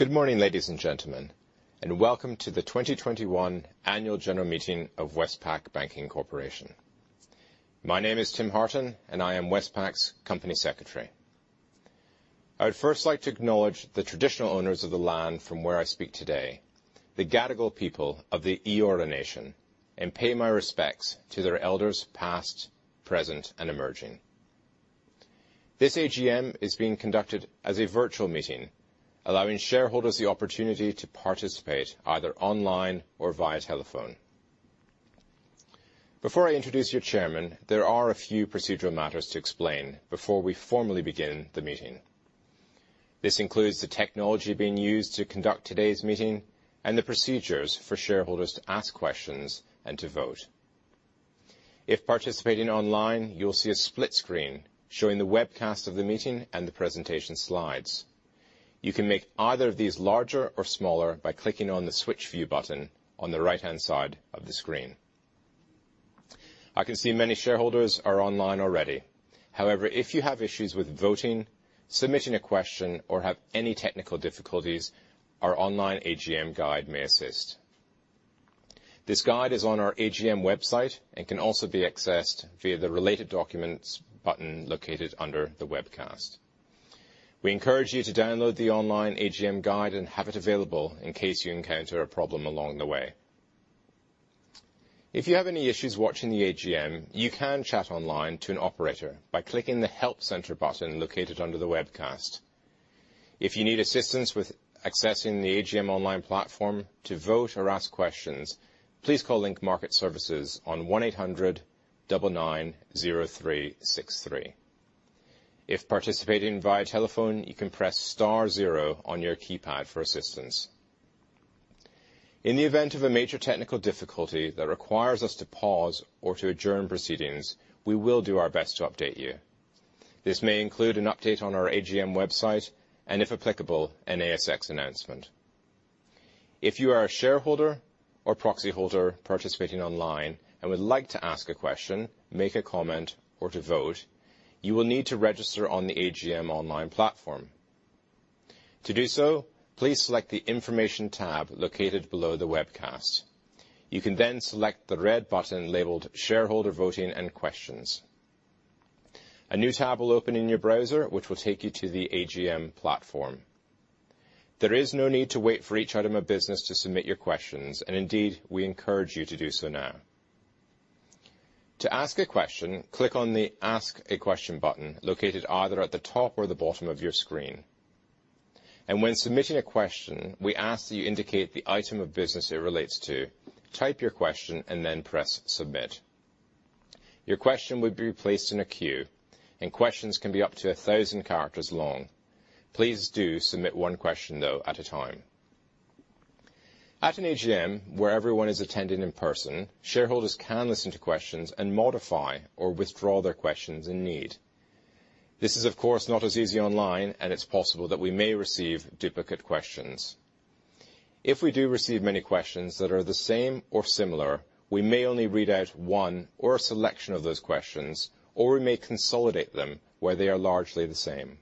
Good morning, ladies and gentlemen, and welcome to the 2021 annual general meeting of Westpac Banking Corporation. My name is Tim Hartin and I am Westpac's Company Secretary. I would first like to acknowledge the traditional owners of the land from where I speak today, the Gadigal people of the Eora Nation, and pay my respects to their elders past, present, and emerging. This AGM is being conducted as a virtual meeting, allowing shareholders the opportunity to participate either online or via telephone. Before I introduce your chairman, there are a few procedural matters to explain before we formally begin the meeting. This includes the technology being used to conduct today's meeting and the procedures for shareholders to ask questions and to vote. If participating online, you'll see a split screen showing the webcast of the meeting and the presentation slides. You can make either of these larger or smaller by clicking on the Switch View button on the right-hand side of the screen. I can see many shareholders are online already. However, if you have issues with voting, submitting a question, or have any technical difficulties, our online AGM guide may assist. This guide is on our AGM website and can also be accessed via the Related Documents button located under the webcast. We encourage you to download the online AGM guide and have it available in case you encounter a problem along the way. If you have any issues watching the AGM, you can chat online to an operator by clicking the Help Center button located under the webcast. If you need assistance with accessing the AGM online platform to vote or ask questions, please call Link Market Services on 1800 990 363. If participating via telephone, you can press star zero on your keypad for assistance. In the event of a major technical difficulty that requires us to pause or to adjourn proceedings, we will do our best to update you. This may include an update on our AGM website and, if applicable, an ASX announcement. If you are a shareholder or proxyholder participating online and would like to ask a question, make a comment, or to vote, you will need to register on the AGM online platform. To do so, please select the Information tab located below the webcast. You can then select the red button labeled Shareholder Voting and Questions. A new tab will open in your browser, which will take you to the AGM platform. There is no need to wait for each item of business to submit your questions, and indeed, we encourage you to do so now. To ask a question, click on the Ask a Question button located either at the top or the bottom of your screen. When submitting a question, we ask that you indicate the item of business it relates to, type your question, and then press Submit. Your question will be placed in a queue, and questions can be up to 1,000 characters long. Please do submit one question, though, at a time. At an AGM where everyone is attending in person, shareholders can listen to questions and modify or withdraw their questions in need. This is of course, not as easy online, and it's possible that we may receive duplicate questions. If we do receive many questions that are the same or similar, we may only read out one or a selection of those questions, or we may consolidate them where they are largely the same.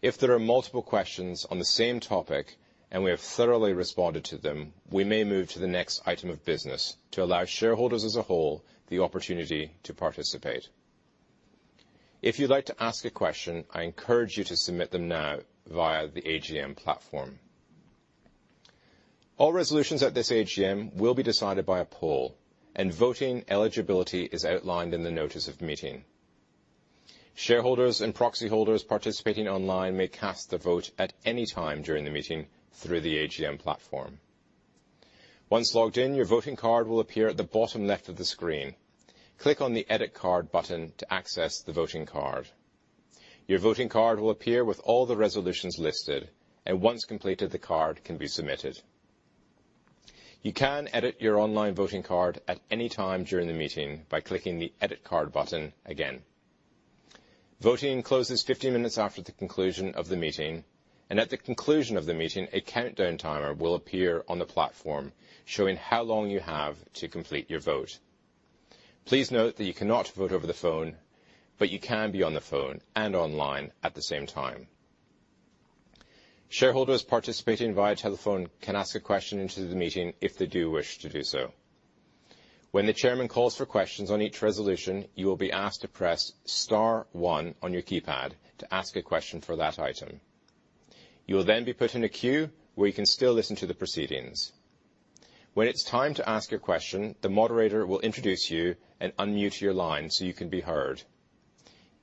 If there are multiple questions on the same topic and we have thoroughly responded to them, we may move to the next item of business to allow shareholders as a whole the opportunity to participate. If you'd like to ask a question, I encourage you to submit them now via the AGM platform. All resolutions at this AGM will be decided by a poll, and voting eligibility is outlined in the notice of meeting. Shareholders and proxyholders participating online may cast their vote at any time during the meeting through the AGM platform. Once logged in, your voting card will appear at the bottom left of the screen. Click on the Edit Card button to access the voting card. Your voting card will appear with all the resolutions listed, and once completed, the card can be submitted. You can edit your online voting card at any time during the meeting by clicking the Edit Card button again. Voting closes 50 minutes after the conclusion of the meeting, and at the conclusion of the meeting, a countdown timer will appear on the platform showing how long you have to complete your vote. Please note that you cannot vote over the phone, but you can be on the phone and online at the same time. Shareholders participating via telephone can ask a question into the meeting if they do wish to do so. When the chairman calls for questions on each resolution, you will be asked to press star one on your keypad to ask a question for that item. You will then be put in a queue where you can still listen to the proceedings. When it's time to ask your question, the moderator will introduce you and unmute your line so you can be heard.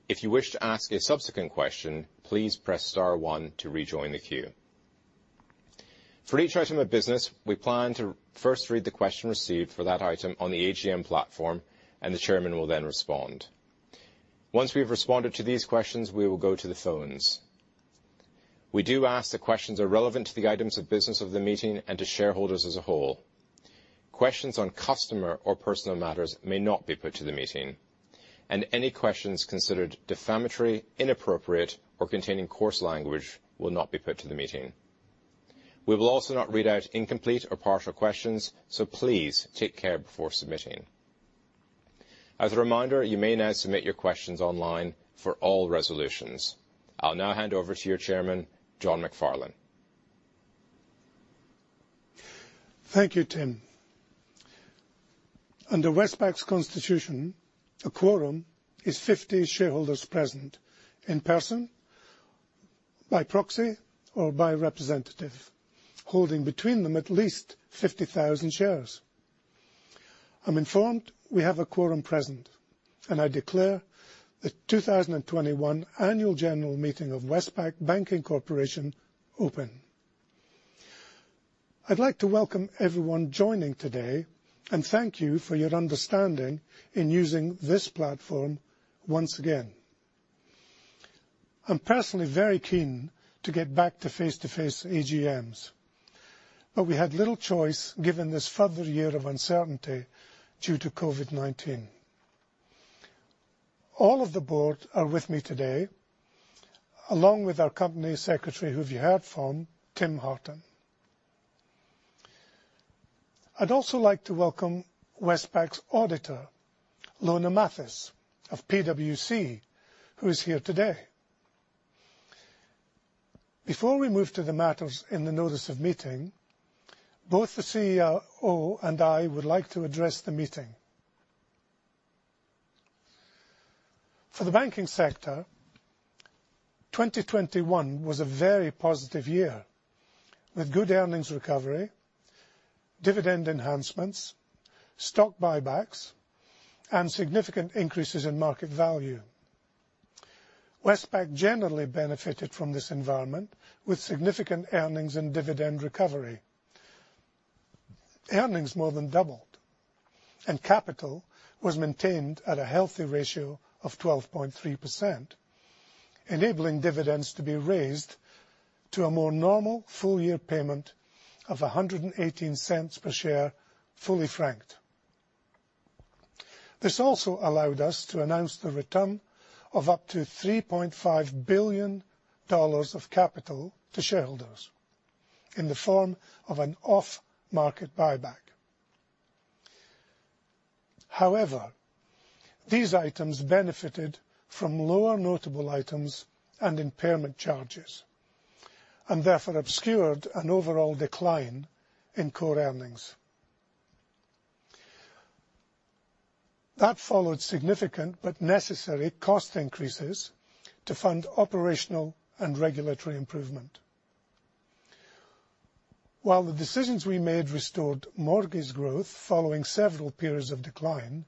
If you wish to ask a subsequent question, please press star one to rejoin the queue. For each item of business, we plan to first read the question received for that item on the AGM platform, and the Chairman will then respond. Once we've responded to these questions, we will go to the phones. We do ask that the questions are relevant to the items of business of the meeting and to shareholders as a whole. Questions on customer or personal matters may not be put to the meeting, and any questions considered defamatory, inappropriate, or containing coarse language will not be put to the meeting. We will also not read out incomplete or partial questions, so please take care before submitting. As a reminder, you may now submit your questions online for all resolutions. I'll now hand over to your Chairman, John McFarlane.Thank you, Tim. Under Westpac's Constitution, a quorum is 50 shareholders present in person, by proxy, or by representative, holding between them at least 50,000 shares. I'm informed we have a quorum present, and I declare the 2021 annual general meeting of Westpac Banking Corporation open. I'd like to welcome everyone joining today and thank you for your understanding in using this platform once again. I'm personally very keen to get back to face-to-face AGMs, but we had little choice given this further year of uncertainty due to COVID-19. All of the board are with me today, along with our company secretary, who you heard from, Tim Hartin. I'd also like to welcome Westpac's auditor, Ilona Charles For the banking sector, 2021 was a very positive year, with good earnings recovery, dividend enhancements, stock buybacks, and significant increases in market value. Westpac generally benefited from this environment with significant earnings and dividend recovery. Earnings more than doubled, and capital was maintained at a healthy ratio of 12.3%, enabling dividends to be raised to a more normal full year payment of 1.18 per share, fully franked. This also allowed us to announce the return of up to 3.5 billion dollars of capital to shareholders in the form of an off-market buyback. However, these items benefited from lower notable items and impairment charges, and therefore obscured an overall decline in core earnings. That followed significant but necessary cost increases to fund operational and regulatory improvement. While the decisions we made restored mortgage growth following several periods of decline,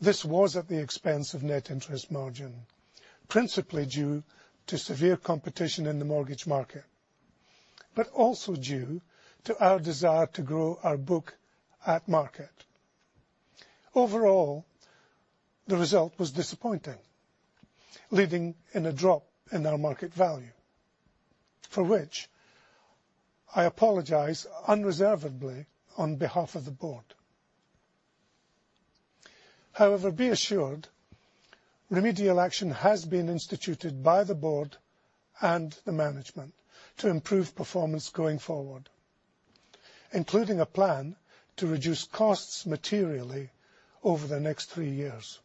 this was at the expense of net interest margin, principally due to severe competition in the mortgage market, but also due to our desire to grow our book at market. Overall, the result was disappointing, leading to a drop in our market value, for which I apologize unreservedly on behalf of the board. However, be assured, remedial action has been instituted by the board and the management to improve performance going forward, including a plan to reduce costs materially over the next three years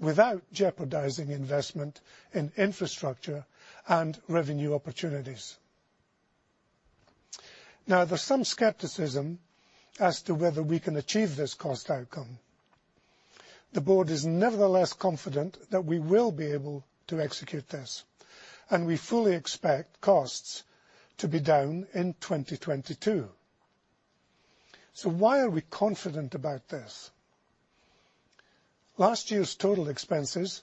without jeopardizing investment in infrastructure and revenue opportunities. Now, there's some skepticism as to whether we can achieve this cost outcome. The board is nevertheless confident that we will be able to execute this, and we fully expect costs to be down in 2022. Why are we confident about this? Last year's total expenses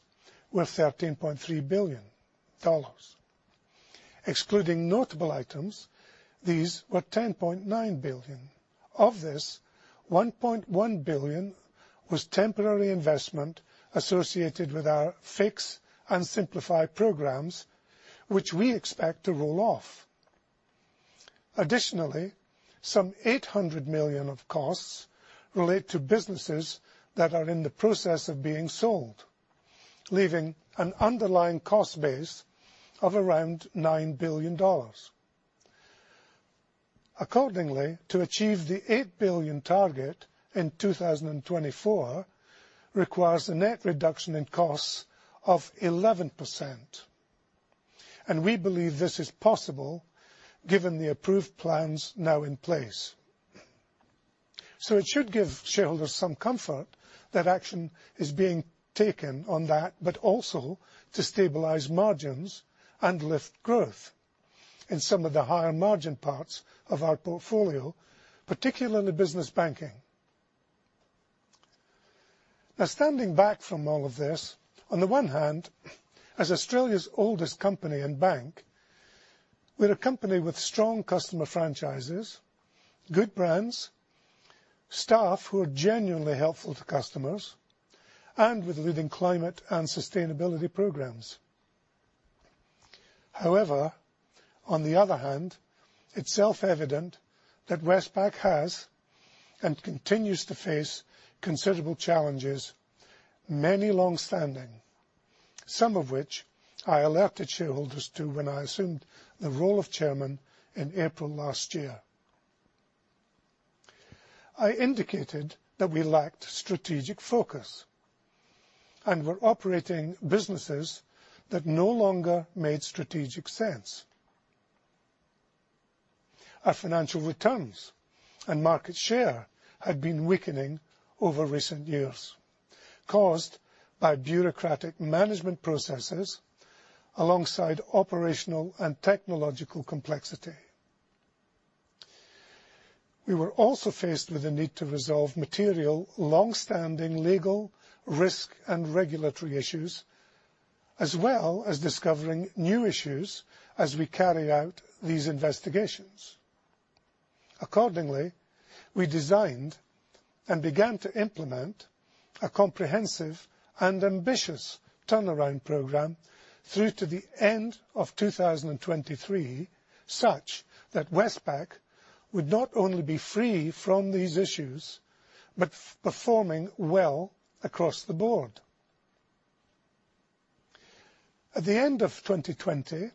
were 1.3 billion dollars. Excluding notable items, these were 10.9 billion. Of this, 1.1 billion was temporary investment associated with our fix and simplify programs, which we expect to roll off. Additionally, some 800 million of costs relate to businesses that are in the process of being sold, leaving an underlying cost base of around 9 billion dollars. Accordingly, to achieve the 8 billion target in 2024 requires a net reduction in costs of 11%, and we believe this is possible given the approved plans now in place. It should give shareholders some comfort that action is being taken on that, but also to stabilize margins and lift growth in some of the higher margin parts of our portfolio, particularly in the business banking. Now, standing back from all of this, on the one hand, as Australia's oldest company and bank, we're a company with strong customer franchises, good brands, staff who are genuinely helpful to customers, and with leading climate and sustainability programs. However, on the other hand, it's self-evident that Westpac has and continues to face considerable challenges, many longstanding, some of which I alerted shareholders to when I assumed the role of Chairman in April last year. I indicated that we lacked strategic focus and were operating businesses that no longer made strategic sense. Our financial returns and market share had been weakening over recent years, caused by bureaucratic management processes alongside operational and technological complexity. We were also faced with the need to resolve material longstanding legal risk and regulatory issues, as well as discovering new issues as we carry out these investigations. Accordingly, we designed and began to implement a comprehensive and ambitious turnaround program through to the end of 2023, such that Westpac would not only be free from these issues, but performing well across the board. At the end of 2020,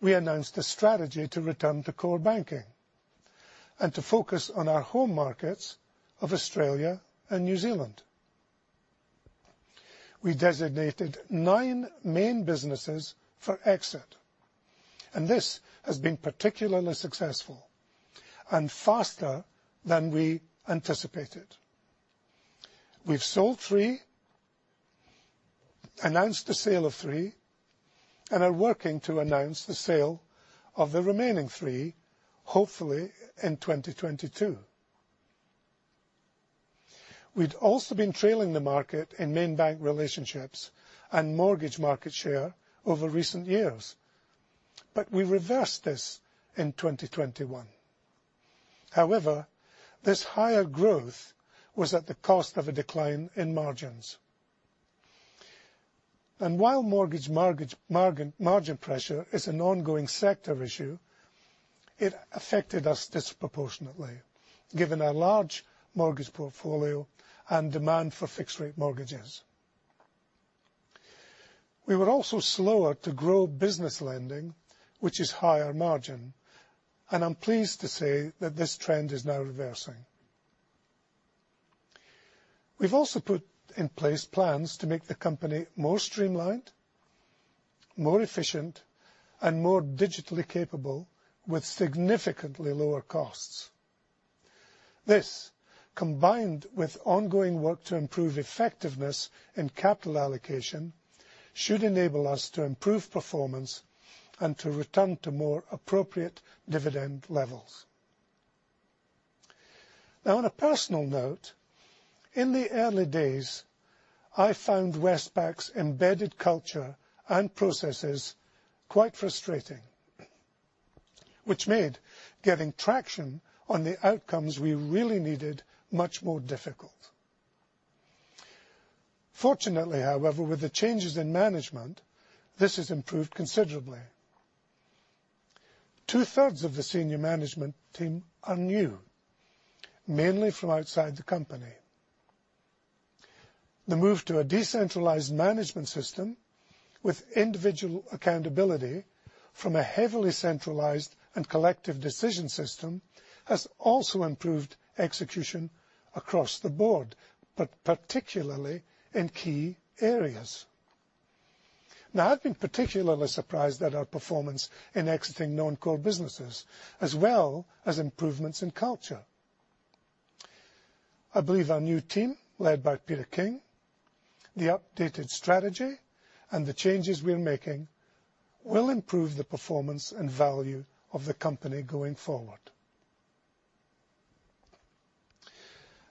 we announced a strategy to return to core banking and to focus on our home markets of Australia and New Zealand. We designated nine main businesses for exit, and this has been particularly successful and faster than we anticipated. We've sold three, announced the sale of three, and are working to announce the sale of the remaining three, hopefully in 2022. We'd also been trailing the market in main bank relationships and mortgage market share over recent years, but we reversed this in 2021. However, this higher growth was at the cost of a decline in margins. While mortgage margin pressure is an ongoing sector issue, it affected us disproportionately given our large mortgage portfolio and demand for fixed rate mortgages. We were also slower to grow business lending, which is higher margin. I'm pleased to say that this trend is now reversing. We've also put in place plans to make the company more streamlined, more efficient, and more digitally capable with significantly lower costs. This, combined with ongoing work to improve effectiveness in capital allocation, should enable us to improve performance and to return to more appropriate dividend levels. Now on a personal note, in the early days, I found Westpac's embedded culture and processes quite frustrating, which made getting traction on the outcomes we really needed much more difficult. Fortunately, however, with the changes in management, this has improved considerably. Two-thirds of the senior management team are new, mainly from outside the company. The move to a decentralized management system with individual accountability from a heavily centralized and collective decision system has also improved execution across the board, but particularly in key areas. Now, I've been particularly surprised at our performance in exiting non-core businesses, as well as improvements in culture. I believe our new team, led by Peter King, the updated strategy, and the changes we're making will improve the performance and value of the company going forward.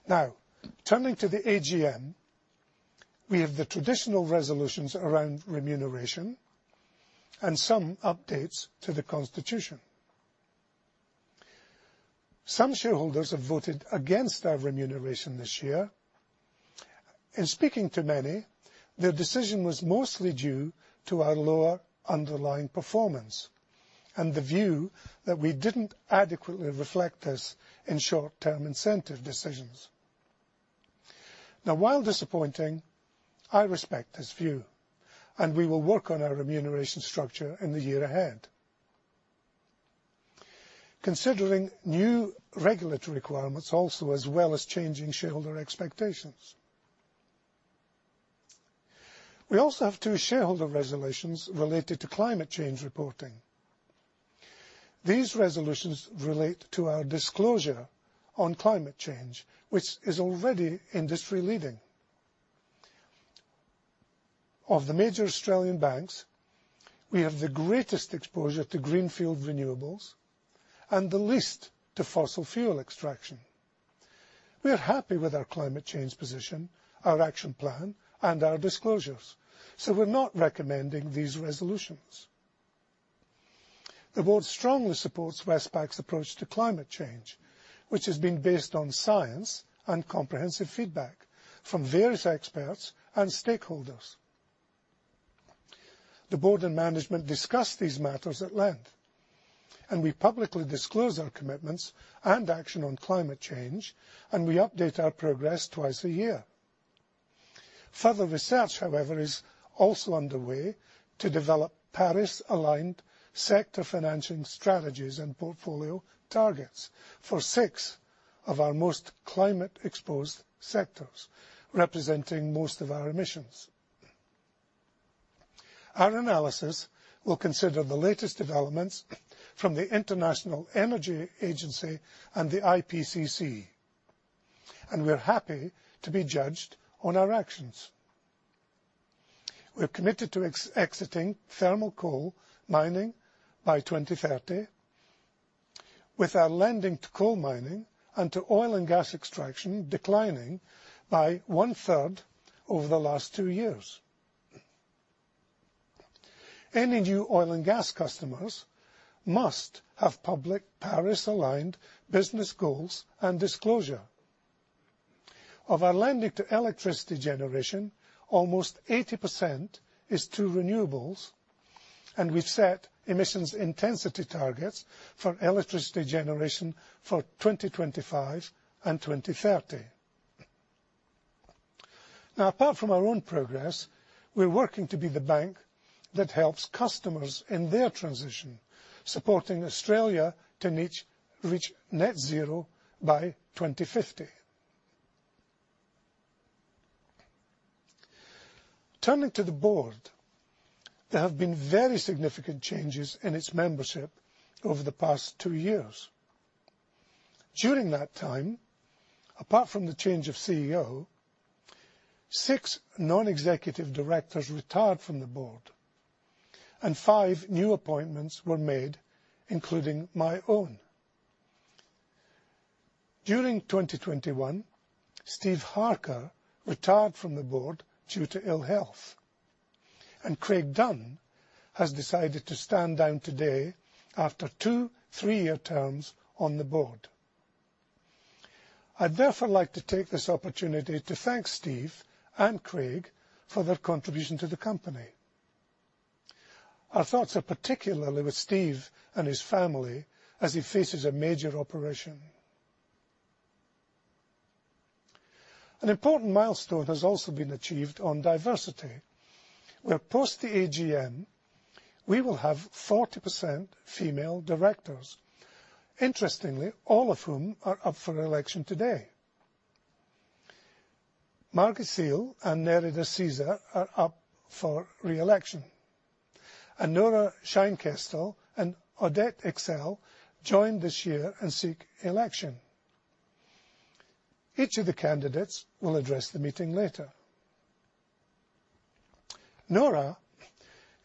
Now, turning to the AGM, we have the traditional resolutions around remuneration and some updates to the constitution. Some shareholders have voted against our remuneration this year. In speaking to many, their decision was mostly due to our lower underlying performance and the view that we didn't adequately reflect this in short-term incentive decisions. While disappointing, I respect this view, and we will work on our remuneration structure in the year ahead, considering new regulatory requirements also as well as changing shareholder expectations. We also have two shareholder resolutions related to climate change reporting. These resolutions relate to our disclosure on climate change, which is already industry-leading. Of the major Australian banks, we have the greatest exposure to greenfield renewables and the least to fossil fuel extraction. We are happy with our climate change position, our action plan, and our disclosures, so we're not recommending these resolutions. The board strongly supports Westpac's approach to climate change, which has been based on science and comprehensive feedback from various experts and stakeholders. The board and management discuss these matters at length, and we publicly disclose our commitments and action on climate change, and we update our progress twice a year. Further research, however, is also underway to develop Paris-aligned sector financing strategies and portfolio targets for six of our most climate-exposed sectors, representing most of our emissions. Our analysis will consider the latest developments from the International Energy Agency and the IPCC, and we're happy to be judged on our actions. We're committed to exiting thermal coal mining by 2030, with our lending to coal mining and to oil and gas extraction declining by one-third over the last two years. Any new oil and gas customers must have public Paris-aligned business goals and disclosure. Of our lending to electricity generation, almost 80% is to renewables, and we've set emissions intensity targets for electricity generation for 2025 and 2030. Now, apart from our own progress, we're working to be the bank that helps customers in their transition, supporting Australia to reach net zero by 2050. Turning to the board, there have been very significant changes in its membership over the past two years. During that time, apart from the change of CEO, six non-executive directors retired from the board and five new appointments were made, including my own. During 2021, Stephen Harker retired from the board due to ill health, and Craig Dunnage has decided to stand down today after two 3-year terms on the board. I'd therefore like to take this opportunity to thank Steve and Craig for their contribution to the company. Our thoughts are particularly with Steve and his family as he faces a major operation. An important milestone has also been achieved on diversity, where post the AGM we will have 40% female directors, interestingly, all of whom are up for election today. Marie and Nerida Caesar are up for re-election. Nora Scheinkestel and Audette Exel joined this year and seek election. Each of the candidates will address the meeting later. Nora,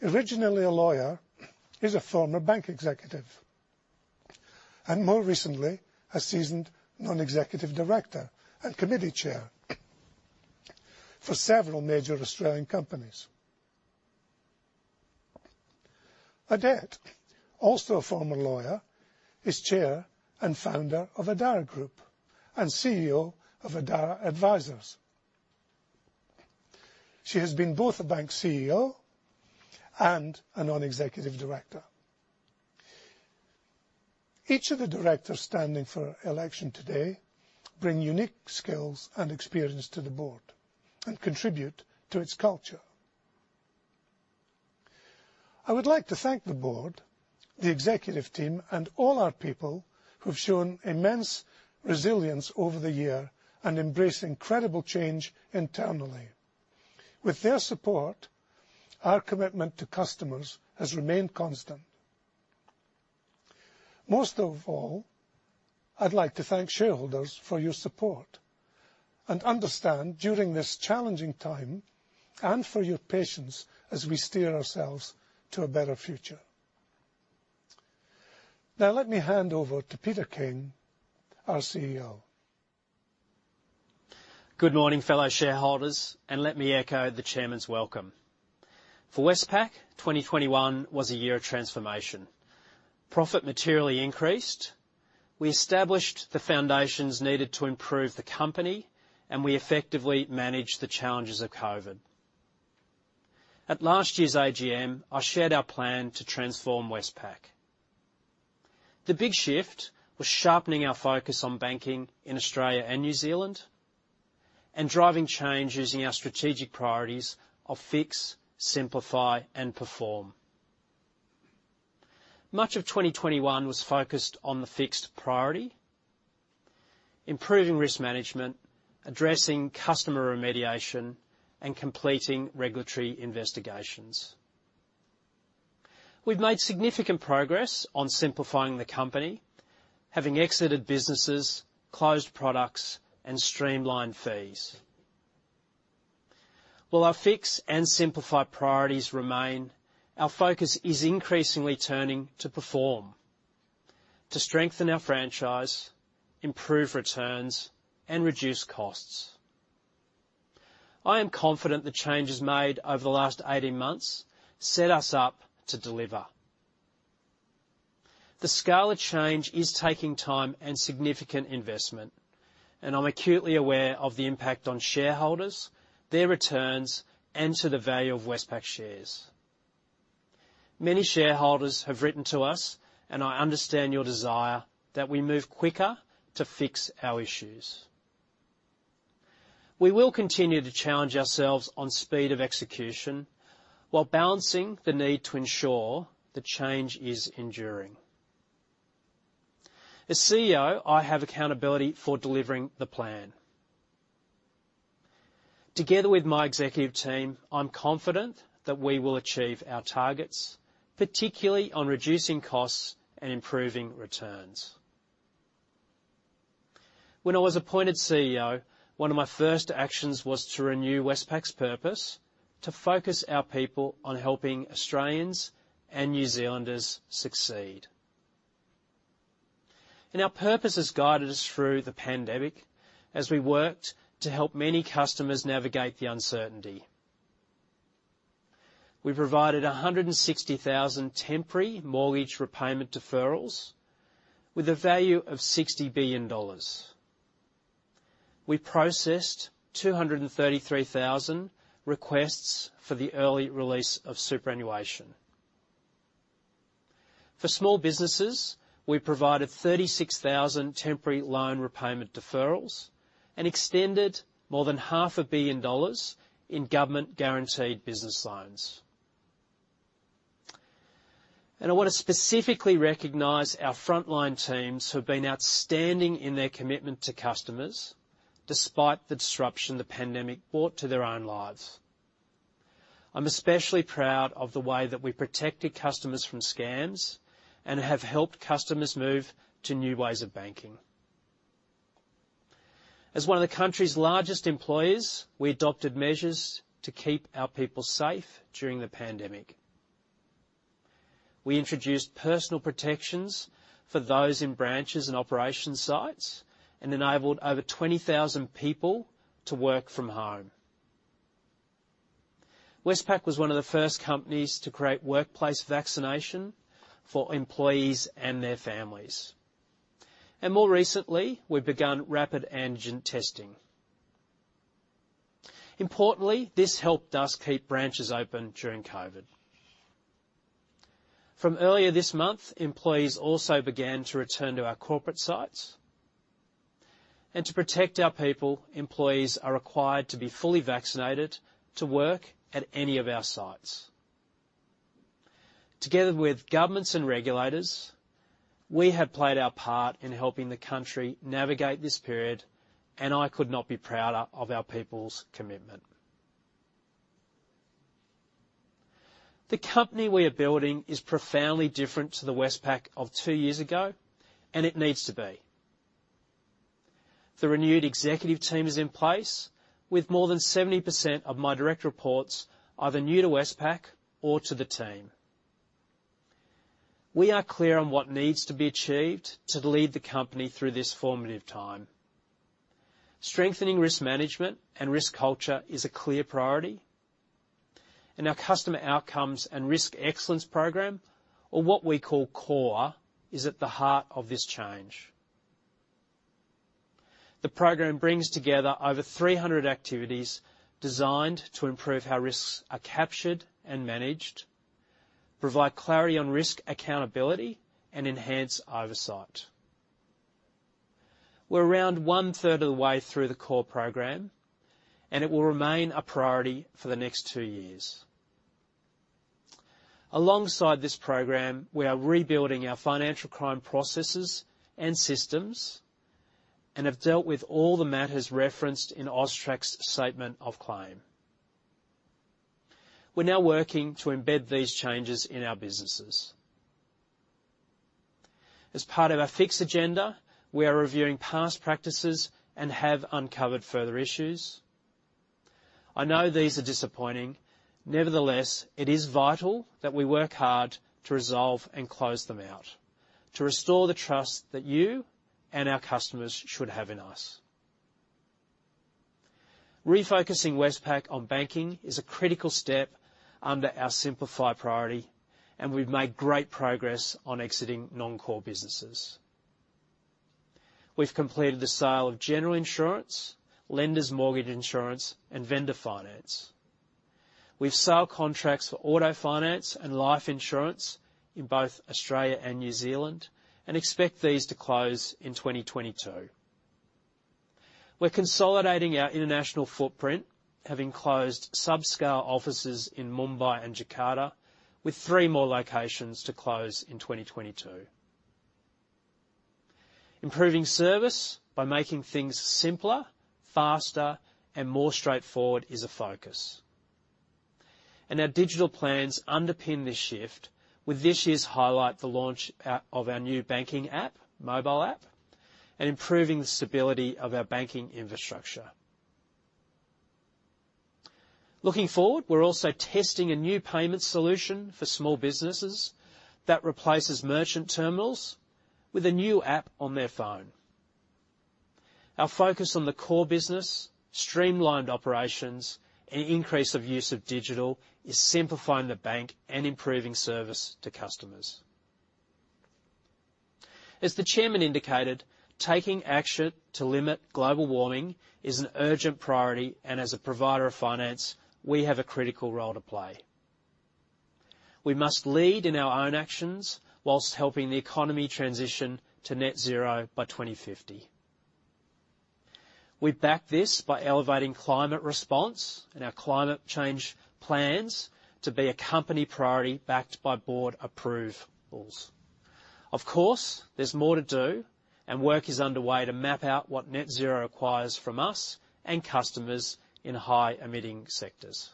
originally a lawyer, is a former bank executive and more recently a seasoned non-executive director and committee chair for several major Australian companies. Audette, also a former lawyer, is chair and founder of Adara Group and CEO of Adara Advisors. She has been both a bank CEO and a non-executive director. Each of the directors standing for election today bring unique skills and experience to the board and contribute to its culture. I would like to thank the board, the executive team, and all our people who've shown immense resilience over the year and embraced incredible change internally. With their support, our commitment to customers has remained constant. Most of all, I'd like to thank shareholders for your support and understanding during this challenging time and for your patience as we steer ourselves to a better future. Now let me hand over to Peter King, our CEO. Good morning, fellow shareholders, and let me echo the Chairman's welcome. For Westpac, 2021 was a year of transformation. Profit materially increased. We established the foundations needed to improve the company, and we effectively managed the challenges of COVID. At last year's AGM, I shared our plan to transform Westpac. The big shift was sharpening our focus on banking in Australia and New Zealand and driving change using our strategic priorities of fix, simplify, and perform. Much of 2021 was focused on the fix priority, improving risk management, addressing customer remediation, and completing regulatory investigations. We've made significant progress on simplifying the company, having exited businesses, closed products, and streamlined fees. While our fix and simplify priorities remain, our focus is increasingly turning to perform, to strengthen our franchise, improve returns, and reduce costs. I am confident the changes made over the last 18 months set us up to deliver. The scale of change is taking time and significant investment, and I'm acutely aware of the impact on shareholders, their returns, and to the value of Westpac shares. Many shareholders have written to us, and I understand your desire that we move quicker to fix our issues. We will continue to challenge ourselves on speed of execution while balancing the need to ensure the change is enduring. As CEO, I have accountability for delivering the plan. Together with my executive team, I'm confident that we will achieve our targets, particularly on reducing costs and improving returns. When I was appointed CEO, one of my first actions was to renew Westpac's purpose to focus our people on helping Australians and New Zealanders succeed. Our purpose has guided us through the pandemic as we worked to help many customers navigate the uncertainty. We've provided 160,000 temporary mortgage repayment deferrals with a value of 60 billion dollars. We processed 233,000 requests for the early release of superannuation. For small businesses, we provided 36,000 temporary loan repayment deferrals and extended more than half a billion dollars in government-guaranteed business loans. I want to specifically recognize our frontline teams who have been outstanding in their commitment to customers despite the disruption the pandemic brought to their own lives. I'm especially proud of the way that we protected customers from scams and have helped customers move to new ways of banking. As one of the country's largest employers, we adopted measures to keep our people safe during the pandemic. We introduced personal protections for those in branches and operation sites and enabled over 20,000 people to work from home. Westpac was one of the first companies to create workplace vaccination for employees and their families. More recently, we've begun rapid antigen testing. Importantly, this helped us keep branches open during COVID. From earlier this month, employees also began to return to our corporate sites. To protect our people, employees are required to be fully vaccinated to work at any of our sites. Together with governments and regulators, we have played our part in helping the country navigate this period, and I could not be prouder of our people's commitment. The company we are building is profoundly different to the Westpac of two years ago, and it needs to be. The renewed executive team is in place with more than 70% of my direct reports, either new to Westpac or to the team. We are clear on what needs to be achieved to lead the company through this formative time. Strengthening risk management and risk culture is a clear priority, and our customer outcomes and risk excellence program, or what we call CORE, is at the heart of this change. The program brings together over 300 activities designed to improve how risks are captured and managed, provide clarity on risk accountability, and enhance oversight. We're around one-third of the way through the CORE program, and it will remain a priority for the next 2 years. Alongside this program, we are rebuilding our financial crime processes and systems and have dealt with all the matters referenced in AUSTRAC's statement of claim. We're now working to embed these changes in our businesses. As part of our Fix agenda, we are reviewing past practices and have uncovered further issues. I know these are disappointing. Nevertheless, it is vital that we work hard to resolve and close them out to restore the trust that you and our customers should have in us. Refocusing Westpac on banking is a critical step under our Simplify priority, and we've made great progress on exiting non-core businesses. We've completed the sale of general insurance, lender's mortgage insurance, and vendor finance. We have sale contracts for auto finance and life insurance in both Australia and New Zealand and expect these to close in 2022. We're consolidating our international footprint, having closed subscale offices in Mumbai and Jakarta with three more locations to close in 2022. Improving service by making things simpler, faster, and more straightforward is a focus. Our digital plans underpin this shift with this year's highlight, the launch of our new banking app, mobile app, and improving the stability of our banking infrastructure. Looking forward, we're also testing a new payment solution for small businesses that replaces merchant terminals with a new app on their phone. Our focus on the core business, streamlined operations, and increase of use of digital is simplifying the bank and improving service to customers. As the chairman indicated, taking action to limit global warming is an urgent priority, and as a provider of finance, we have a critical role to play. We must lead in our own actions while helping the economy transition to net zero by 2050. We back this by elevating climate response in our climate change plans to be a company priority backed by board approvals. Of course, there's more to do, and work is underway to map out what net zero acquires from us and customers in high-emitting sectors.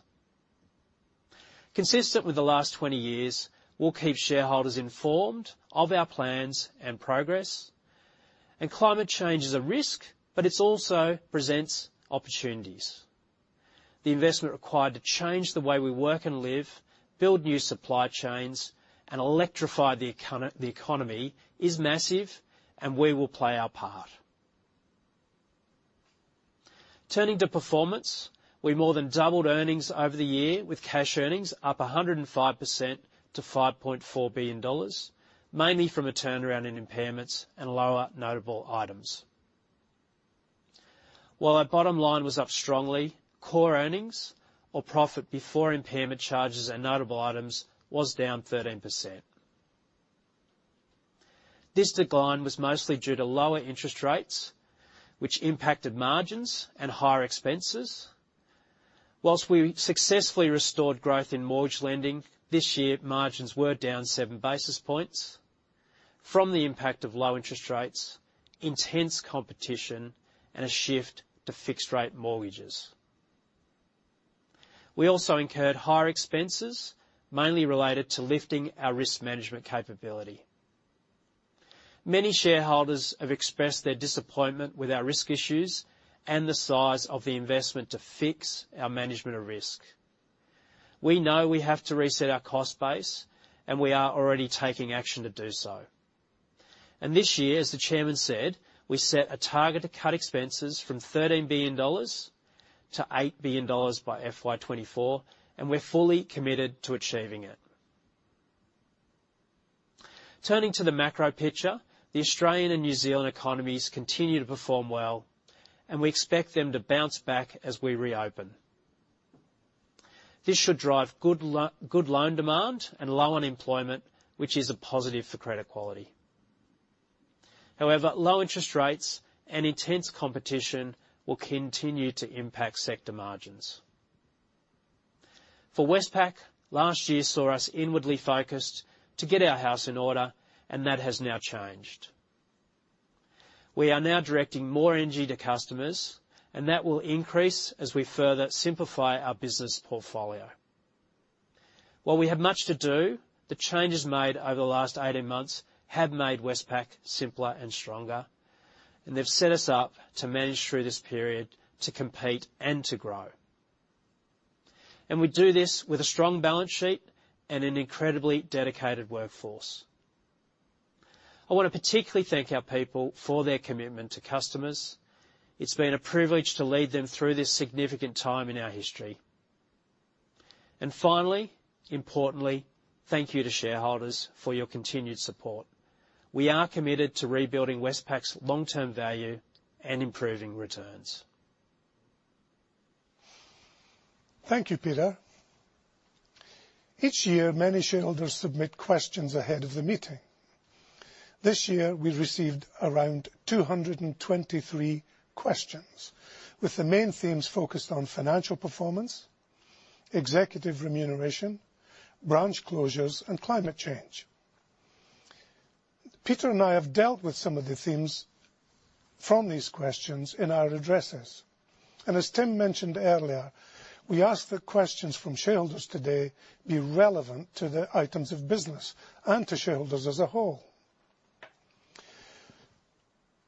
Consistent with the last 20 years, we'll keep shareholders informed of our plans and progress. Climate change is a risk, but it also presents opportunities. The investment required to change the way we work and live, build new supply chains, and electrify the economy is massive, and we will play our part. Turning to performance, we more than doubled earnings over the year with cash earnings up 105% to 5.4 billion dollars, mainly from a turnaround in impairments and lower notable items. While our bottom line was up strongly, core earnings or profit before impairment charges and notable items was down 13%. This decline was mostly due to lower interest rates, which impacted margins and higher expenses. While we successfully restored growth in mortgage lending, this year margins were down 7 basis points from the impact of low interest rates, intense competition, and a shift to fixed rate mortgages. We also incurred higher expenses, mainly related to lifting our risk management capability. Many shareholders have expressed their disappointment with our risk issues and the size of the investment to fix our management of risk. We know we have to reset our cost base, and we are already taking action to do so. This year, as the chairman said, we set a target to cut expenses from AUD 13 billion to AUD 8 billion by FY 2024, and we're fully committed to achieving it. Turning to the macro picture, the Australian and New Zealand economies continue to perform well, and we expect them to bounce back as we reopen. This should drive good loan demand and low unemployment, which is a positive for credit quality. However, low interest rates and intense competition will continue to impact sector margins. For Westpac, last year saw us inwardly focused to get our house in order, and that has now changed. We are now directing more energy to customers, and that will increase as we further simplify our business portfolio. While we have much to do, the changes made over the last 18 months have made Westpac simpler and stronger, and they've set us up to manage through this period to compete and to grow. We do this with a strong balance sheet and an incredibly dedicated workforce. I wanna particularly thank our people for their commitment to customers. It's been a privilege to lead them through this significant time in our history. Finally, importantly, thank you to shareholders for your continued support. We are committed to rebuilding Westpac's long-term value and improving returns. Thank you, Peter. Each year, many shareholders submit questions ahead of the meeting. This year, we received around 223 questions, with the main themes focused on financial performance, executive remuneration, branch closures, and climate change. Peter and I have dealt with some of the themes from these questions in our addresses. As Tim mentioned earlier, we ask that questions from shareholders today be relevant to the items of business and to shareholders as a whole.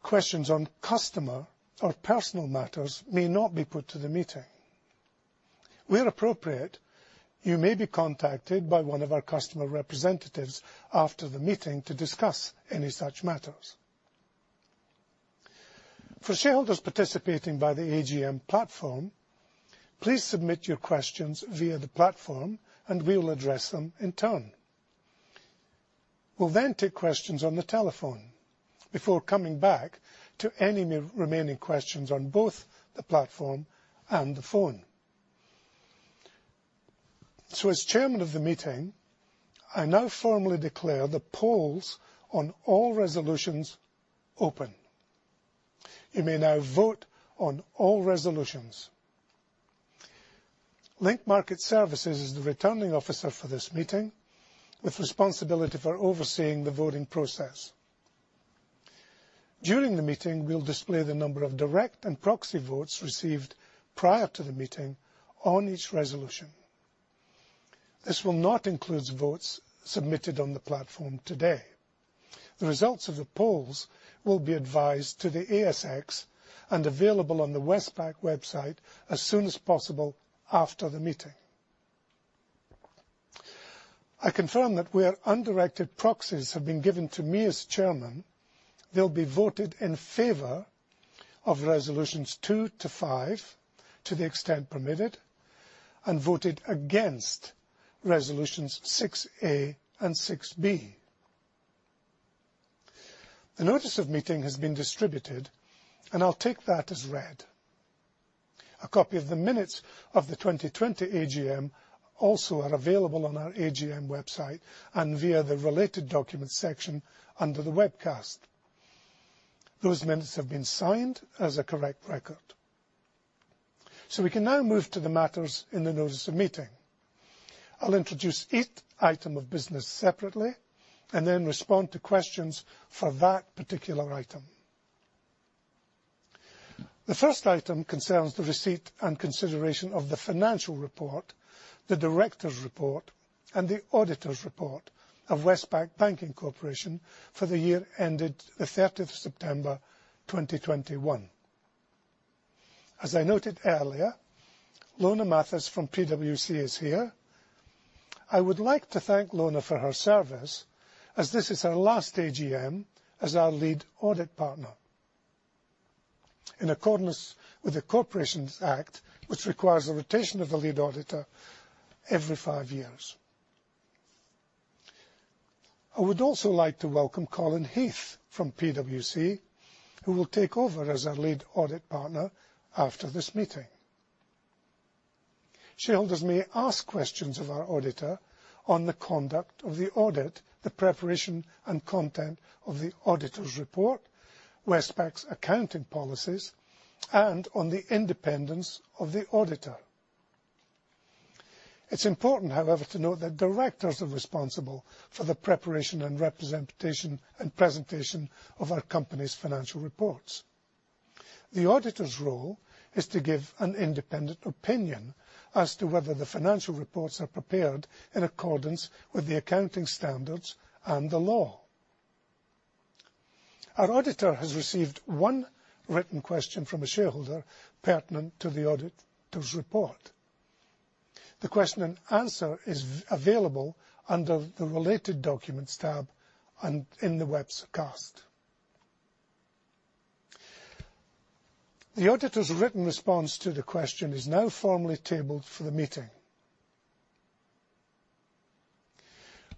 Questions on customer or personal matters may not be put to the meeting. Where appropriate, you may be contacted by one of our customer representatives after the meeting to discuss any such matters. For shareholders participating by the AGM platform, please submit your questions via the platform, and we will address them in turn. We'll then take questions on the telephone before coming back to any remaining questions on both the platform and the phone. As chairman of the meeting, I now formally declare the polls on all resolutions open. You may now vote on all resolutions. Link Market Services is the Returning Officer for this meeting, with responsibility for overseeing the voting process. During the meeting, we'll display the number of direct and proxy votes received prior to the meeting on each resolution. This will not include votes submitted on the platform today. The results of the polls will be advised to the ASX and available on the Westpac website as soon as possible after the meeting. I confirm that where undirected proxies have been given to me as chairman, they'll be voted in favor of resolutions 2 to 5 to the extent permitted. Voted against resolutions 6A and 6B. The notice of meeting has been distributed, and I'll take that as read. A copy of the minutes of the 2020 AGM also are available on our AGM website and via the Related Documents section under the webcast. Those minutes have been signed as a correct record. We can now move to the matters in the notice of meeting. I'll introduce each item of business separately and then respond to questions for that particular item. The first item concerns the receipt and consideration of the financial report, the director's report, and the auditor's report of Westpac Banking Corporation for the year ended the 30th of September 2021. As I noted earlier, Lona Mathis from PwC is here. I would like to thank Lona for her service, as this is her last AGM as our lead audit partner. In accordance with the Corporations Act, which requires a rotation of the lead auditor every five years, I would also like to welcome Colin Heath from PwC, who will take over as our Lead Audit Partner after this meeting. Shareholders may ask questions of our auditor on the conduct of the audit, the preparation and content of the auditor's report, Westpac's accounting policies, and on the independence of the auditor. It's important, however, to note that directors are responsible for the preparation and representation and presentation of our company's financial reports. The auditor's role is to give an independent opinion as to whether the financial reports are prepared in accordance with the accounting standards and the law. Our auditor has received one written question from a shareholder pertinent to the auditor's report. The question and answer is available under the Related Documents tab and in the webcast. The auditor's written response to the question is now formally tabled for the meeting.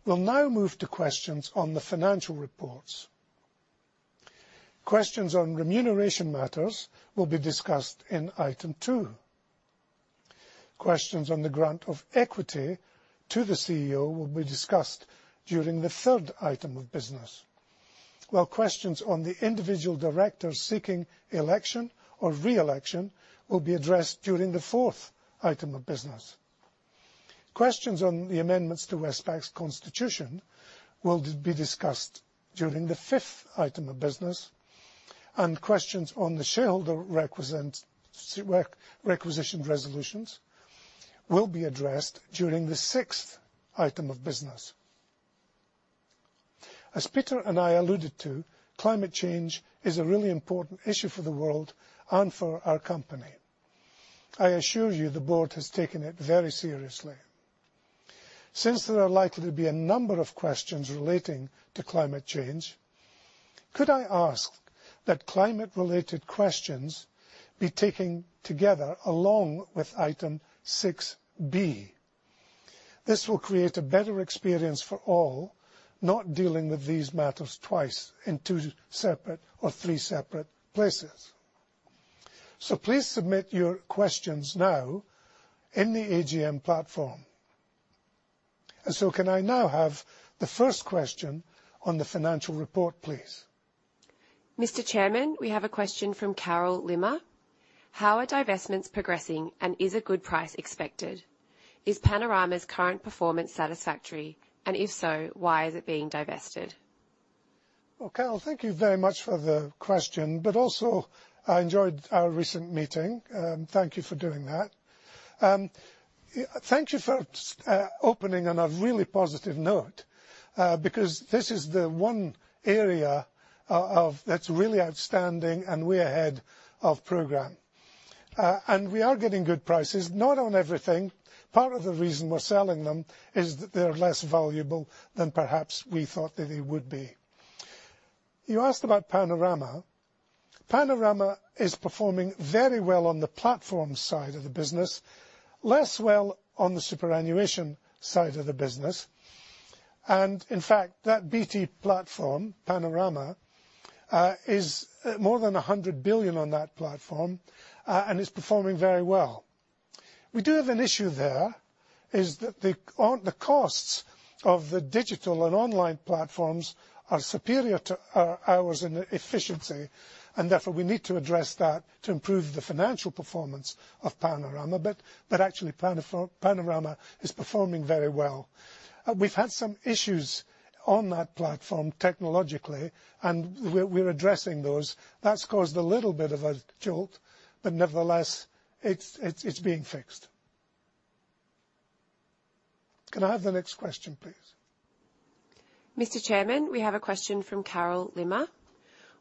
We'll now move to questions on the financial reports. Questions on remuneration matters will be discussed in item two. Questions on the grant of equity to the CEO will be discussed during the third item of business. While questions on the individual directors seeking election or reelection will be addressed during the fourth item of business. Questions on the amendments to Westpac's Constitution will be discussed during the fifth item of business, and questions on the shareholder requisition resolutions will be addressed during the sixth item of business. As Peter and I alluded to, climate change is a really important issue for the world and for our company. I assure you, the board has taken it very seriously. Since there are likely to be a number of questions relating to climate change, could I ask that climate-related questions be taken together along with item six B? This will create a better experience for all, not dealing with these matters twice in two separate or three separate places. So please submit your questions now in the AGM platform. Can I now have the first question on the financial report, please? Mr. Chairman, we have a question from Carol Lim. How are divestments progressing, and is a good price expected? Is Panorama's current performance satisfactory, and if so, why is it being divested? Well, Carol, thank you very much for the question, but also I enjoyed our recent meeting. Thank you for doing that. Thank you for opening on a really positive note, because this is the one area that's really outstanding and we're ahead of program. We are getting good prices, not on everything. Part of the reason we're selling them is that they're less valuable than perhaps we thought that they would be. You asked about Panorama. Panorama is performing very well on the platform side of the business, less well on the superannuation side of the business. In fact, that BT platform, Panorama, is more than 100 billion on that platform, and it's performing very well. We do have an issue there, is that the costs of the digital and online platforms are superior to our efficiency, and therefore we need to address that to improve the financial performance of Panorama. But actually Panorama is performing very well. We've had some issues on that platform technologically, and we're addressing those. That's caused a little bit of a jolt, but nevertheless, it's being fixed. Can I have the next question, please? Mr. Chairman, we have a question from Carol Lim.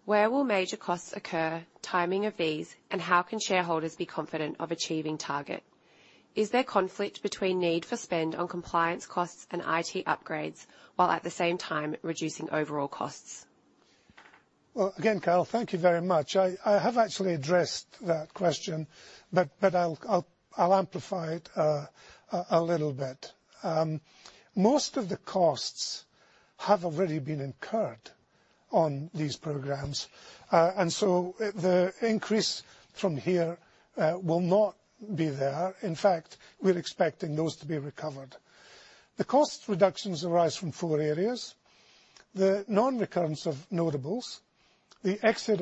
Where will major costs occur, timing of these, and how can shareholders be confident of achieving target? Is there conflict between need for spend on compliance costs and IT upgrades, while at the same time reducing overall costs? Well, again, Carol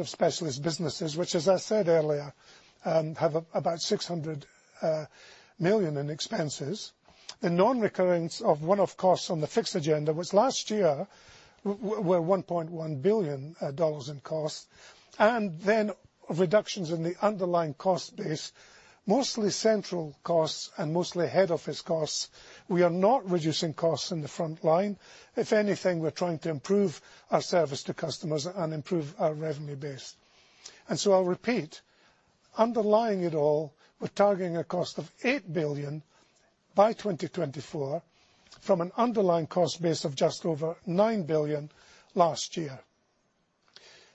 I'll repeat, underlying it all, we're targeting a cost of AUD 8 billion by 2024 from an underlying cost base of just over 9 billion last year.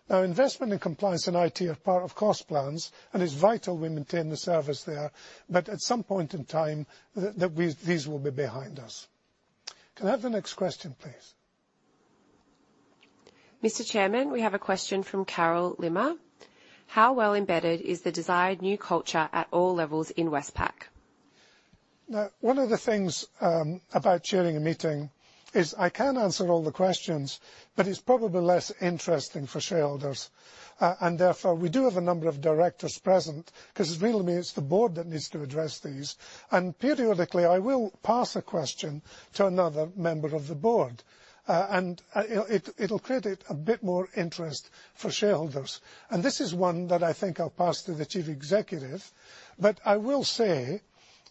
Now, investment in compliance and IT are part of cost plans, and it's vital we maintain the service there. But at some point in time, these will be behind us. Can I have the next question, please? Mr. Chairman, we have a question from Carol Lim. "How well embedded is the desired new culture at all levels in Westpac? Now, one of the things about chairing a meeting is I can answer all the questions, but it's probably less interesting for shareholders. Therefore, we do have a number of directors present, 'cause it's really, it's the board that needs to address these. Periodically, I will pass a question to another member of the board. You know, it'll create a bit more interest for shareholders. This is one that I think I'll pass to the Chief Executive. I will say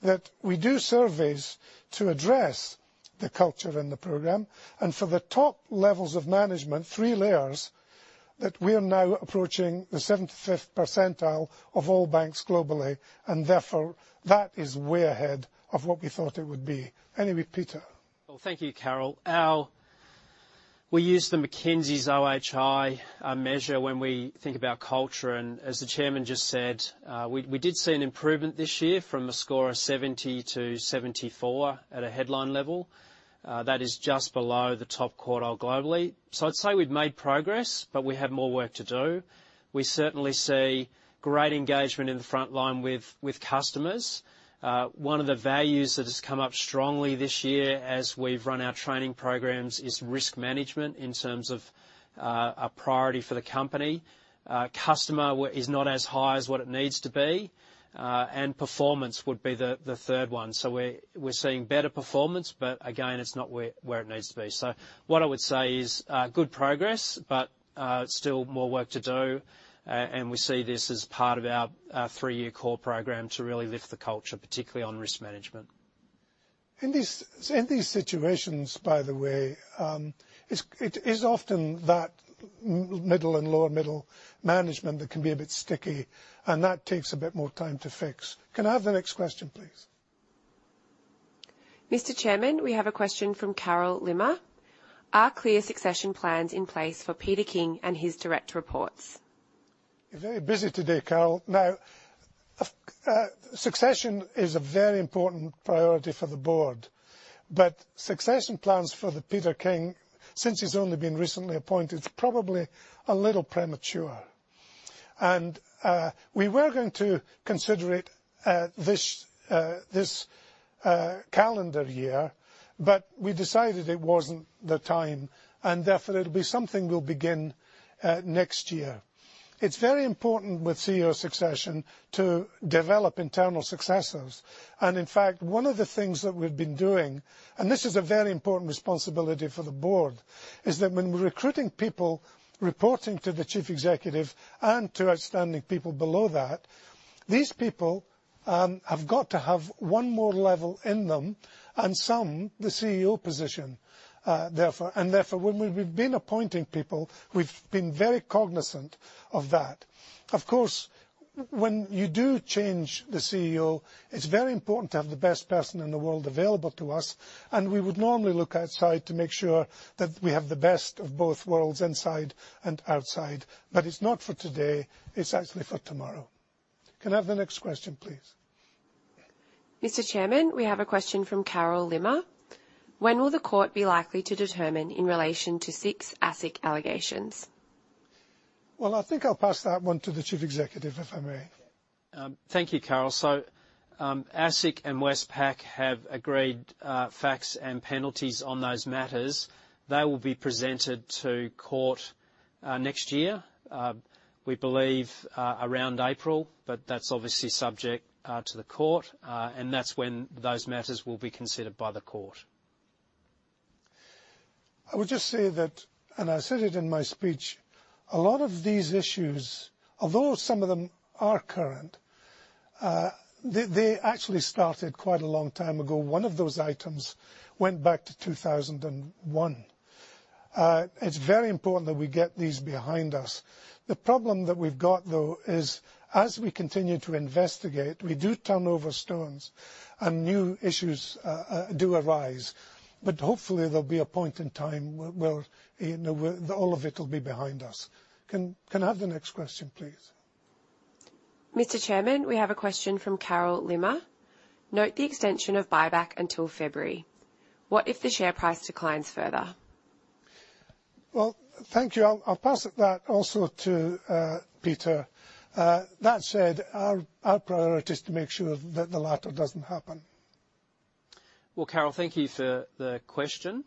that we do surveys to address the culture in the program, and for the top levels of management, 3 layers, that we are now approaching the 75th percentile of all banks globally, and therefore, that is way ahead of what we thought it would be. Anyway, Peter. Well, thank you, Carol. We use McKinsey's OHI measure when we think about culture. As the chairman just said, we did see an improvement this year from a score of 70 to 74 at a headline level. That is just below the top quartile globally. I'd say we've made progress, but we have more work to do. We certainly see great engagement in the front line with customers. One of the values that has come up strongly this year as we've run our training programs is risk management in terms of a priority for the company. Customer is not as high as what it needs to be. And performance would be the third one. We're seeing better performance, but again, it's not where it needs to be. What I would say is good progress, but still more work to do. We see this as part of our three-year core program to really lift the culture, particularly on risk management. In these situations, by the way, it is often that middle and lower middle management that can be a bit sticky, and that takes a bit more time to fix. Can I have the next question, please? Mr. Chairman, we have a question from Carol Limmer. "Are clear succession plans in place for Peter King and his direct reports? You're very busy today, Carol. Now, succession is a very important priority for the Board. Succession plans for Peter King, since he's only been recently appointed, is probably a little premature. We were going to consider it this calendar year, but we decided it wasn't the time, and therefore, it'll be something we'll begin next year. It's very important with CEO succession to develop internal successors. In fact, one of the things that we've been doing, and this is a very important responsibility for the Board, is that when we're recruiting people reporting to the Chief Executive and to outstanding people below that, these people have got to have one more level in them, and some, the CEO position, therefore. Therefore, when we've been appointing people, we've been very cognizant of that. Of course, when you do change the CEO, it's very important to have the best person in the world available to us, and we would normally look outside to make sure that we have the best of both worlds inside and outside. It's not for today, it's actually for tomorrow. Can I have the next question, please? Mr. Chairman, we have a question from Carol Limmer. "When will the court be likely to determine in relation to six ASIC allegations? Well, I think I'll pass that one to the Chief Executive, if I may. Thank you, Carol. ASIC and Westpac have agreed facts and penalties on those matters. They will be presented to court next year, we believe, around April, but that's obviously subject to the court. That's when those matters will be considered by the court. I would just say that, and I said it in my speech, a lot of these issues, although some of them are current, they actually started quite a long time ago. One of those items went back to 2001. It's very important that we get these behind us. The problem that we've got though is as we continue to investigate, we do turn over stones and new issues do arise. But hopefully there'll be a point in time where, you know, where all of it will be behind us. Can I have the next question, please? Mr. Chairman, we have a question from Carol Limmer. "Note the extension of buyback until February. What if the share price declines further? Well, thank you. I'll pass that also to Peter. That said, our priority is to make sure that the latter doesn't happen. Well, Carol, thank you for the question.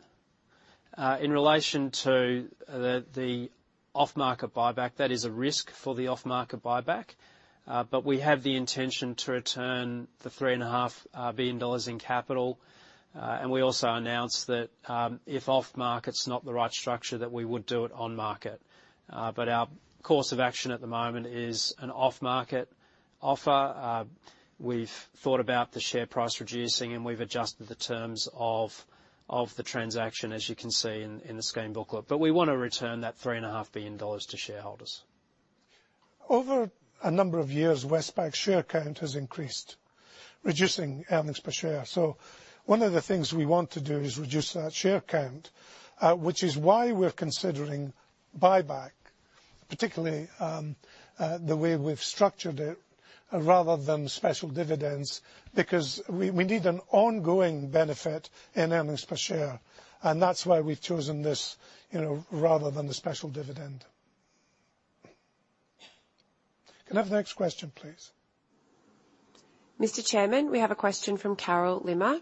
In relation to the off-market buyback, that is a risk for the off-market buyback. We have the intention to return 3.5 billion dollars in capital. We also announced that, if off-market's not the right structure, that we would do it on-market. Our course of action at the moment is an off-market offer. We've thought about the share price reducing, and we've adjusted the terms of the transaction as you can see in the scheme booklet. We wanna return that 3.5 billion dollars to shareholders. Over a number of years, Westpac share count has increased, reducing earnings per share. One of the things we want to do is reduce that share count, which is why we're considering buyback, particularly the way we've structured it rather than special dividends, because we need an ongoing benefit in earnings per share, and that's why we've chosen this, you know, rather than the special dividend. Can I have the next question, please? Mr. Chairman, we have a question from Carol Limmer.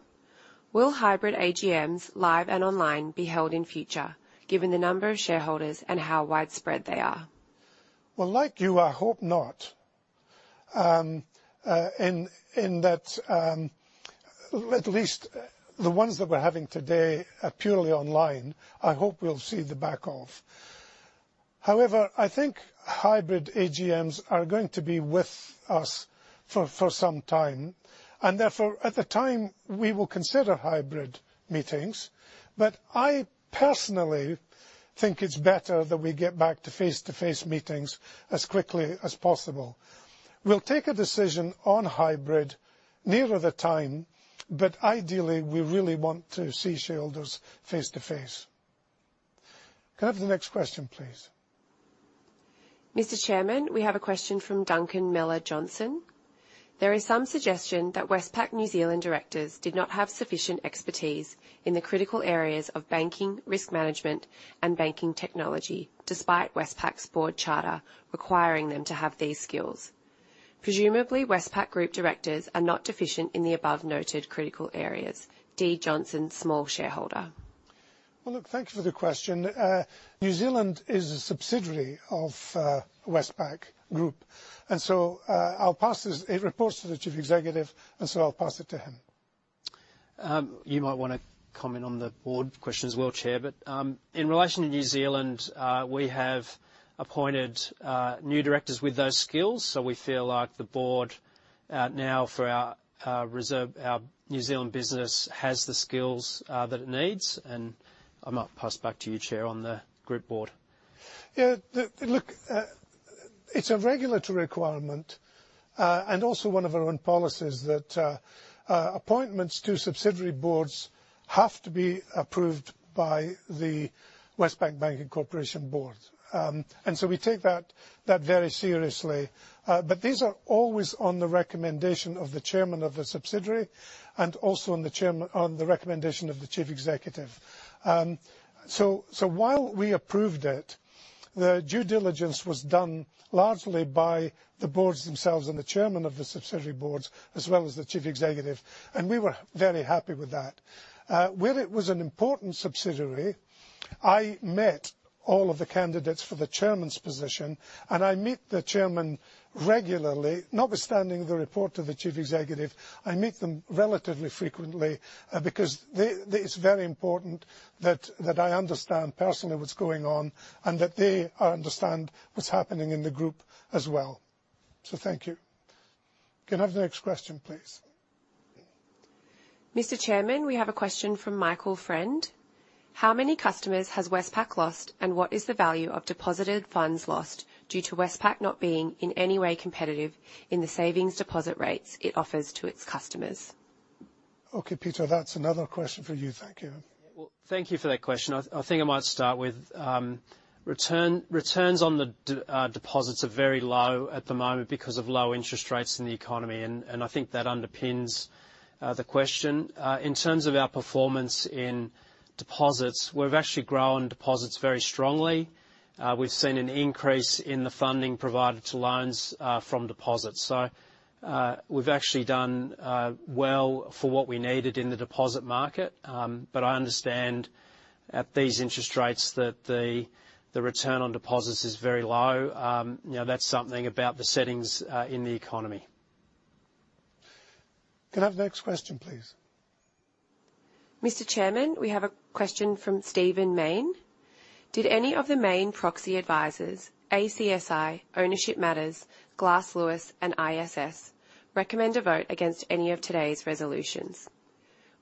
"Will hybrid AGMs, live and online, be held in future given the number of shareholders and how widespread they are? Well, like you, I hope not. At least the ones that we're having today are purely online, I hope we'll see the back of. However, I think hybrid AGMs are going to be with us for some time, and therefore, at the time, we will consider hybrid meetings. But I personally think it's better that we get back to face-to-face meetings as quickly as possible. We'll take a decision on hybrid nearer the time, but ideally, we really want to see shareholders face to face. Can I have the next question, please? Mr. Chairman, we have a question from Duncan Moore-Johnson. "There is some suggestion that Westpac New Zealand directors did not have sufficient expertise in the critical areas of banking, risk management, and banking technology, despite Westpac's board charter requiring them to have these skills. Presumably, Westpac Group directors are not deficient in the above noted critical areas. D. Johnson, small shareholder. Well, look, thank you for the question. New Zealand is a subsidiary of Westpac Group, and so I'll pass this. It reports to the chief executive, and so I'll pass it to him. You might wanna comment on the board question as well, Chair, but in relation to New Zealand, we have appointed new directors with those skills, so we feel like the board now for our Westpac, our New Zealand business has the skills that it needs. I might pass back to you, Chair, on the group board. Yeah. Look, it's a regulatory requirement and also one of our own policies that appointments to subsidiary boards have to be approved by the Westpac Banking Corporation board. We take that very seriously. These are always on the recommendation of the chairman of the subsidiary and also on the recommendation of the chief executive. While we approved it, the due diligence was done largely by the boards themselves and the chairman of the subsidiary boards, as well as the chief executive, and we were very happy with that. Where it was an important subsidiary, I met all of the candidates for the chairman's position, and I meet the chairman regularly. Notwithstanding the report of the chief executive, I meet them relatively frequently, because it's very important that that I understand personally what's going on and that they understand what's happening in the group as well. Thank you. Can I have the next question, please? Mr. Chairman, we have a question from Michael Friend, "How many customers has Westpac lost, and what is the value of deposited funds lost due to Westpac not being in any way competitive in the savings deposit rates it offers to its customers? Okay, Peter, that's another question for you. Thank you. Well, thank you for that question. I think I might start with returns on the deposits are very low at the moment because of low interest rates in the economy, and I think that underpins the question. In terms of our performance in deposits, we've actually grown deposits very strongly. We've seen an increase in the funding provided to loans from deposits. We've actually done well for what we needed in the deposit market. I understand at these interest rates that the return on deposits is very low. You know, that's something about the settings in the economy. Can I have the next question, please? Mr. Chairman, we have a question from Stephen Mayne. "Did any of the main proxy advisors, Australian Council of Superannuation Investors (ACSI), Ownership Matters, Glass Lewis, and ISS, recommend a vote against any of today's resolutions?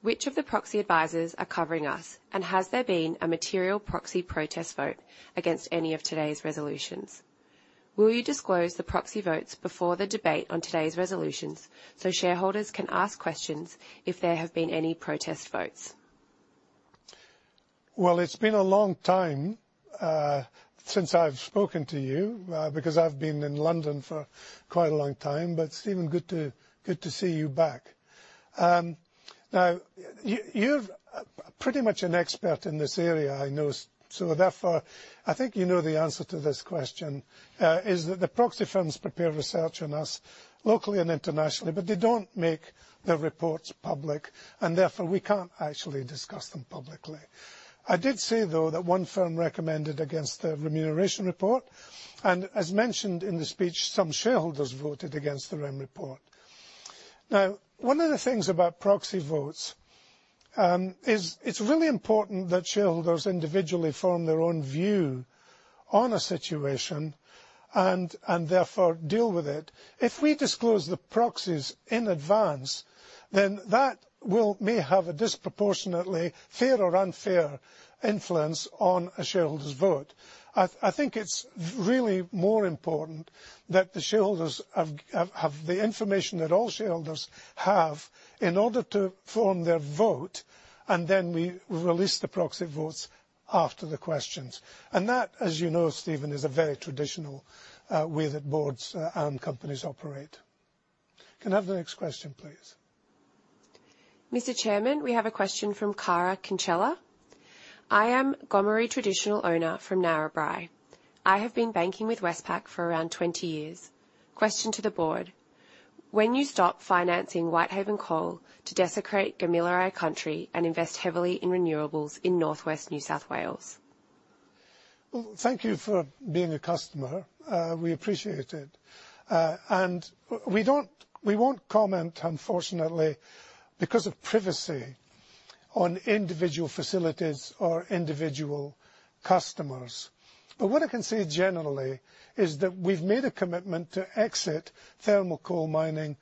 Which of the proxy advisors are covering us? Has there been a material proxy protest vote against any of today's resolutions? Will you disclose the proxy votes before the debate on today's resolutions, so shareholders can ask questions if there have been any protest votes? Well, it's been a long time since I've spoken to you because I've been in London for quite a long time. Stephen, good to see you back. Now, you're pretty much an expert in this area I know, so therefore, I think you know the answer to this question is that the proxy firms prepare research on us locally and internationally, but they don't make their reports public, and therefore we can't actually discuss them publicly. I did say, though, that one firm recommended against the remuneration report. As mentioned in the speech, some shareholders voted against the Rem report. Now, one of the things about proxy votes is it's really important that shareholders individually form their own view on a situation and therefore deal with it. If we disclose the proxies in advance, then that may have a disproportionately fair or unfair influence on a shareholder's vote. I think it's really more important that the shareholders have the information that all shareholders have in order to form their vote, and then we release the proxy votes after the questions. That, as you know, Stephen, is a very traditional way that boards and companies operate. Can I have the next question, please? Mr. Chairman, we have a question from Karra Kinchela. "I am Gomeroi traditional owner from Narrabri. I have been banking with Westpac for around 20 years. Question to the board: When you stop financing Whitehaven Coal to desecrate Gomeroi Country and invest heavily in renewables in northwest New South Wales? Well, thank you for being a customer. We appreciate it. We don't, we won't comment, unfortunately, because of privacy on individual facilities or individual customers. What I can say generally is that we've made a commitment to exit thermal coal mining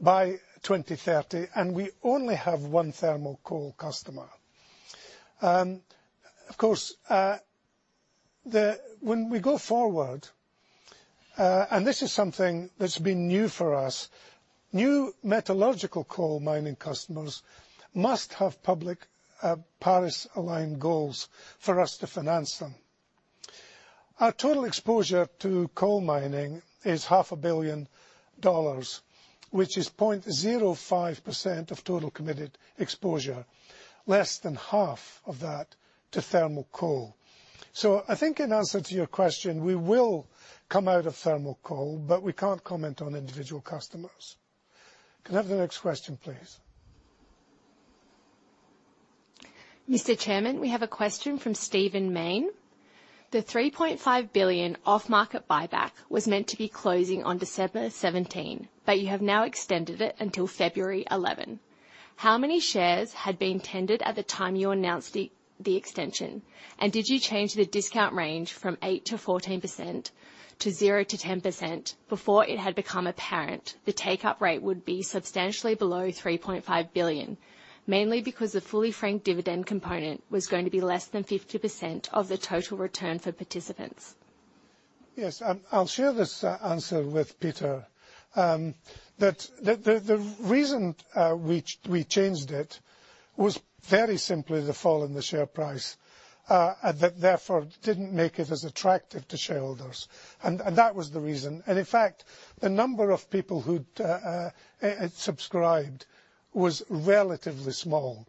by 2030, and we only have one thermal coal customer. Of course, when we go forward, this is something that's been new for us, new metallurgical coal mining customers must have public Paris-aligned goals for us to finance them. Our total exposure to coal mining is AUD half a billion dollars, which is 0.05% of total committed exposure, less than half of that to thermal coal. I think in answer to your question, we will come out of thermal coal, but we can't comment on individual customers. Can I have the next question, please? Mr. Chairman, we have a question from Stephen Mayne. "The 3.5 billion off-market buyback was meant to be closing on December 17, but you have now extended it until February 11. How many shares had been tendered at the time you announced the extension? And did you change the discount range from 8%-14% to 0%-10% before it had become apparent the take-up rate would be substantially below 3.5 billion, mainly because the fully franked dividend component was going to be less than 50% of the total return for participants? Yes. I'll share this answer with Peter that the reason we changed it was very simply the fall in the share price and that therefore didn't make it as attractive to shareholders. That was the reason. In fact, the number of people who'd subscribed was relatively small.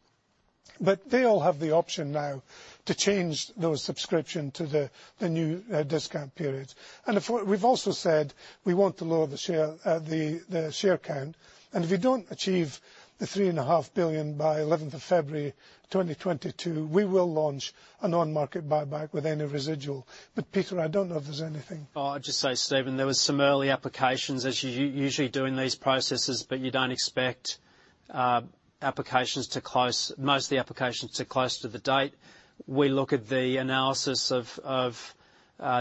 They all have the option now to change those subscription to the new discount periods. Of course, we've also said we want to lower the share count. If we don't achieve the AUD 3.5 billion by 11th of February 2022, we will launch an on-market buyback with any residual. Peter, I don't know if there's anything. I'll just say, Stephen, there was some early applications as you usually do in these processes, but you don't expect applications to close, most of the applications to close to the date. We look at the analysis of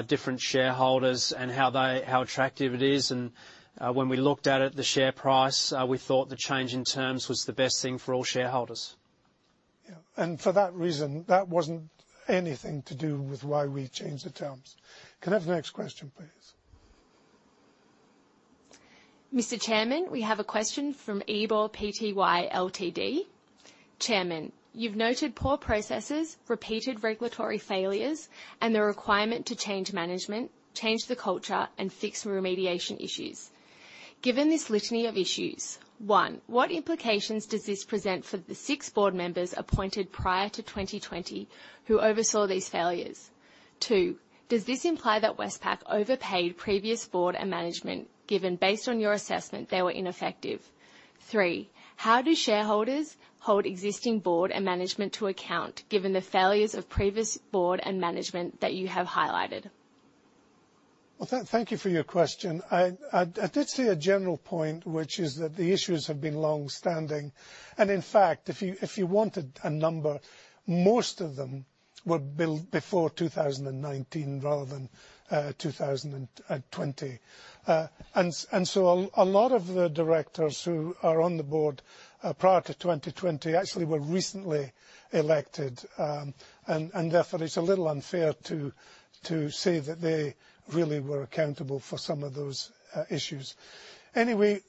different shareholders and how attractive it is. When we looked at it, the share price, we thought the change in terms was the best thing for all shareholders. Yeah. For that reason, that wasn't anything to do with why we changed the terms. Can I have the next question, please? Mr. Chairman, we have a question from Mauro Lombardozzi. "Chairman, you've noted poor processes, repeated regulatory failures, and the requirement to change management, change the culture, and fix remediation issues. Given this litany of issues, one, what implications does this present for the six board members appointed prior to 2020 who oversaw these failures? two, does this imply that Westpac overpaid previous board and management given based on your assessment they were ineffective? three, how do shareholders hold existing board and management to account, given the failures of previous board and management that you have highlighted? Well, thank you for your question. I did say a general point, which is that the issues have been longstanding. In fact, if you wanted a number, most of them were built before 2019 rather than 2020. And so a lot of the directors who are on the board prior to 2020 actually were recently elected. And therefore it's a little unfair to say that they really were accountable for some of those issues. Anyway,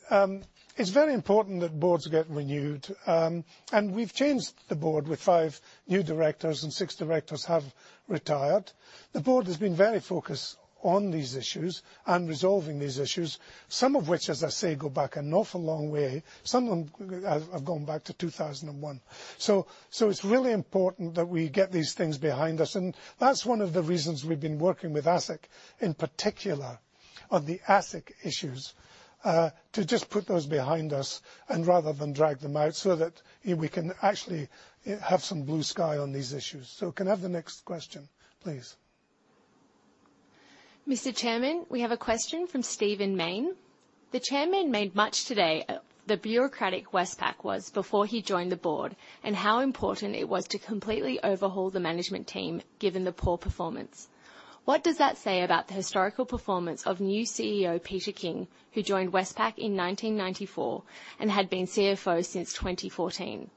it's very important that boards get renewed. We've changed the board with five new directors and six directors have retired. The board has been very focused on these issues and resolving these issues, some of which, as I say, go back an awful long way. Some of them have gone back to 2001. It's really important that we get these things behind us, and that's one of the reasons we've been working with ASIC, in particular on the ASIC issues, to just put those behind us and rather than drag them out so that we can actually have some blue sky on these issues. Can I have the next question, please? Mr. Chairman, we have a question from Stephen Mayne. The Chairman made much today of how bureaucratic Westpac was before he joined the board, and how important it was to completely overhaul the management team given the poor performance. What does that say about the historical performance of new CEO Peter King, who joined Westpac in 1994 and had been CFO since 2014?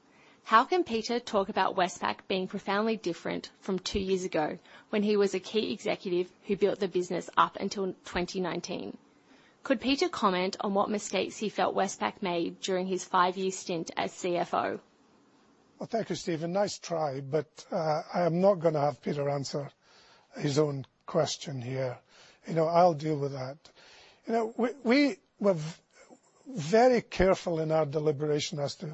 How can Peter talk about Westpac being profoundly different from two years ago when he was a key executive who built the business up until 2019? Could Peter comment on what mistakes he felt Westpac made during his five-year stint as CFO? Well, thank you, Stephen. Nice try, but I am not gonna have Peter answer his own question here. You know, I'll deal with that. You know, we were very careful in our deliberation as to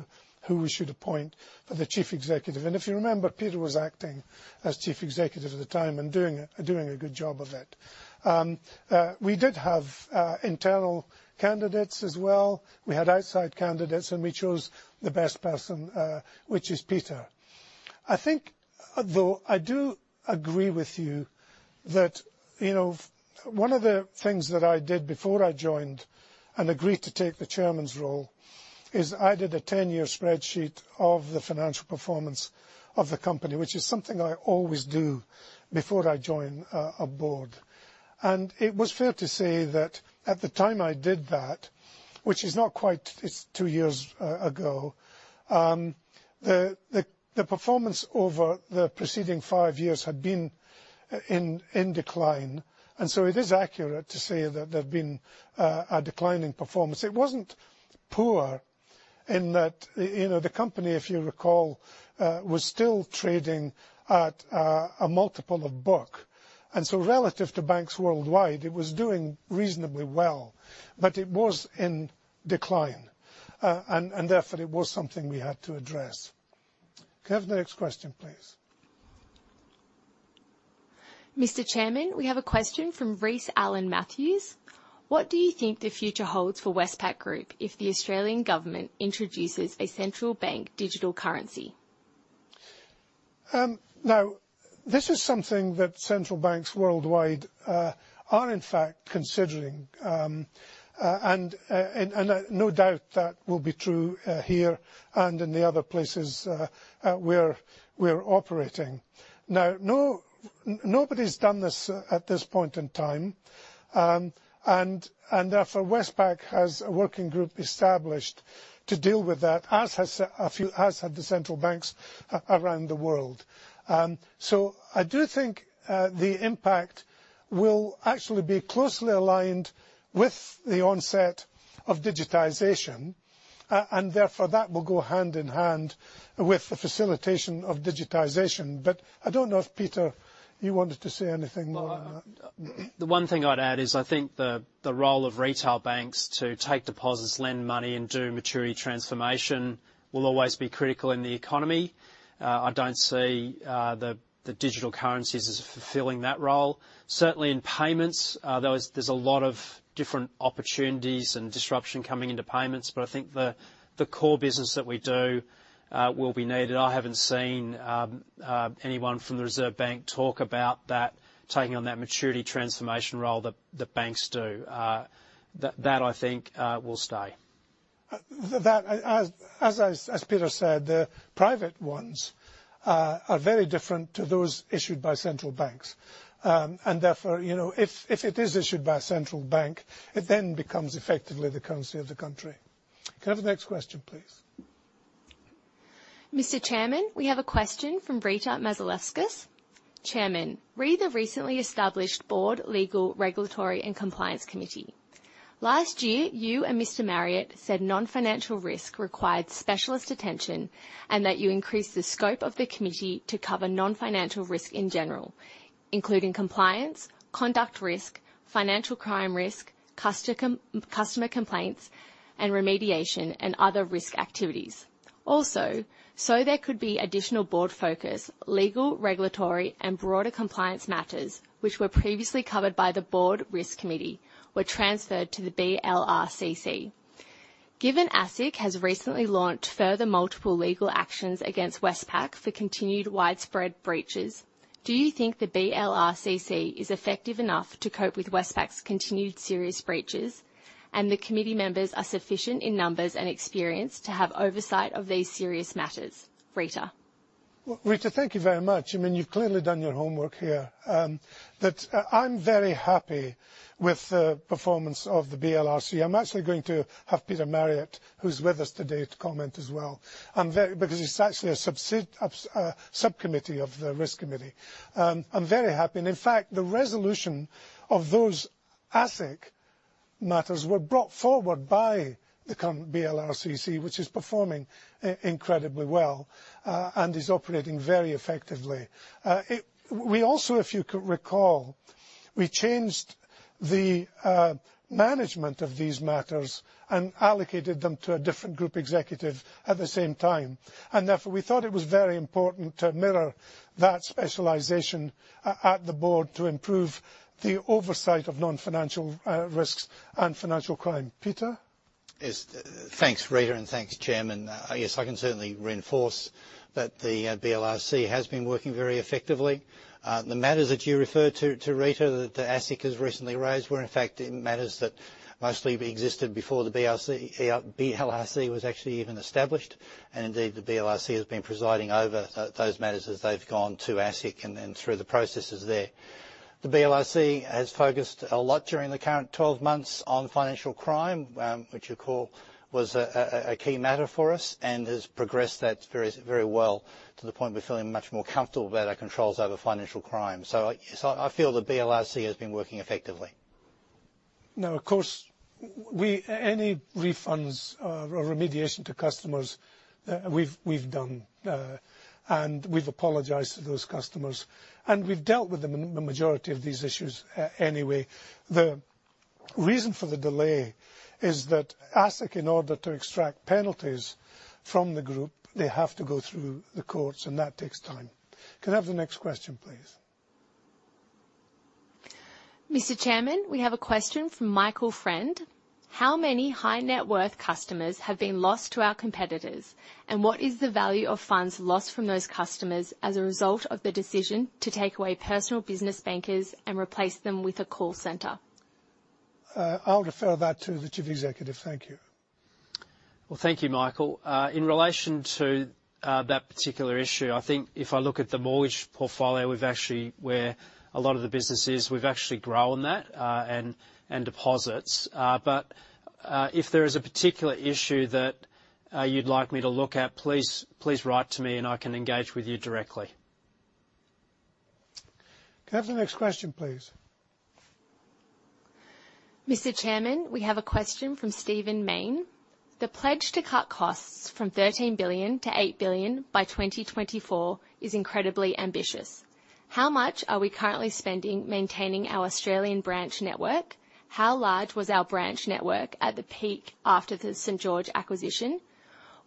who we should appoint for the Chief Executive. If you remember, Peter was acting as Chief Executive at the time and doing a good job of it. We did have internal candidates as well. We had outside candidates, and we chose the best person, which is Peter. I think, though I do agree with you that, you know, one of the things that I did before I joined and agreed to take the Chairman's role is I did a 10-year spreadsheet of the financial performance of the company, which is something I always do before I join a board. It was fair to say that at the time I did that, which is not quite two years ago, the performance over the preceding five years had been in decline. So it is accurate to say that there've been a decline in performance. It wasn't poor in that, you know, the company, if you recall, was still trading at a multiple of book. So relative to banks worldwide, it was doing reasonably well. It was in decline. Therefore it was something we had to address. Can I have the next question, please? Mr. Chairman, we have a question from Rhys Allan Matthews. What do you think the future holds for Westpac Group if the Australian government introduces a central bank digital currency? Now this is something that central banks worldwide are in fact considering. No doubt that will be true here and in the other places we're operating. Now, nobody's done this at this point in time. Therefore, Westpac has a working group established to deal with that, as have a few central banks around the world. I do think the impact will actually be closely aligned with the onset of digitization. Therefore that will go hand in hand with the facilitation of digitization. I don't know if, Peter, you wanted to say anything more on that. Well, the one thing I'd add is I think the role of retail banks to take deposits, lend money, and do maturity transformation will always be critical in the economy. I don't see the digital currencies as fulfilling that role. Certainly in payments, there's a lot of different opportunities and disruption coming into payments, but I think the core business that we do will be needed. I haven't seen anyone from the Reserve Bank talk about that, taking on that maturity transformation role that banks do. That I think will stay. That, as Peter said, the private ones are very different to those issued by central banks. Therefore, you know, if it is issued by a central bank, it then becomes effectively the currency of the country. Can I have the next question, please? Mr. Chairman, we have a question from Rita Mazalevskis Well, Rita, thank you very much. I mean, you've clearly done your homework here. But I'm very happy with the performance of the BLRC. I'm actually going to have Peter Marriott, who's with us today, to comment as well. I'm very happy because it's actually a subcommittee of the risk committee. I'm very happy. In fact, the resolution of those ASIC matters were brought forward by the current BLRC, which is performing incredibly well and is operating very effectively. We also, if you could recall, changed the management of these matters and allocated them to a different group executive at the same time. Therefore, we thought it was very important to mirror that specialization at the board to improve the oversight of non-financial risks and financial crime. Peter? Yes. Thanks, Rita, and thanks Chairman. Yes, I can certainly reinforce that the BLRC has been working very effectively. The matters that you referred to Rita, that the ASIC has recently raised, were in fact matters that mostly existed before the BLRC was actually even established. Indeed, the BLRC has been presiding over those matters as they've gone to ASIC and then through the processes there. The BLRC has focused a lot during the current twelve months on financial crime, which of course was a key matter for us, and has progressed that very well to the point we're feeling much more comfortable about our controls over financial crime. Yes, I feel the BLRC has been working effectively. Now, of course, we've done any refunds or remediation to customers, and we've apologized to those customers. We've dealt with the majority of these issues anyway. The reason for the delay is that ASIC, in order to extract penalties from the group, they have to go through the courts, and that takes time. Can I have the next question, please? Mr. Chairman, we have a question from Michael Friend. "How many high net worth customers have been lost to our competitors, and what is the value of funds lost from those customers as a result of the decision to take away personal business bankers and replace them with a call center? I'll refer that to the Chief Executive. Thank you. Well, thank you, Michael. In relation to that particular issue, I think if I look at the mortgage portfolio, we've actually grown that and deposits. If there is a particular issue that you'd like me to look at, please write to me, and I can engage with you directly. Can I have the next question, please? Mr. Chairman, we have a question from Stephen Mayne. "The pledge to cut costs from 13 billion to 8 billion by 2024 is incredibly ambitious. How much are we currently spending maintaining our Australian branch network? How large was our branch network at the peak after the St.George acquisition?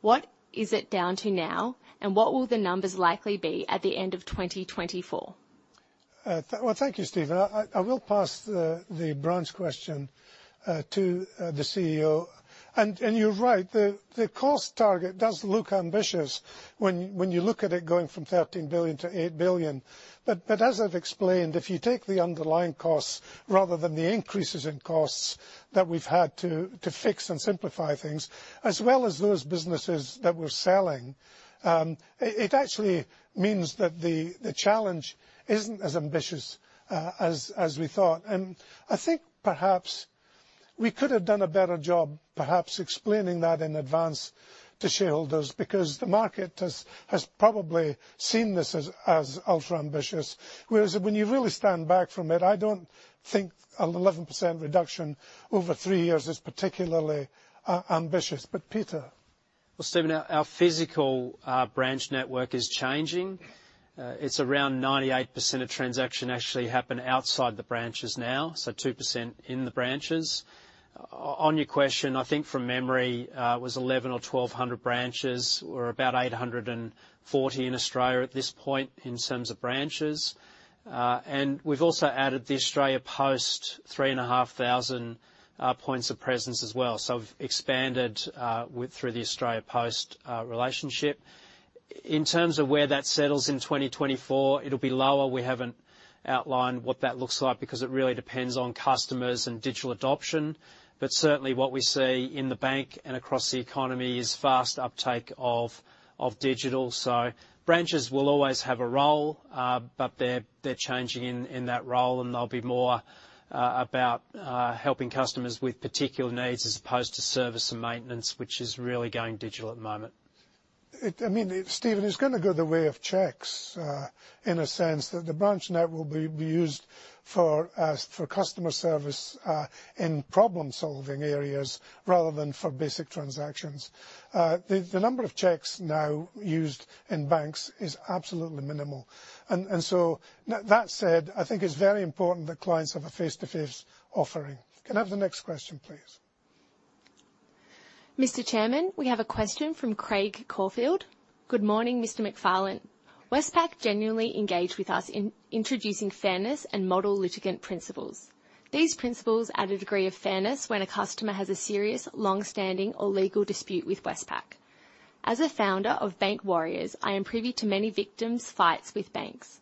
What is it down to now? And what will the numbers likely be at the end of 2024? Well, thank you, Stephen. I will pass the branch question to the CEO. You're right, the cost target does look ambitious when you look at it going from 13 billion to 8 billion. I've explained, if you take the underlying costs rather than the increases in costs that we've had to fix and simplify things, as well as those businesses that we're selling, it actually means that the challenge isn't as ambitious as we thought. I think perhaps we could have done a better job explaining that in advance to shareholders because the market has probably seen this as ultra-ambitious. When you really stand back from it, I don't think an 11% reduction over three years is particularly ambitious. Peter. Well, Steven, our physical branch network is changing. It's around 98% of transactions actually happen outside the branches now, so 2% in the branches. On your question, I think from memory, it was 1,100 or 1,200 branches. We're about 840 in Australia at this point in terms of branches. And we've also added the Australia Post 3,500 points of presence as well. So we've expanded through the Australia Post relationship. In terms of where that settles in 2024, it'll be lower. We haven't outlined what that looks like because it really depends on customers and digital adoption. Certainly what we see in the bank and across the economy is fast uptake of digital. Branches will always have a role, but they're changing in that role, and they'll be more about helping customers with particular needs as opposed to service and maintenance, which is really going digital at the moment. I mean, Steven, it's gonna go the way of checks in a sense. That the branch network will be used for customer service and problem-solving areas rather than for basic transactions. The number of checks now used in banks is absolutely minimal. That said, I think it's very important that clients have a face-to-face offering. Can I have the next question, please? Mr. Chairman, we have a question from Geoff Coghlan "Good morning, Mr. McFarlane. Westpac genuinely engaged with us in introducing fairness and Model Litigant Principles. These principles add a degree of fairness when a customer has a serious, long-standing, or legal dispute with Westpac. As a founder of Bank Warriors, I am privy to many victims' fights with banks.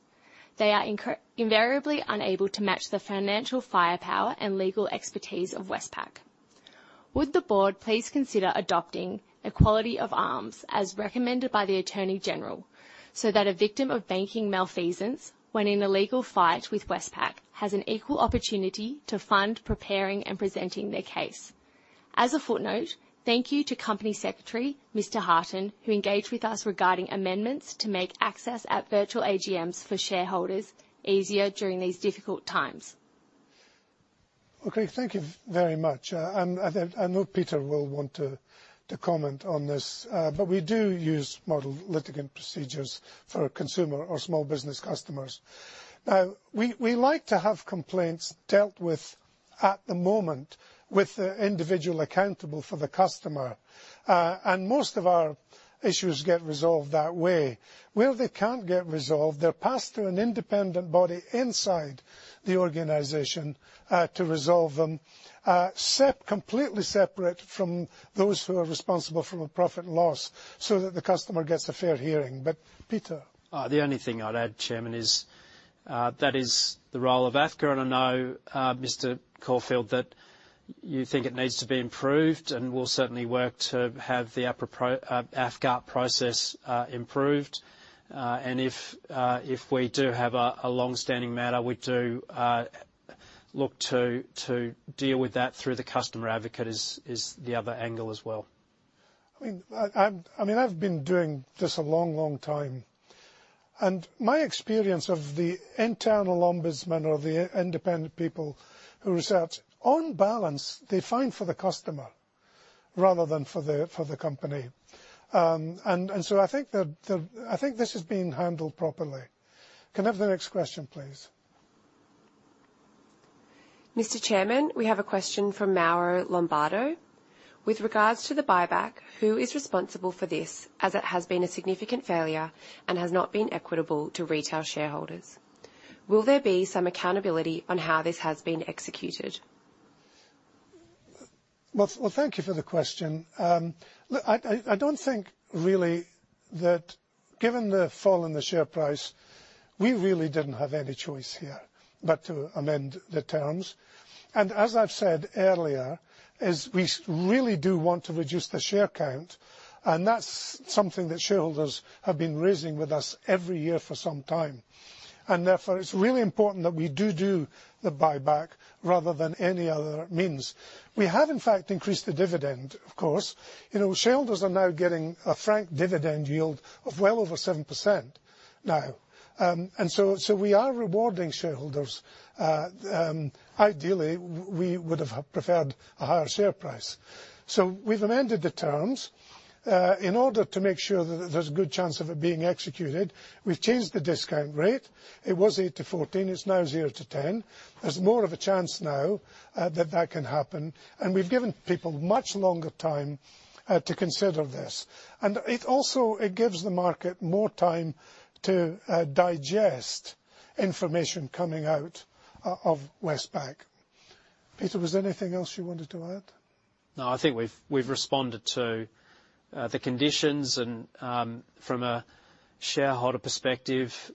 They are invariably unable to match the financial firepower and legal expertise of Westpac. Would the board please consider adopting equality of arms as recommended by the Attorney General, so that a victim of banking malfeasance when in a legal fight with Westpac, has an equal opportunity to fund preparing and presenting their case? As a footnote, thank you to Company Secretary Mr. Hartin, who engaged with us regarding amendments to make access at virtual AGMs for shareholders easier during these difficult times. Okay, thank you very much. I think, I know Peter will want to comment on this. We do use model litigant procedures for consumer or small business customers. Now, we like to have complaints dealt with at the moment with the individual accountable for the customer. Most of our issues get resolved that way. Where they can't get resolved, they're passed through an independent body inside the organization to resolve them. Completely separate from those who are responsible for the profit and loss, so that the customer gets a fair hearing. Peter. The only thing I'd add, Chairman, is that is the role of AFCA. I know, Mr. Caulfield, that you think it needs to be improved, and we'll certainly work to have the AFCA process improved. If we do have a long-standing matter, we do look to deal with that through the customer advocate, is the other angle as well. I mean, I've been doing this a long, long time. My experience of the internal ombudsman or the independent people who research, on balance, they find for the customer rather than for the company. I think this is being handled properly. Can I have the next question, please? Mr. Chairman, we have a question from Mauro Lombardozzi Well, thank you for the question. Look, I don't think really that given the fall in the share price, we really didn't have any choice here but to amend the terms. As I've said earlier, we really do want to reduce the share count, and that's something that shareholders have been raising with us every year for some time. Therefore, it's really important that we do the buyback rather than any other means. We have in fact increased the dividend, of course. You know, shareholders are now getting a franked dividend yield of well over 7% now. We are rewarding shareholders. Ideally we would have preferred a higher share price. We've amended the terms in order to make sure that there's a good chance of it being executed. We've changed the discount rate. It was 8-14, it's now 0-10. There's more of a chance now that that can happen, and we've given people much longer time to consider this. It also gives the market more time to digest information coming out of Westpac. Peter, was there anything else you wanted to add? No, I think we've responded to the conditions and, from a shareholder perspective,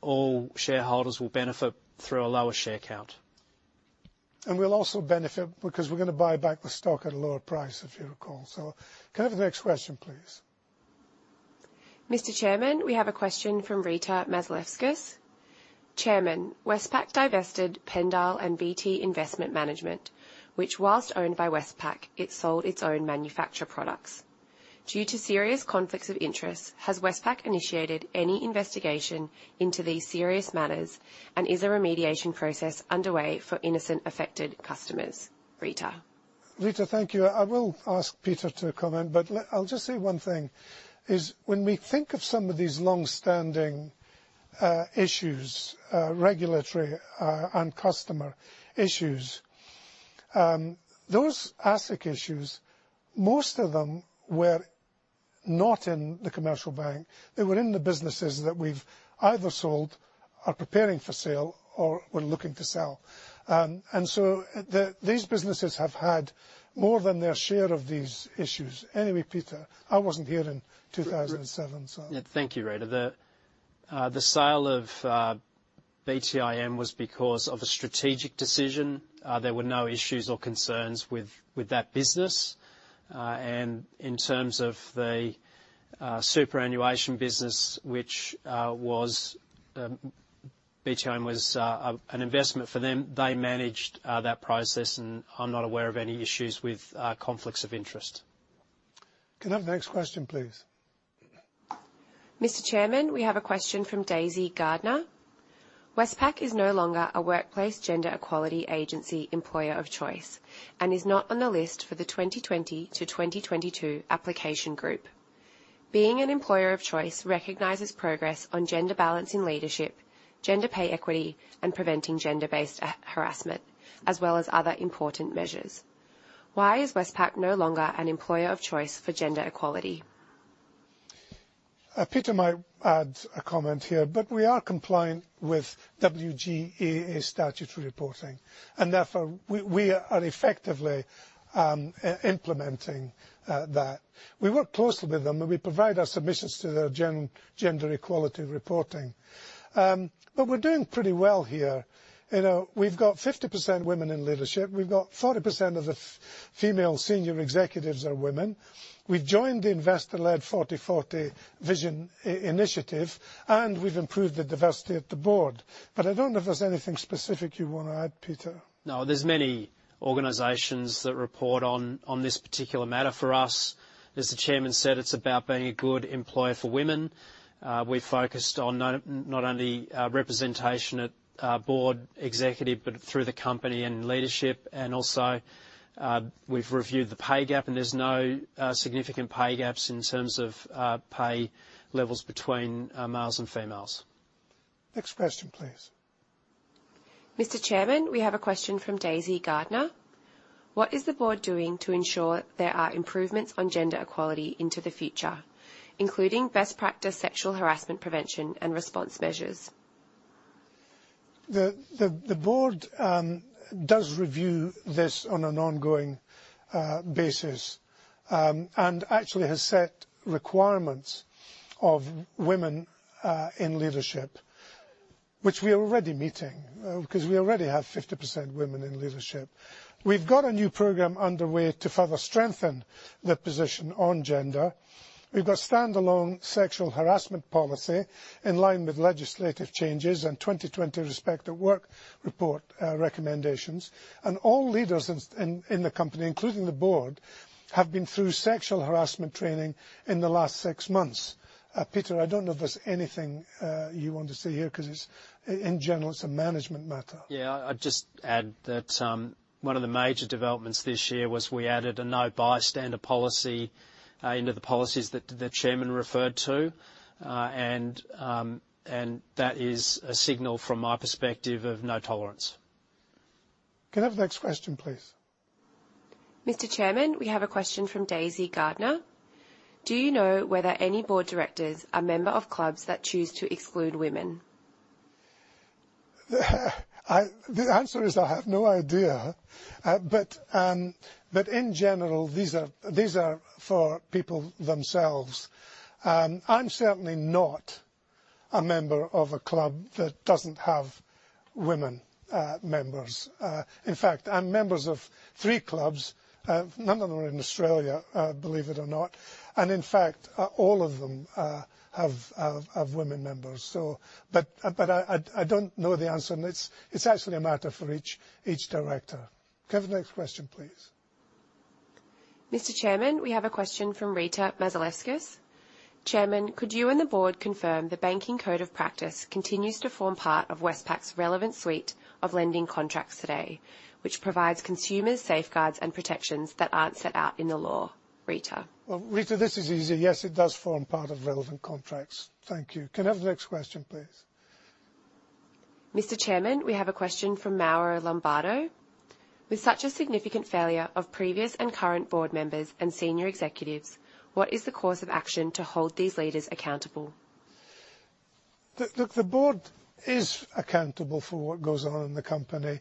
all shareholders will benefit through a lower share count. We'll also benefit because we're gonna buy back the stock at a lower price, if you recall. Can I have the next question, please? Mr. Chairman, we have a question from Rita Micallef. Chairman, Westpac divested Pendal Group and BTIM, which while owned by Westpac, it sold its own manufactured products. Due to serious conflicts of interest, has Westpac initiated any investigation into these serious matters, and is a remediation process underway for innocent affected customers? Rita. Rita, thank you. I will ask Peter to comment, but, I'll just say one thing, is when we think of some of these long-standing issues, regulatory, and customer issues, those asset issues, most of them were not in the commercial bank. They were in the businesses that we've either sold, are preparing for sale, or we're looking to sell. These businesses have had more than their share of these issues. Anyway, Peter, I wasn't here in 2007, so. Yeah. Thank you, Rita. The sale of BTIM was because of a strategic decision. There were no issues or concerns with that business. In terms of the superannuation business, which was BTIM, an investment for them, they managed that process, and I'm not aware of any issues with conflicts of interest. Can I have the next question, please? Mr. Chairman, we have a question from Danielle Arosti. Westpac is no longer a Workplace Gender Equality Agency Employer of Choice, and is not on the list for the 2021-2022 application group. Being an Employer of Choice recognizes progress on gender balance in leadership, gender pay equity, and preventing gender-based harassment, as well as other important measures. Why is Westpac no longer an Employer of Choice for gender equality? Peter might add a comment here, but we are compliant with WGEA statutory reporting. Therefore, we are effectively implementing that. We work closely with them, and we provide our submissions to their gender equality reporting. We're doing pretty well here. You know, we've got 50% women in leadership. We've got 40% of the female senior executives are women. We've joined the Investor-led 40:40 Vision, and we've improved the diversity of the board. I don't know if there's anything specific you wanna add, Peter. No, there's many organizations that report on this particular matter. For us, as the chairman said, it's about being a good employer for women. We focused on not only representation at board executive but through the company and leadership. Also, we've reviewed the pay gap, and there's no significant pay gaps in terms of pay levels between males and females. Next question, please. Mr. Chairman, we have a question from Zoe Wundenberg. What is the board doing to ensure there are improvements on gender equality into the future, including best practice sexual harassment prevention and response measures? The board does review this on an ongoing basis. Actually has set requirements of women in leadership, which we are already meeting, 'cause we already have 50% women in leadership. We've got a new program underway to further strengthen the position on gender. We've got standalone sexual harassment policy in line with legislative changes and 2020 Respect@Work report recommendations. All leaders in the company, including the board, have been through sexual harassment training in the last six months. Peter, I don't know if there's anything you want to say here, 'cause it's, in general, it's a management matter. Yeah. I'd just add that, one of the major developments this year was we added a no bystander policy into the policies that the Chairman referred to. And that is a signal from my perspective of no tolerance. Can I have the next question, please? Mr. Chairman, we have a question from Zoe Wundenberg. Do you know whether any board directors are member of clubs that choose to exclude women? The answer is I have no idea. In general, these are for people themselves. I'm certainly not a member of a club that doesn't have women members. In fact, I'm a member of three clubs, none of them are in Australia, believe it or not. In fact, all of them have women members. But I don't know the answer, and it's actually a matter for each director. Can I have the next question, please? Mr. Chairman, we have a question from Rita Mazaleskas. Chairman, could you and the board confirm the Banking Code of Practice continues to form part of Westpac's relevant suite of lending contracts today, which provides consumer safeguards and protections that aren't set out in the law? Rita. Well, Rita, this is easy. Yes, it does form part of relevant contracts. Thank you. Can I have the next question, please? Mr. Chairman, we have a question from Mauro Lombardo. With such a significant failure of previous and current board members and senior executives, what is the course of action to hold these leaders accountable? Look, the board is accountable for what goes on in the company,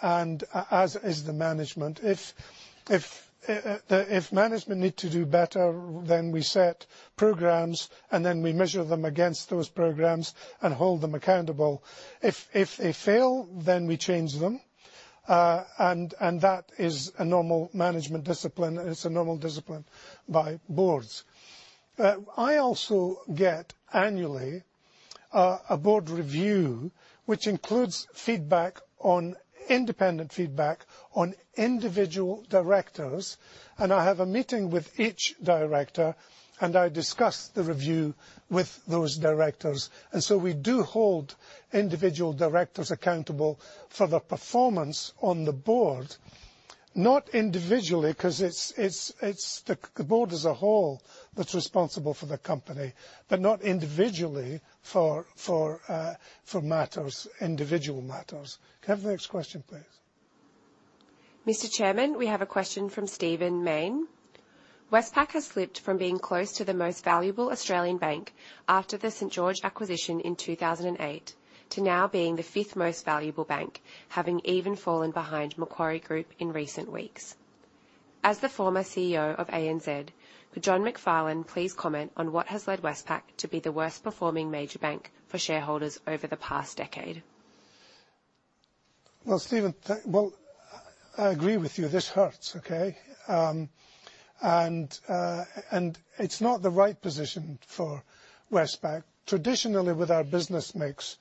and as is the management. If management need to do better, then we set programs, and then we measure them against those programs and hold them accountable. If they fail, then we change them, and that is a normal management discipline. It's a normal discipline by boards. I also get annually a board review, which includes independent feedback on individual directors. I have a meeting with each director, and I discuss the review with those directors. We do hold individual directors accountable for their performance on the board. Not individually, 'cause it's the board as a whole that's responsible for the company, but not individually for individual matters. Can I have the next question, please? Mr. Chairman, we have a question from Stephen Mayne. Westpac has slipped from being close to the most valuable Australian bank after the St.George acquisition in 2008 to now being the fifth most valuable bank, having even fallen behind Macquarie Group in recent weeks. As the former CEO of ANZ, could John McFarlane please comment on what has led Westpac to be the worst-performing major bank for shareholders over the past decade? Well, Stephen, well, I agree with you. This hurts, okay? It's not the right position for Westpac. Traditionally, with our business mix,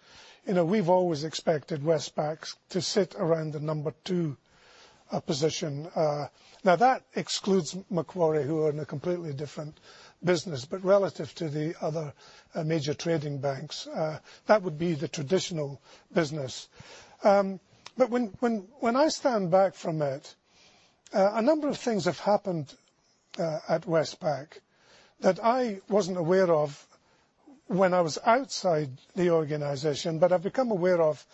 you know, we've always expected Westpac to sit around the number 2 position. Now that excludes Macquarie, who are in a completely different business. Relative to the other major trading banks, that would be the traditional business. When I stand back from it, a number of things have happened at Westpac that I wasn't aware of when I was outside the organization, but I've become aware of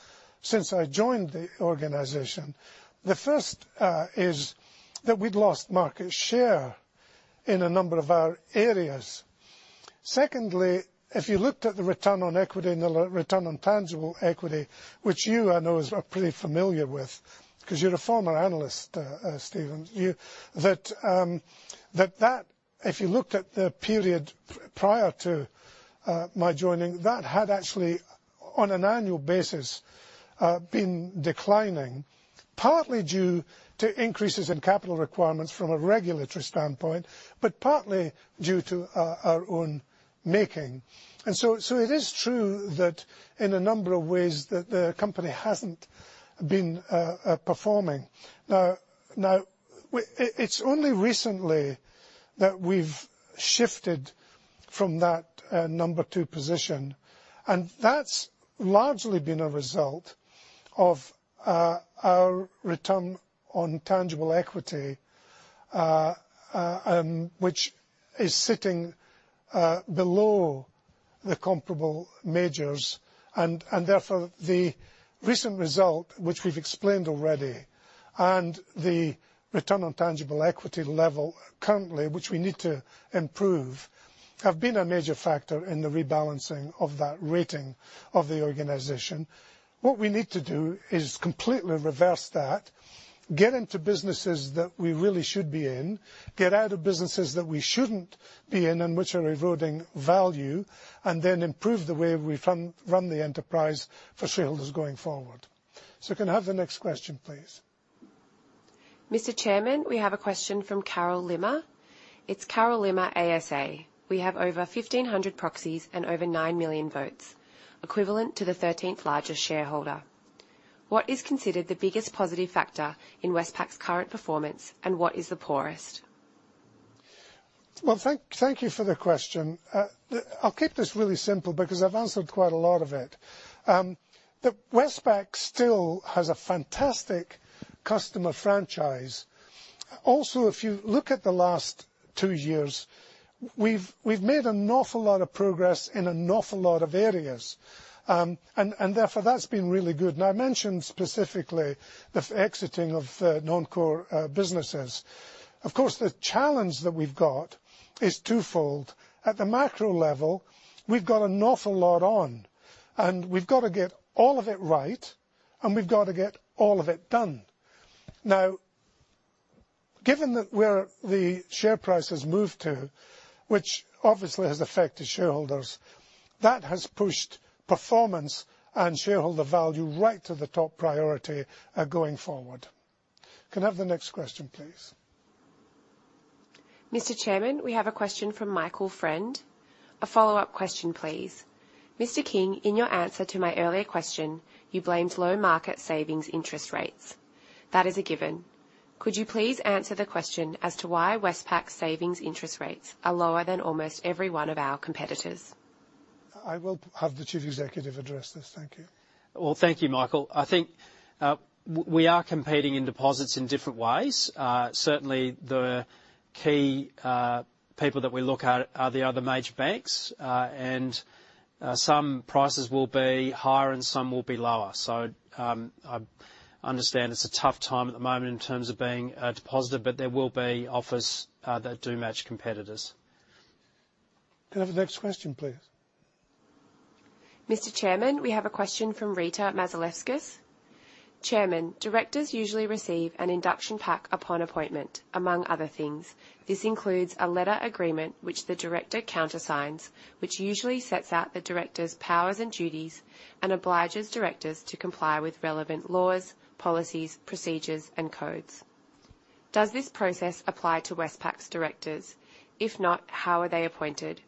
since I joined the organization, the first is that we'd lost market share in a number of our areas. Secondly, if you looked at the return on equity and the return on tangible equity, which you know is pretty familiar with because you're a former analyst, Steven, that if you looked at the period prior to my joining, that had actually on an annual basis been declining, partly due to increases in capital requirements from a regulatory standpoint but partly due to our own making. It is true that in a number of ways that the company hasn't been performing. Now it's only recently that we've shifted from that number two position, and that's largely been a result of our return on tangible equity, which is sitting below the comparable majors. Therefore, the recent result, which we've explained already, and the return on tangible equity level currently, which we need to improve, have been a major factor in the rebalancing of that rating of the organization. What we need to do is completely reverse that, get into businesses that we really should be in, get out of businesses that we shouldn't be in and which are eroding value, and then improve the way we run the enterprise for shareholders going forward. Can I have the next question, please? Mr. Chairman, we have a question from Carol Limmer. It's Carol Limmer ASA. We have over 1,500 proxies and over 9 million votes, equivalent to the 13th largest shareholder. What is considered the biggest positive factor in Westpac's current performance, and what is the poorest? Well, thank you for the question. I'll keep this really simple because I've answered quite a lot of it. The Westpac still has a fantastic customer franchise. Also, if you look at the last two years, we've made an awful lot of progress in an awful lot of areas. And therefore, that's been really good. I mentioned specifically the exiting of non-core businesses. Of course, the challenge that we've got is twofold. At the macro level, we've got an awful lot on, and we've got to get all of it right, and we've got to get all of it done. Now, given that where the share price has moved to, which obviously has affected shareholders, that has pushed performance and shareholder value right to the top priority going forward. Can I have the next question, please? Mr. Chairman, we have a question from Michael Friend. A follow-up question, please. Mr. King, in your answer to my earlier question, you blamed low market savings interest rates. That is a given. Could you please answer the question as to why Westpac's savings interest rates are lower than almost every one of our competitors? I will have the Chief Executive address this. Thank you. Well, thank you, Michael. I think we are competing in deposits in different ways. Certainly the key people that we look at are the other major banks. Some prices will be higher and some will be lower. I understand it's a tough time at the moment in terms of being a depositor, but there will be offers that do match competitors. Can I have the next question, please? Mr. Chairman, we have a question from Rita Mazaleskas. Chairman, directors usually receive an induction pack upon appointment, among other things. This includes a letter agreement which the director countersigns, which usually sets out the director's powers and duties and obliges directors to comply with relevant laws, policies, procedures, and codes. Does this process apply to Westpac's directors? If not, how are they appointed?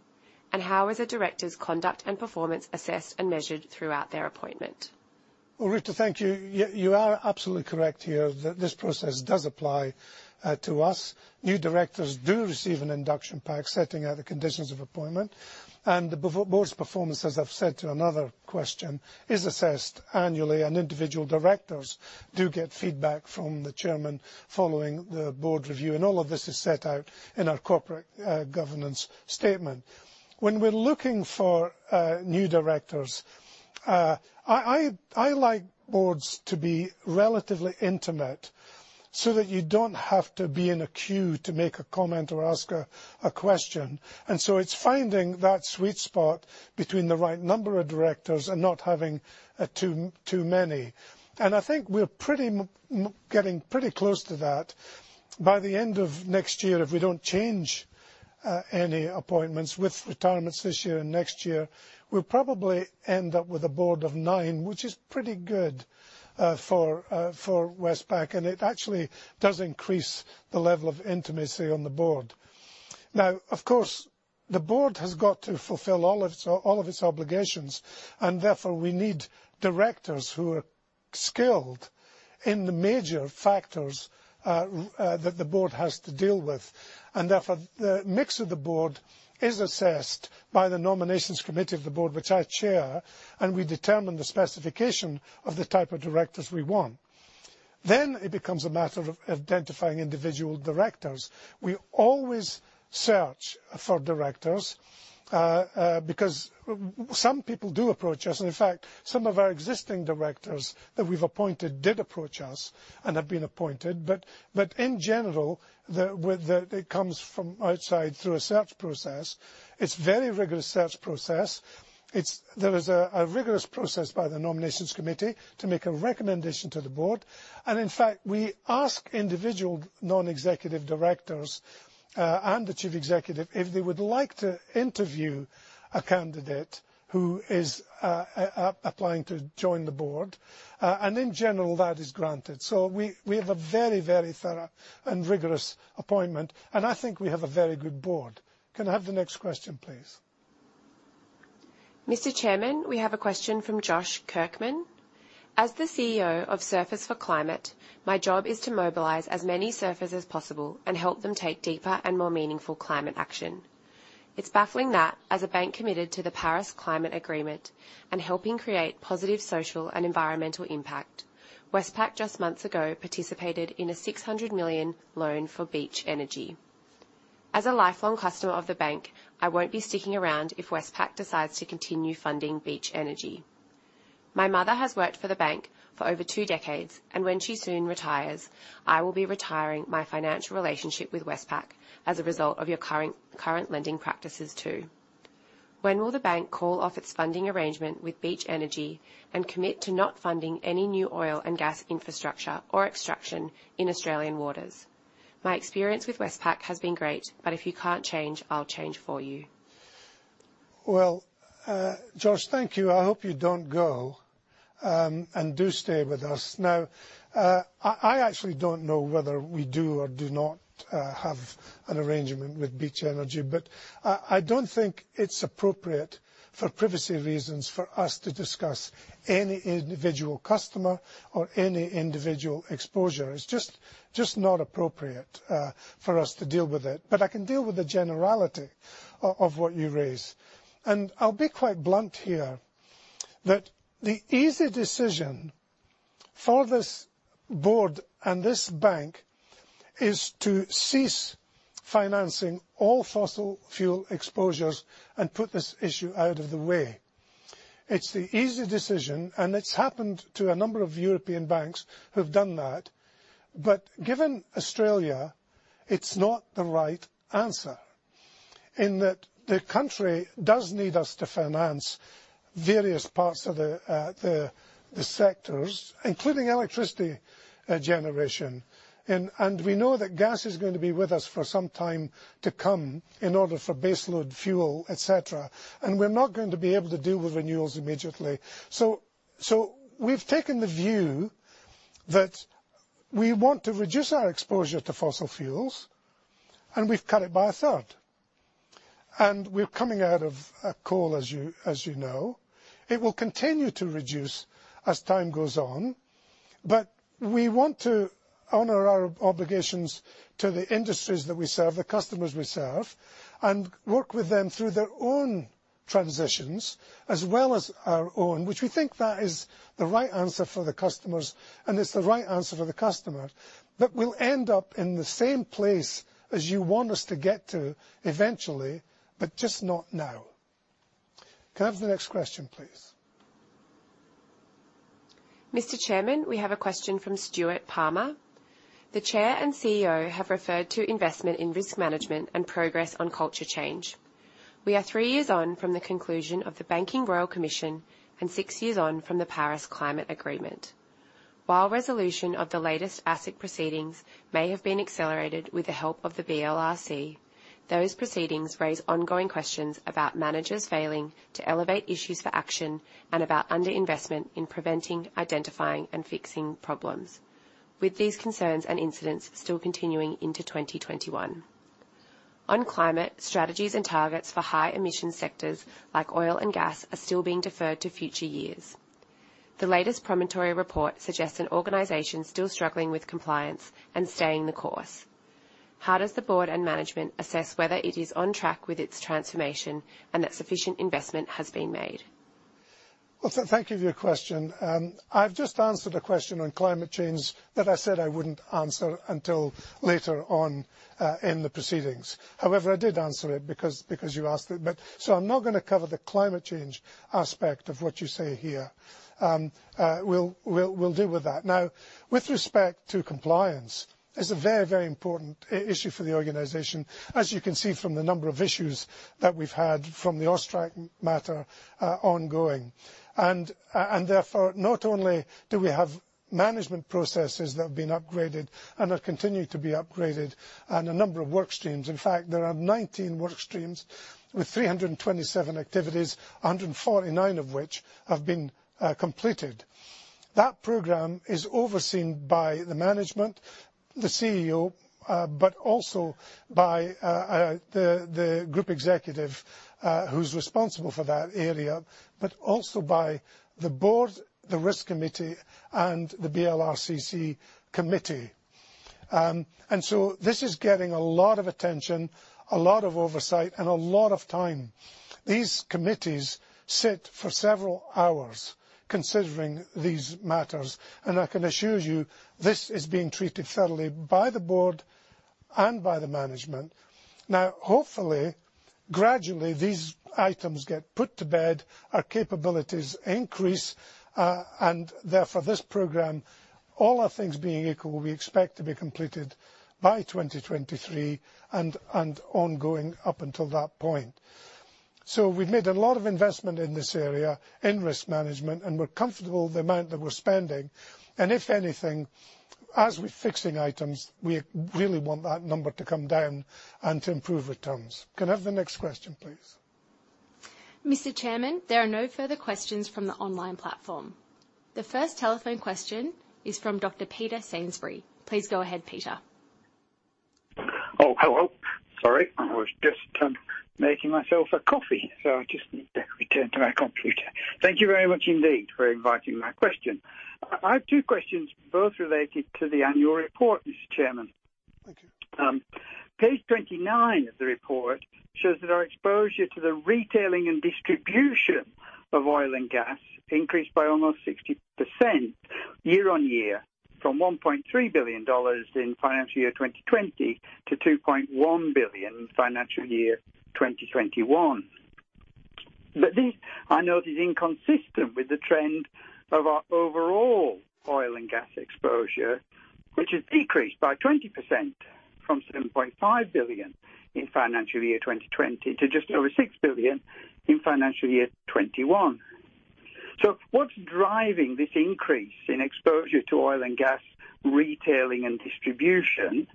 And how is a director's conduct and performance assessed and measured throughout their appointment? Well, Rita, thank you. You are absolutely correct here that this process does apply to us. New directors do receive an induction pack setting out the conditions of appointment. The board's performance, as I've said to another question, is assessed annually, and individual directors do get feedback from the chairman following the board review. All of this is set out in our corporate governance statement. When we're looking for new directors, I like boards to be relatively intimate so that you don't have to be in a queue to make a comment or ask a question. It's finding that sweet spot between the right number of directors and not having too many. I think we're pretty getting pretty close to that. By the end of next year, if we don't change any appointments with retirements this year and next year, we'll probably end up with a board of nine, which is pretty good for Westpac. It actually does increase the level of intimacy on the board. Now, of course, the board has got to fulfill all of its obligations, and therefore, we need directors who are skilled in the major factors that the board has to deal with. Therefore, the mix of the board is assessed by the Nominations Committee of the board, which I chair, and we determine the specification of the type of directors we want. It becomes a matter of identifying individual directors. We always search for directors, because some people do approach us, and in fact, some of our existing directors that we've appointed did approach us and have been appointed. In general, it comes from outside through a search process. It's very rigorous search process. There is a rigorous process by the Nominations Committee to make a recommendation to the Board. In fact, we ask individual Non-Executive Directors and the Chief Executive if they would like to interview a candidate who is applying to join the board. In general, that is granted. We have a very thorough and rigorous appointment, and I think we have a very good board. Can I have the next question, please? Mr. Chairman, we have a question from Josh Kirkman. As the CEO of Surfers for Climate, my job is to mobilize as many surfers as possible and help them take deeper and more meaningful climate action. It's baffling that as a bank committed to the Paris Agreement and helping create positive social and environmental impact, Westpac just months ago participated in an 600 million loan for Beach Energy. As a lifelong customer of the bank, I won't be sticking around if Westpac decides to continue funding Beach Energy. My mother has worked for the bank for over two decades, and when she soon retires, I will be retiring my financial relationship with Westpac as a result of your current lending practices too. When will the bank call off its funding arrangement with Beach Energy and commit to not funding any new oil and gas infrastructure or extraction in Australian waters? My experience with Westpac has been great, but if you can't change, I'll change for you. Well, Josh, thank you. I hope you don't go and do stay with us. Now, I actually don't know whether we do or do not have an arrangement with Beach Energy, but I don't think it's appropriate for privacy reasons for us to discuss any individual customer or any individual exposure. It's just not appropriate for us to deal with it. But I can deal with the generality of what you raise. I'll be quite blunt here that the easy decision for this board and this bank is to cease financing all fossil fuel exposures and put this issue out of the way. It's the easy decision, and it's happened to a number of European banks who have done that. Given Australia, it's not the right answer in that the country does need us to finance various parts of the sectors, including electricity generation. We know that gas is going to be with us for some time to come in order for baseload fuel, et cetera. We're not going to be able to deal with renewables immediately. We've taken the view that we want to reduce our exposure to fossil fuels, and we've cut it by a third. We're coming out of coal, as you know. It will continue to reduce as time goes on. We want to honor our obligations to the industries that we serve, the customers we serve, and work with them through their own transitions as well as our own, which we think that is the right answer for the customers, and it's the right answer for the customer, that we'll end up in the same place as you want us to get to eventually, but just not now. Can I have the next question, please? Mr. Chairman, we have a question from Stuart Palmer. The Chair and CEO have referred to investment in risk management and progress on culture change. We are three years on from the conclusion of the Banking Royal Commission and six years on from the Paris Agreement. While resolution of the latest asset proceedings may have been accelerated with the help of the BLRC, those proceedings raise ongoing questions about managers failing to elevate issues for action and about underinvestment in preventing, identifying, and fixing problems with these concerns and incidents still continuing into 2021. On climate, strategies and targets for high emission sectors like oil and gas are still being deferred to future years. The latest Promontory report suggests an organization still struggling with compliance and staying the course. How does the board and management assess whether it is on track with its transformation and that sufficient investment has been made? Thank you for your question. I've just answered a question on climate change that I said I wouldn't answer until later on in the proceedings. However, I did answer it because you asked it. I'm not gonna cover the climate change aspect of what you say here. We'll deal with that. Now, with respect to compliance, it's a very important issue for the organization, as you can see from the number of issues that we've had from the AUSTRAC matter, ongoing. Therefore, not only do we have management processes that have been upgraded and are continuing to be upgraded and a number of work streams. In fact, there are 19 work streams with 327 activities, 149 of which have been completed. That program is overseen by the management, the CEO, but also by the group executive, who's responsible for that area, but also by the board, the risk committee and the BLRCC committee. This is getting a lot of attention, a lot of oversight, and a lot of time. These committees sit for several hours considering these matters, and I can assure you this is being treated thoroughly by the board and by the management. Now, hopefully, gradually these items get put to bed, our capabilities increase. Therefore this program, all other things being equal, we expect to be completed by 2023 and ongoing up until that point. We've made a lot of investment in this area, in risk management, and we're comfortable with the amount that we're spending. If anything, as we're fixing items, we really want that number to come down and to improve returns. Can I have the next question, please? Mr. Chairman, there are no further questions from the online platform. The first telephone question is from Dr. Peter Sainsbury. Please go ahead, Peter. Oh, hello. Sorry. I was just making myself a coffee, so I just need to return to my computer. Thank you very much indeed for inviting my question. I have two questions, both related to the annual report, Mr. Chairman. Thank you. Page 29 of the report shows that our exposure to the retailing and distribution of oil and gas increased by almost 60% year-on-year from 1.3 billion dollars in financial year 2020 to 2.1 billion in financial year 2021. This, I know, is inconsistent with the trend of our overall oil and gas exposure, which has decreased by 20% from 7.5 billion in financial year 2020 to just over 6 billion in financial year 2021. What's driving this increase in exposure to oil and gas retailing and distribution?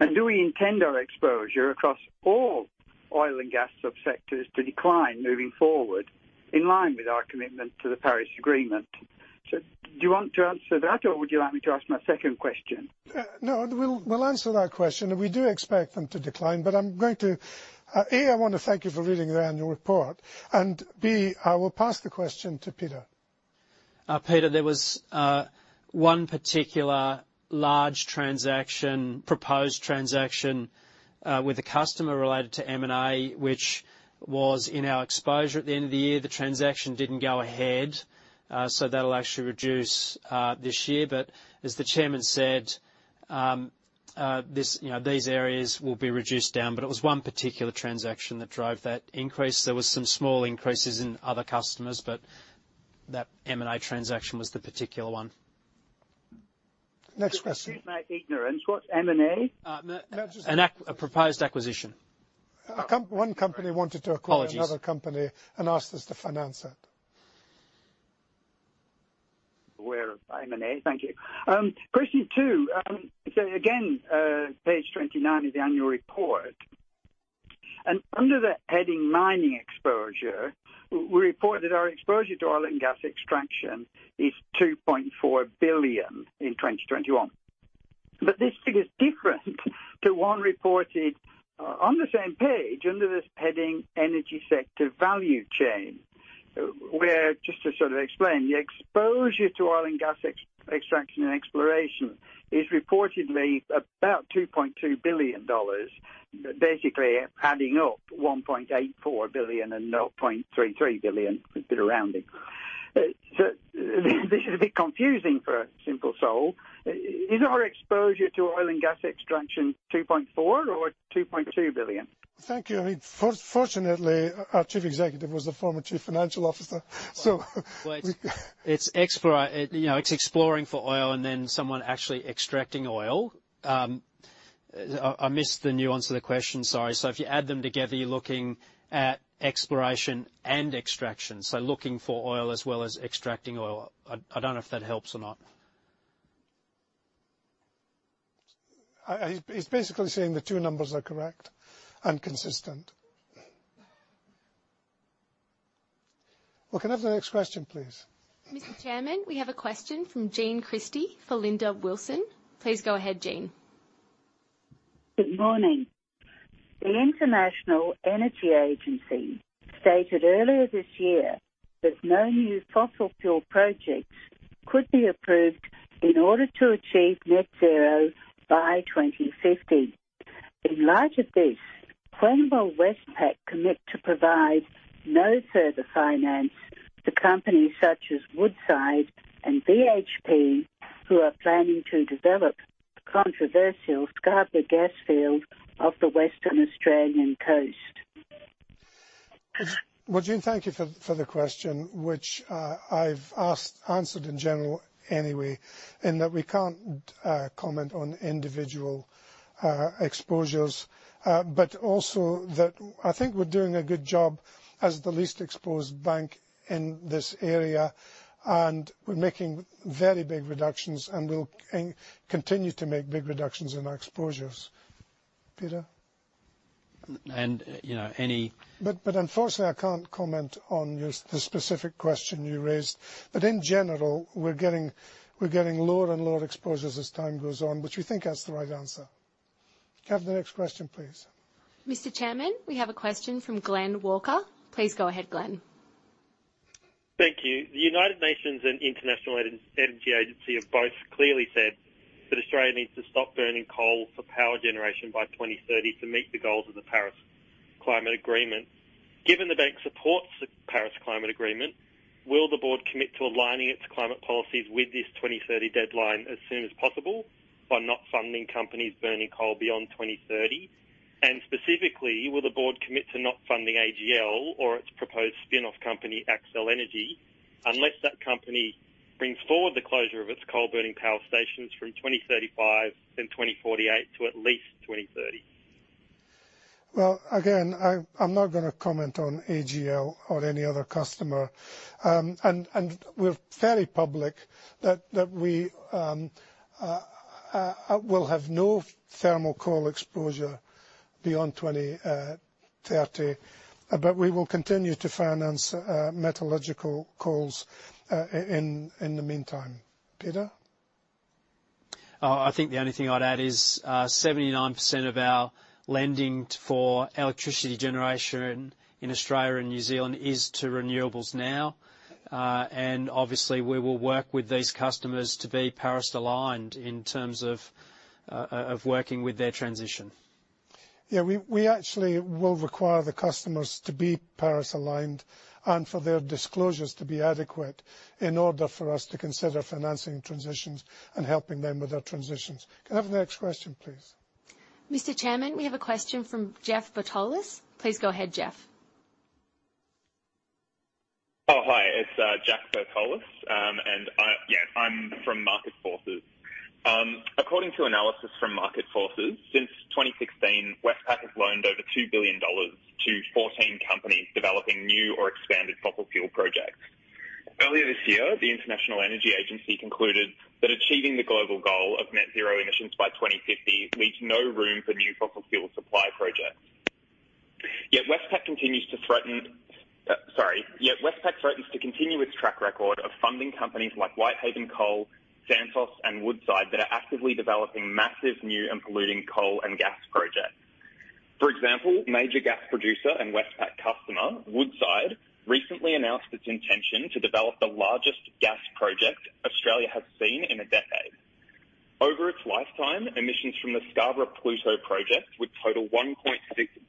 Do we intend our exposure across all oil and gas subsectors to decline moving forward in line with our commitment to the Paris Agreement? Do you want to answer that, or would you like me to ask my second question? No, we'll answer that question, and we do expect them to decline. I'm going to A, I want to thank you for reading the annual report, and B, I will pass the question to Peter. Peter, there was one particular large transaction, proposed transaction, with a customer related to M&A, which was in our exposure at the end of the year. The transaction didn't go ahead, so that'll actually reduce this year. As the chairman said, this, you know, these areas will be reduced down, but it was one particular transaction that drove that increase. There was some small increases in other customers, but that M&A transaction was the particular one. Next question. Forgive my ignorance, what's M&A? A proposed acquisition. One company wanted to acquire. Apologies Another company and asked us to finance it. Aware of M&A. Thank you. Question two. Page 29 of the annual report, under the heading Mining Exposure, we report that our exposure to oil and gas extraction is 2.4 billion in 2021. This figure is different to one reported on the same page under this heading Energy Sector Value Chain, where, just to sort of explain, the exposure to oil and gas extraction and exploration is reportedly about 2.2 billion dollars, basically adding up 1.84 billion and 0.33 billion. We've been rounding. This is a bit confusing for a simple soul. Is our exposure to oil and gas extraction 2.4 or 2.2 billion? Thank you. I mean, fortunately, our Chief Executive was the former Chief Financial Officer. Well, you know, it's exploring for oil and then someone actually extracting oil. I missed the nuance of the question. Sorry. If you add them together, you're looking at exploration and extraction. Looking for oil as well as extracting oil. I don't know if that helps or not. He's basically saying the two numbers are correct and consistent. We can have the next question, please. Mr. Chairman, we have a question from Jean Christie for Linda Wilson. Please go ahead, Jean. Good morning. The International Energy Agency stated earlier this year that no new fossil fuel projects could be approved in order to achieve net zero by 2050. In light of this, will Westpac commit to provide no further finance to companies such as Woodside and BHP, who are planning to develop the controversial Scarborough gas field off the Western Australian coast? Well, Jean, thank you for the question, which I've already answered in general anyway, in that we can't comment on individual exposures, but also that I think we're doing a good job as the least exposed bank in this area, and we're making very big reductions, and we'll continue to make big reductions in our exposures. Peter. You know, any Unfortunately, I can't comment on your, the specific question you raised. In general, we're getting lower and lower exposures as time goes on, which we think that's the right answer. Can I have the next question, please. Mr. Chairman, we have a question from Sally Hunter. Please go ahead, Glenn. Thank you. The United Nations and International Energy Agency have both clearly said that Australia needs to stop burning coal for power generation by 2030 to meet the goals of the Paris Agreement. Given the bank supports the Paris Agreement, will the board commit to aligning its climate policies with this 2030 deadline as soon as possible by not funding companies burning coal beyond 2030? Specifically, will the board commit to not funding AGL or its proposed spin-off company, Accel Energy, unless that company brings forward the closure of its coal burning power stations from 2035 and 2048 to at least 2030? Well, again, I'm not gonna comment on AGL or any other customer. We're very public that we will have no thermal coal exposure beyond 2030. We will continue to finance metallurgical coals in the meantime. Peter? Oh, I think the only thing I'd add is, 79% of our lending for electricity generation in Australia and New Zealand is to renewables now. Obviously we will work with these customers to be Paris-aligned in terms of working with their transition. Yeah. We actually will require the customers to be Paris aligned and for their disclosures to be adequate in order for us to consider financing transitions and helping them with their transitions. Can I have the next question, please? Mr. Chairman, we have a question from Jack Bertolus. Please go ahead, Jeff. Oh, hi. It's Jack Bertolus. I, yeah, I'm from Market Forces. According to analysis from Market Forces, since 2016, Westpac has loaned over 2 billion dollars to 14 companies developing new or expanded fossil fuel projects. Earlier this year, the International Energy Agency concluded that achieving the global goal of net zero emissions by 2050 leaves no room for new fossil fuel supply projects. Yet Westpac threatens to continue its track record of funding companies like Whitehaven Coal, Santos and Woodside that are actively developing massive new and polluting coal and gas projects. For example, major gas producer and Westpac customer, Woodside, recently announced its intention to develop the largest gas project Australia has seen in a decade. Over its lifetime, emissions from the Scarborough-Pluto project would total 1.6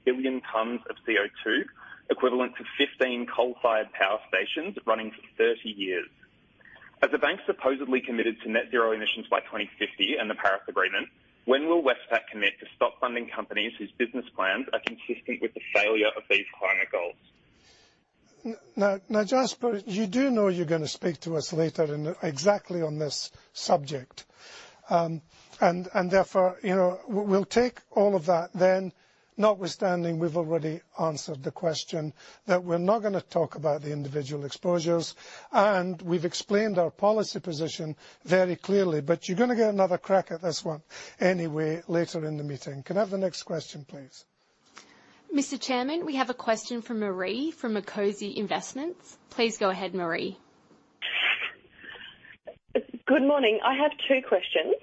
billion tons of CO2, equivalent to 15 coal-fired power stations running for 30 years. As the bank supposedly committed to net zero emissions by 2050 and the Paris Agreement, when will Westpac commit to stop funding companies whose business plans are consistent with the failure of these climate goals? Now, Jeff, you do know you're gonna speak to us later in exactly on this subject. And therefore, you know, we'll take all of that then, notwithstanding we've already answered the question that we're not gonna talk about the individual exposures, and we've explained our policy position very clearly. You're gonna get another crack at this one anyway later in the meeting. Can I have the next question, please? Mr. Chairman, we have a question from Marie, fromMuzinich & Co. Good morning. I have two questions.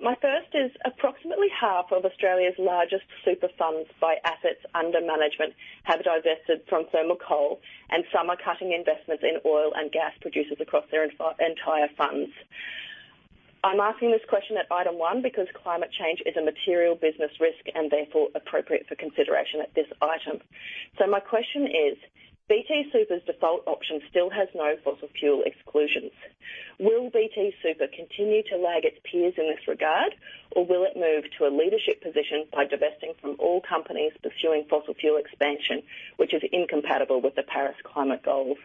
My first is, approximately half of Australia's largest super funds by assets under management have divested from thermal coal, and some are cutting investments in oil and gas producers across their entire funds. I'm asking this question at item one because climate change is a material business risk and therefore appropriate for consideration at this item. My question is, BT Super's default option still has no fossil fuel exclusions. Will BT Super continue to lag its peers in this regard, or will it move to a leadership position by divesting from all companies pursuing fossil fuel expansion, which is incompatible with the Paris climate goals?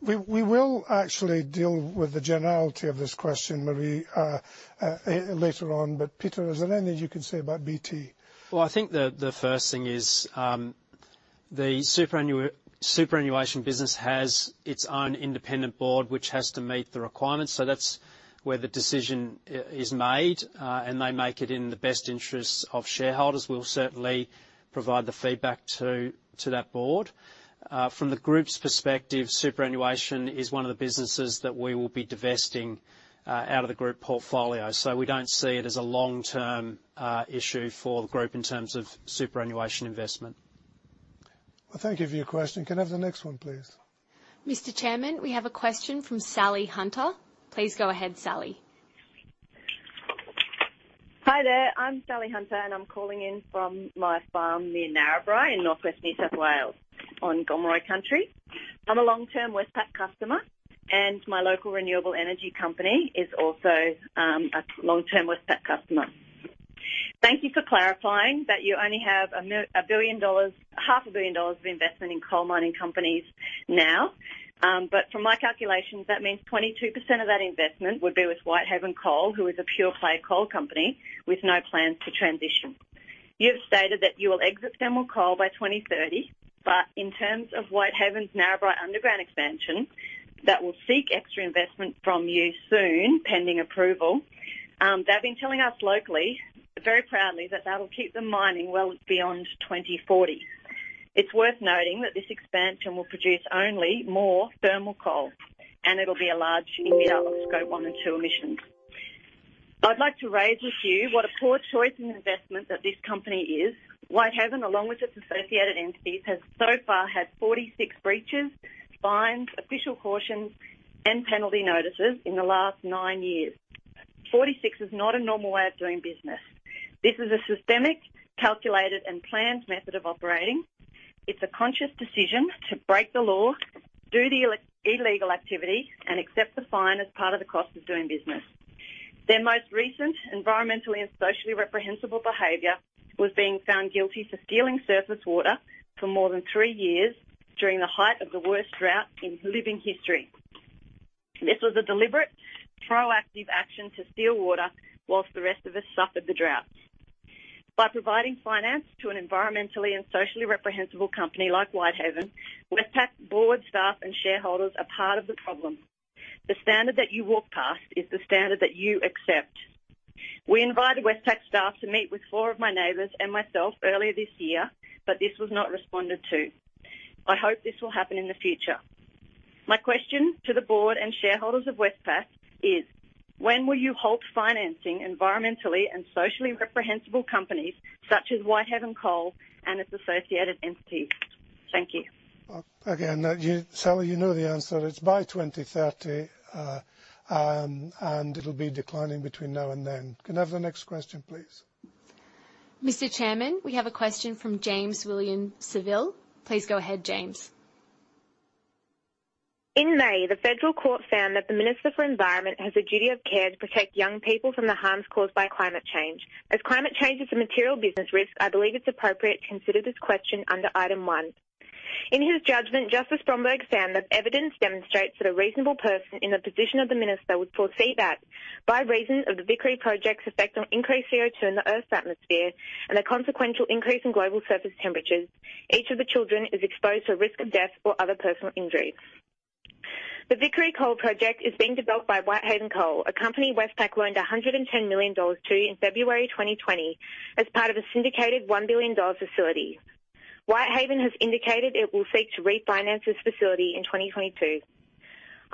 We will actually deal with the generality of this question, Marie, later on. Peter, is there anything you can say about BT? Well, I think the first thing is, the superannuation business has its own independent board, which has to meet the requirements. That's where the decision is made. They make it in the best interests of shareholders. We'll certainly provide the feedback to that board. From the group's perspective, superannuation is one of the businesses that we will be divesting out of the group portfolio. We don't see it as a long-term issue for the group in terms of superannuation investment. Well, thank you for your question. Can I have the next one, please? Mr. Chairman, we have a question from Sally Hunter. Please go ahead, Sally. Hi there. I'm Sally Hunter, and I'm calling in from my farm near Narrabri in northwest New South Wales on Gomeroi country. I'm a long-term Westpac customer, and my local renewable energy company is also a long-term Westpac customer. Thank you for clarifying that you only have 1 billion dollars, AUD half a billion dollars of investment in coal mining companies now. But from my calculations, that means 22% of that investment would be with Whitehaven Coal, who is a pure play coal company with no plans to transition. You have stated that you will exit thermal coal by 2030, but in terms of Whitehaven's Narrabri underground expansion that will seek extra investment from you soon, pending approval, they've been telling us locally, very proudly, that that'll keep them mining well beyond 2040. It's worth noting that this expansion will produce only more thermal coal, and it'll be a large emitter of Scope 1 and 2 emissions. I'd like to raise with you what a poor choice in investment that this company is. Whitehaven, along with its associated entities, has so far had 46 breaches, fines, official cautions, and penalty notices in the last 9 years. 46 is not a normal way of doing business. This is a systemic, calculated, and planned method of operating. It's a conscious decision to break the law, do the illegal activity, and accept the fine as part of the cost of doing business. Their most recent environmentally and socially reprehensible behavior was being found guilty for stealing surface water for more than 3 years during the height of the worst drought in living history. This was a deliberate, proactive action to steal water while the rest of us suffered the drought. By providing finance to an environmentally and socially reprehensible company like Whitehaven, Westpac board, staff, and shareholders are part of the problem. The standard that you walk past is the standard that you accept. We invited Westpac staff to meet with four of my neighbors and myself earlier this year, but this was not responded to. I hope this will happen in the future. My question to the board and shareholders of Westpac is when will you halt financing environmentally and socially reprehensible companies such as Whitehaven Coal and its associated entities? Thank you. Well, again, you, Sally, you know the answer. It's by 2030. It'll be declining between now and then. Can I have the next question, please? Mr. Chairman, we have a question from James William Savill. Please go ahead, James. In May, the Federal Court found that the Minister for the Environment has a duty of care to protect young people from the harms caused by climate change. As climate change is a material business risk, I believe it's appropriate to consider this question under item one. In his judgment, Justice Bromberg found that evidence demonstrates that a reasonable person in the position of the minister would foresee that by reason of the Vickery Project's effect on increased CO2 in the Earth's atmosphere and the consequential increase in global surface temperatures, each of the children is exposed to a risk of death or other personal injuries. The Vickery Coal Project is being developed by Whitehaven Coal, a company Westpac loaned 110 million dollars to in February 2020 as part of a syndicated 1 billion dollar facility. Whitehaven has indicated it will seek to refinance this facility in 2022.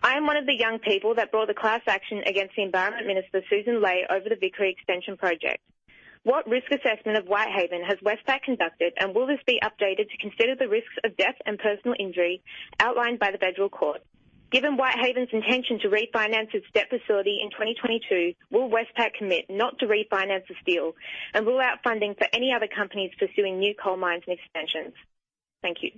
I am one of the young people that brought the class action against the Environment Minister, Sussan Ley, over the Vickery extension project. What risk assessment of Whitehaven has Westpac conducted, and will this be updated to consider the risks of death and personal injury outlined by the Federal Court? Given Whitehaven's intention to refinance its debt facility in 2022, will Westpac commit not to refinance this deal, and rule out funding for any other companies pursuing new coal mines and expansions? Thank you.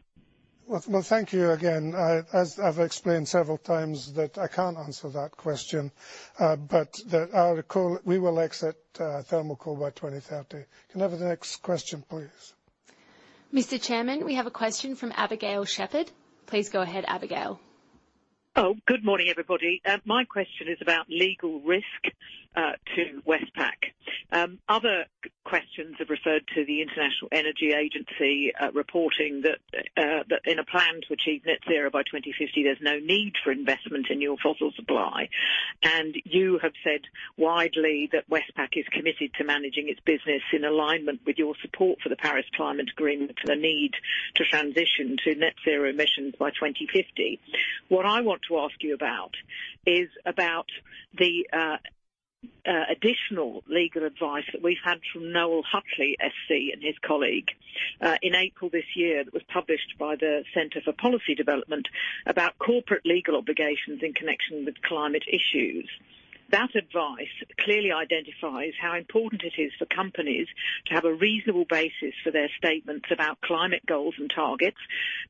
Well, well, thank you again. As I've explained several times that I can't answer that question, but that we will exit thermal coal by 2030. Can I have the next question, please? Mr. Chairman, we have a question from Abigail Shepherd. Please go ahead, Abigail. Good morning, everybody. My question is about legal risk to Westpac. Other questions have referred to the International Energy Agency reporting that in a plan to achieve net zero by 2050, there's no need for investment in your fossil fuel supply. You have said widely that Westpac is committed to managing its business in alignment with your support for the Paris Agreement and the need to transition to net zero emissions by 2050. What I want to ask you about is the additional legal advice that we've had from Noel Hutley SC and his colleague in April this year, that was published by the Centre for Policy Development about corporate legal obligations in connection with climate issues. That advice clearly identifies how important it is for companies to have a reasonable basis for their statements about climate goals and targets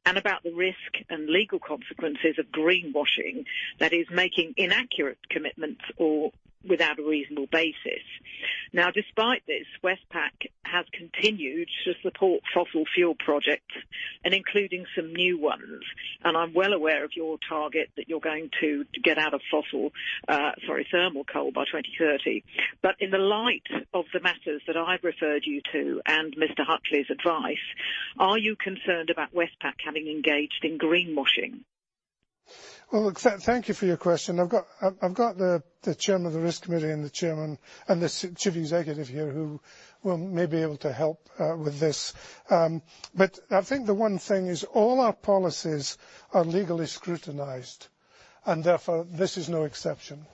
and about the risk and legal consequences of greenwashing, that is making inaccurate commitments or without a reasonable basis. Now, despite this, Westpac has continued to support fossil fuel projects and including some new ones. I'm well aware of your target that you're going to get out of fossil, sorry, thermal coal by 2030. In the light of the matters that I've referred you to and Mr. Hutley's advice, are you concerned about Westpac having engaged in greenwashing? Well, thank you for your question. I've got the chairman of the risk committee and the chairman and the chief executive here who may be able to help with this. I think the one thing is all our policies are legally scrutinized, and therefore, this is no exception.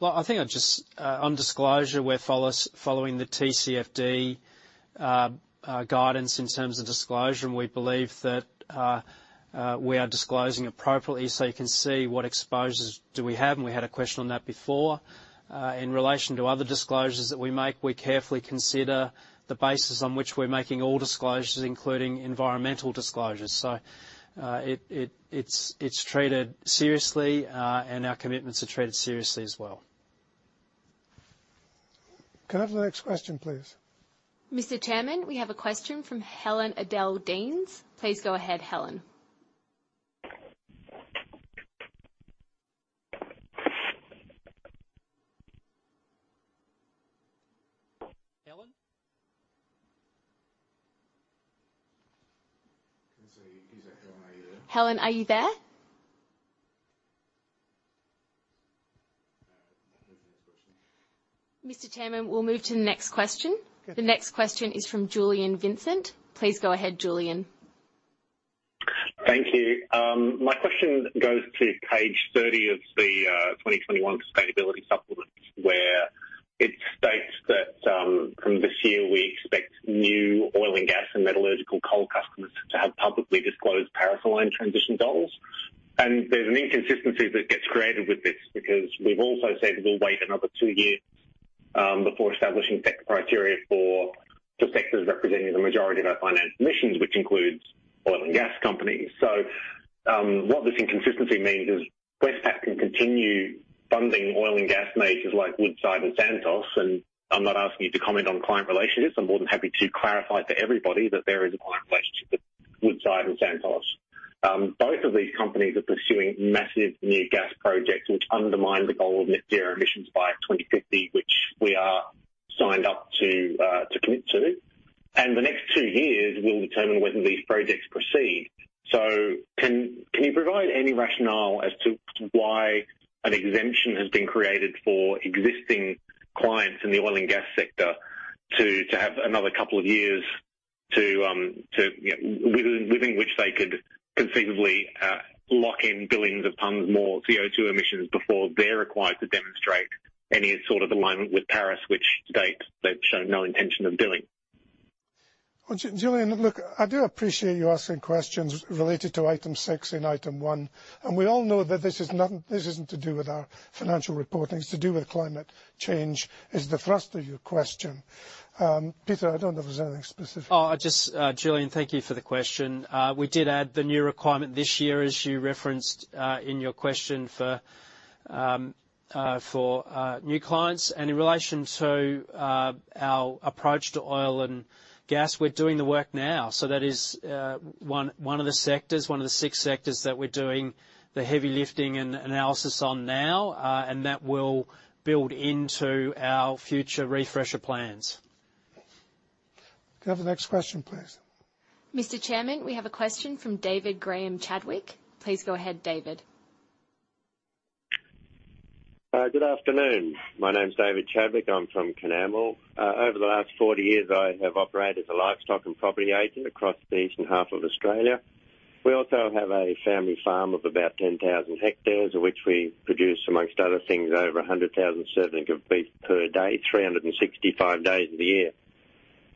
Well, I think I'd just, on disclosure, we're following the TCFD guidance in terms of disclosure, and we believe that, we are disclosing appropriately so you can see what exposures do we have, and we had a question on that before. In relation to other disclosures that we make, we carefully consider the basis on which we're making all disclosures, including environmental disclosures. It's treated seriously, and our commitments are treated seriously as well. Can I have the next question, please? Mr. Chairman, we have a question from Helen O'Dea. Please go ahead, Helen. Helen? Can you say? Is that Helen? Are you there? Helen, are you there? Move to the next question. Mr. Chairman, we'll move to the next question. Okay. The next question is from Glenn. Please go ahead, Julien. Thank you. My question goes to page 30 of the 2021 sustainability supplement, where it states that from this year, we expect new oil and gas and metallurgical coal customers to have publicly disclosed Paris-aligned transition goals. There's an inconsistency that gets created with this, because we've also said we will wait another two years before establishing set criteria for the sectors representing the majority of our finance emissions, which includes oil and gas companies. What this inconsistency means is Westpac can continue funding oil and gas majors like Woodside and Santos. I'm not asking you to comment on client relationships. I'm more than happy to clarify to everybody that there is a client relationship with Woodside and Santos. Both of these companies are pursuing massive new gas projects which undermine the goal of net zero emissions by 2050, which we are signed up to commit to. The next 2 years will determine whether these projects proceed. Can you provide any rationale as to why an exemption has been created for existing clients in the oil and gas sector to have another couple of years within which they could conceivably lock in billions of tons more CO2 emissions before they're required to demonstrate any sort of alignment with Paris, which to date they've shown no intention of doing? Well, Julien, look, I do appreciate you asking questions related to item six and item one. We all know that this isn't to do with our financial reporting. It's to do with climate change, is the thrust of your question. Peter, I don't know if there's anything specific. Just, Julien, thank you for the question. We did add the new requirement this year, as you referenced, in your question for new clients. In relation to our approach to oil and gas, we're doing the work now. That is one of the sectors, one of the six sectors that we're doing the heavy lifting and analysis on now. That will build into our future refresher plans. Can I have the next question, please? Mr. Chairman, we have a question from David Graham Chadwick. Please go ahead, David. Good afternoon. My name is David Graham Chadwick. I'm from Gunnedah. Over the last 40 years, I have operated a livestock and property agent across the eastern half of Australia. We also have a family farm of about 10,000 hectares, of which we produce, among other things, over 100,000 servings of beef per day, 365 days of the year.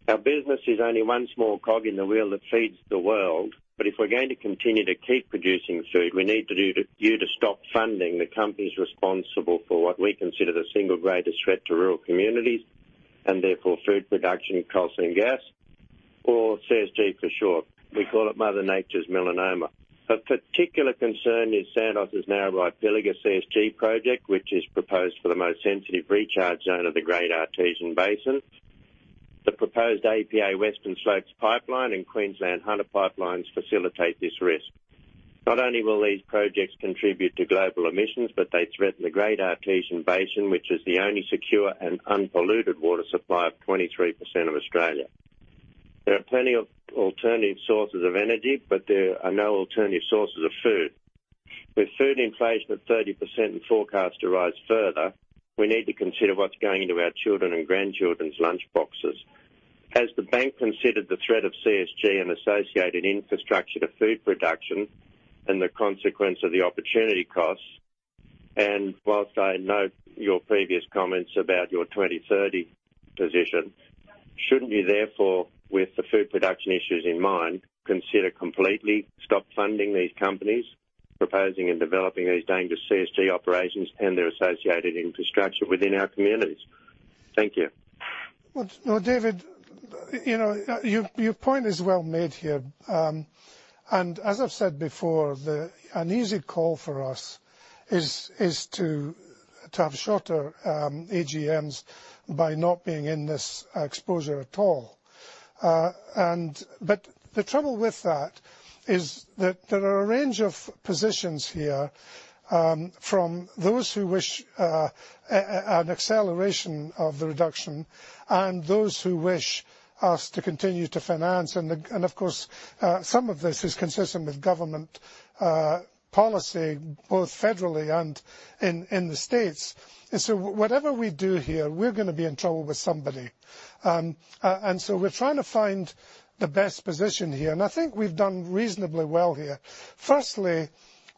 Our business is only one small cog in the wheel that feeds the world. If we're going to continue to keep producing food, we need you to stop funding the companies responsible for what we consider the single greatest threat to rural communities and therefore food production, coal and gas, or CSG for short. We call it Mother Nature's melanoma. Of particular concern is Santos's Narrabri Pilliga CSG project, which is proposed for the most sensitive recharge zone of the Great Artesian Basin. The proposed APA Western Slopes pipeline and Queensland Hunter pipelines facilitate this risk. Not only will these projects contribute to global emissions, but they threaten the Great Artesian Basin, which is the only secure and unpolluted water supply of 23% of Australia. There are plenty of alternative sources of energy, but there are no alternative sources of food. With food inflation at 30% and forecast to rise further, we need to consider what's going into our children and grandchildren's lunchboxes. Has the bank considered the threat of CSG and associated infrastructure to food production and the consequence of the opportunity costs? While I note your previous comments about your 2030 position, shouldn't you therefore, with the food production issues in mind, consider completely stop funding these companies proposing and developing these dangerous CSG operations and their associated infrastructure within our communities? Thank you. Well, no, David, you know, your point is well made here. As I've said before, an easy call for us is to have shorter AGMs by not being in this exposure at all. The trouble with that is that there are a range of positions here, from those who wish an acceleration of the reduction and those who wish us to continue to finance. Of course, some of this is consistent with government policy, both federally and in the States. Whatever we do here, we're gonna be in trouble with somebody. We're trying to find the best position here. I think we've done reasonably well here. Firstly,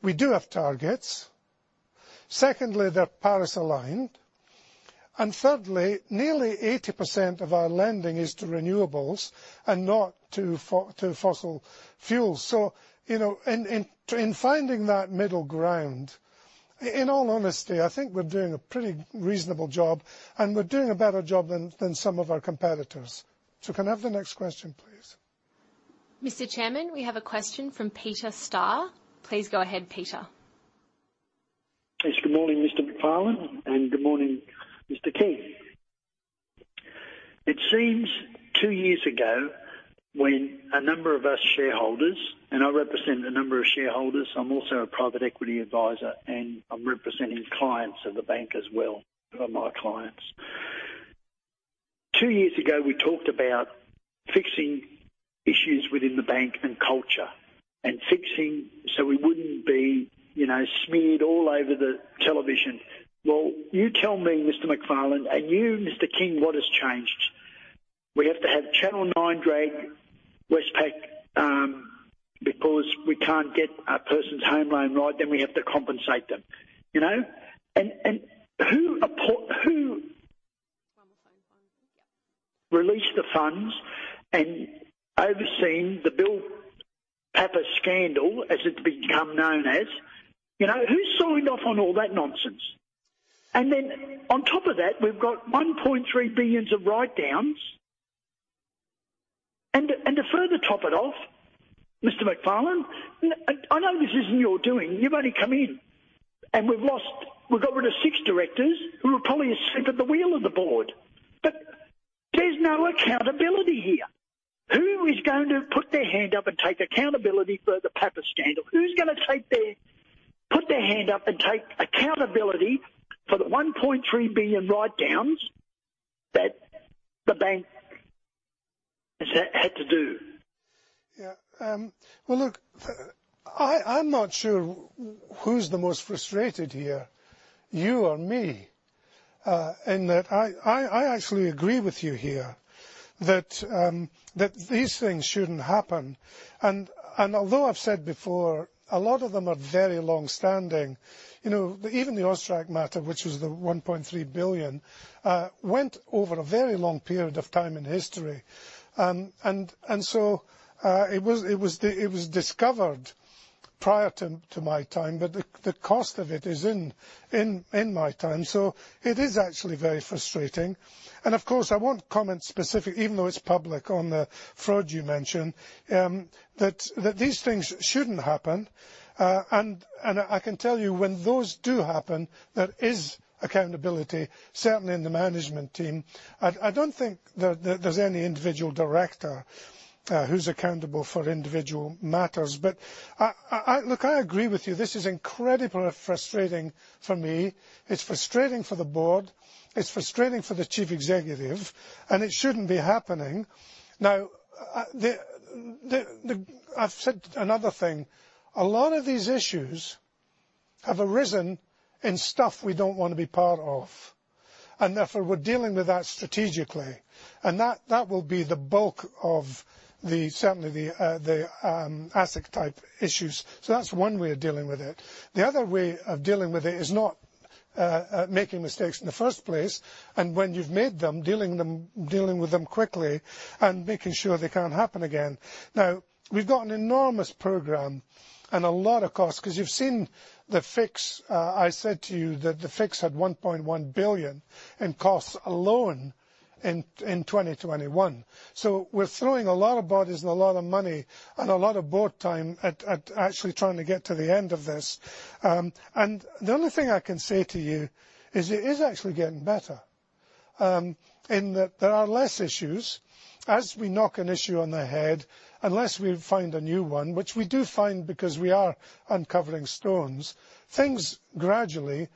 we do have targets. Secondly, they're Paris-aligned. Thirdly, nearly 80% of our lending is to renewables and not to fossil fuels. You know, in finding that middle ground, in all honesty, I think we're doing a pretty reasonable job, and we're doing a better job than some of our competitors. Can I have the next question, please? Mr. Chairman, we have a question from Peter Starr. Please go ahead, Peter. Yes. Good morning, Mr. McFarlane, and good morning, Mr. King. It seems two years ago when a number of us shareholders, and I represent a number of shareholders. I'm also a private equity advisor, and I'm representing clients of the bank as well, who are my clients. Two years ago, we talked about fixing issues within the bank and culture and fixing. You know, smeared all over the television. Well, you tell me, Mr. McFarlane, and you, Mr. King, what has changed? We have to have Channel Nine drag Westpac because we can't get a person's home loan right, then we have to compensate them, you know? Who released the funds and overseen the Bill Papas scandal as it's become known as? You know, who signed off on all that nonsense? On top of that, we've got 1.3 billion of write-downs. To further top it off, Mr. McFarlane, I know this isn't your doing. You've only come in. We've got rid of six directors who are probably asleep at the wheel of the board. There's no accountability here. Who is going to put their hand up and take accountability for the Papas scandal? Who's gonna put their hand up and take accountability for the 1.3 billion write-downs that the bank has had to do? Yeah. Well, look, I am not sure who's the most frustrated here, you or me. In that I actually agree with you here that these things shouldn't happen. Although I've said before, a lot of them are very long-standing. You know, even the AUSTRAC matter, which was the 1.3 billion, went over a very long period of time in history. It was discovered prior to my time, but the cost of it is in my time. So it is actually very frustrating. Of course, I won't comment specifically, even though it's public, on the fraud you mentioned. These things shouldn't happen. I can tell you when those do happen, there is accountability, certainly in the management team. I don't think there's any individual director who's accountable for individual matters. Look, I agree with you. This is incredibly frustrating for me. It's frustrating for the board, it's frustrating for the Chief Executive, and it shouldn't be happening. Now, I've said another thing. A lot of these issues have arisen in stuff we don't wanna be part of, and therefore we're dealing with that strategically. That will be the bulk of certainly the asset type issues. That's one way of dealing with it. The other way of dealing with it is not making mistakes in the first place, and when you've made them, dealing with them quickly and making sure they can't happen again. Now, we've got an enormous program and a lot of costs, 'cause you've seen the fix. I said to you that the fix had 1.1 billion in costs alone in 2021. We're throwing a lot of bodies and a lot of money and a lot of board time at actually trying to get to the end of this. The only thing I can say to you is it is actually getting better, in that there are less issues. As we knock an issue on the head, unless we find a new one, which we do find because we are uncovering stones, things gradually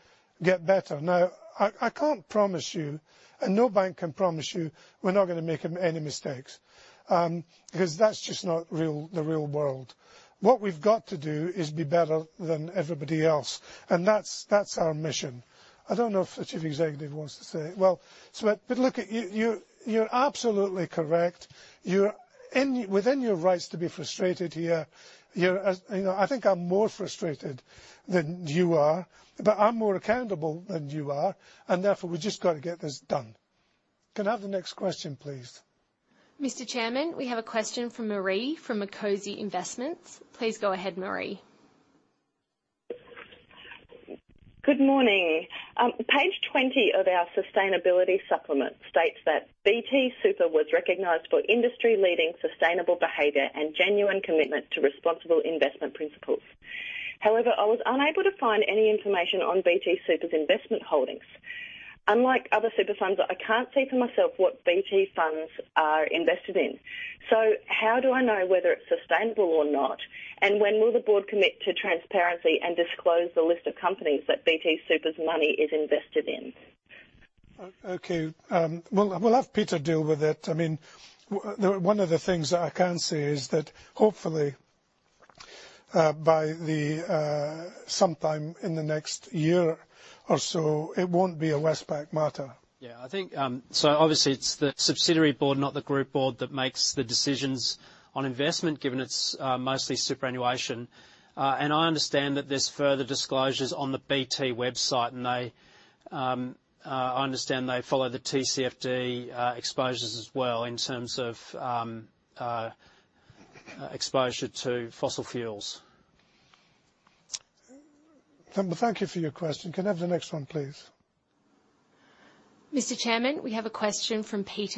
get better. I can't promise you, and no bank can promise you, we're not gonna make any mistakes, because that's just not real, the real world. What we've got to do is be better than everybody else, and that's our mission. I don't know if the Chief Executive wants to say. Well, but look, you're absolutely correct. You're within your rights to be frustrated here, as you know. I think I'm more frustrated than you are, but I'm more accountable than you are, and therefore, we've just got to get this done. Can I have the next question, please? Mr. Chairman, we have a question from Marie from Makinson & Co Investments. Please go ahead, Marie. Good morning. Page 20 of our sustainability supplement states that BT Super was recognized for industry-leading sustainable behavior and genuine commitment to responsible investment principles. However, I was unable to find any information on BT Super's investment holdings. Unlike other super funds, I can't see for myself what BT funds are invested in. How do I know whether it's sustainable or not? When will the board commit to transparency and disclose the list of companies that BT Super's money is invested in? Okay. We'll have Peter deal with it. I mean, one of the things that I can say is that hopefully, by sometime in the next year or so, it won't be a Westpac matter. Yeah, I think so obviously it's the subsidiary board, not the group board, that makes the decisions on investment, given it's mostly superannuation. I understand that there's further disclosures on the BT website, and I understand they follow the TCFD exposures as well in terms of exposure to fossil fuels. Thank you for your question. Can I have the next one, please? Mr. Chairman, we have a question from v.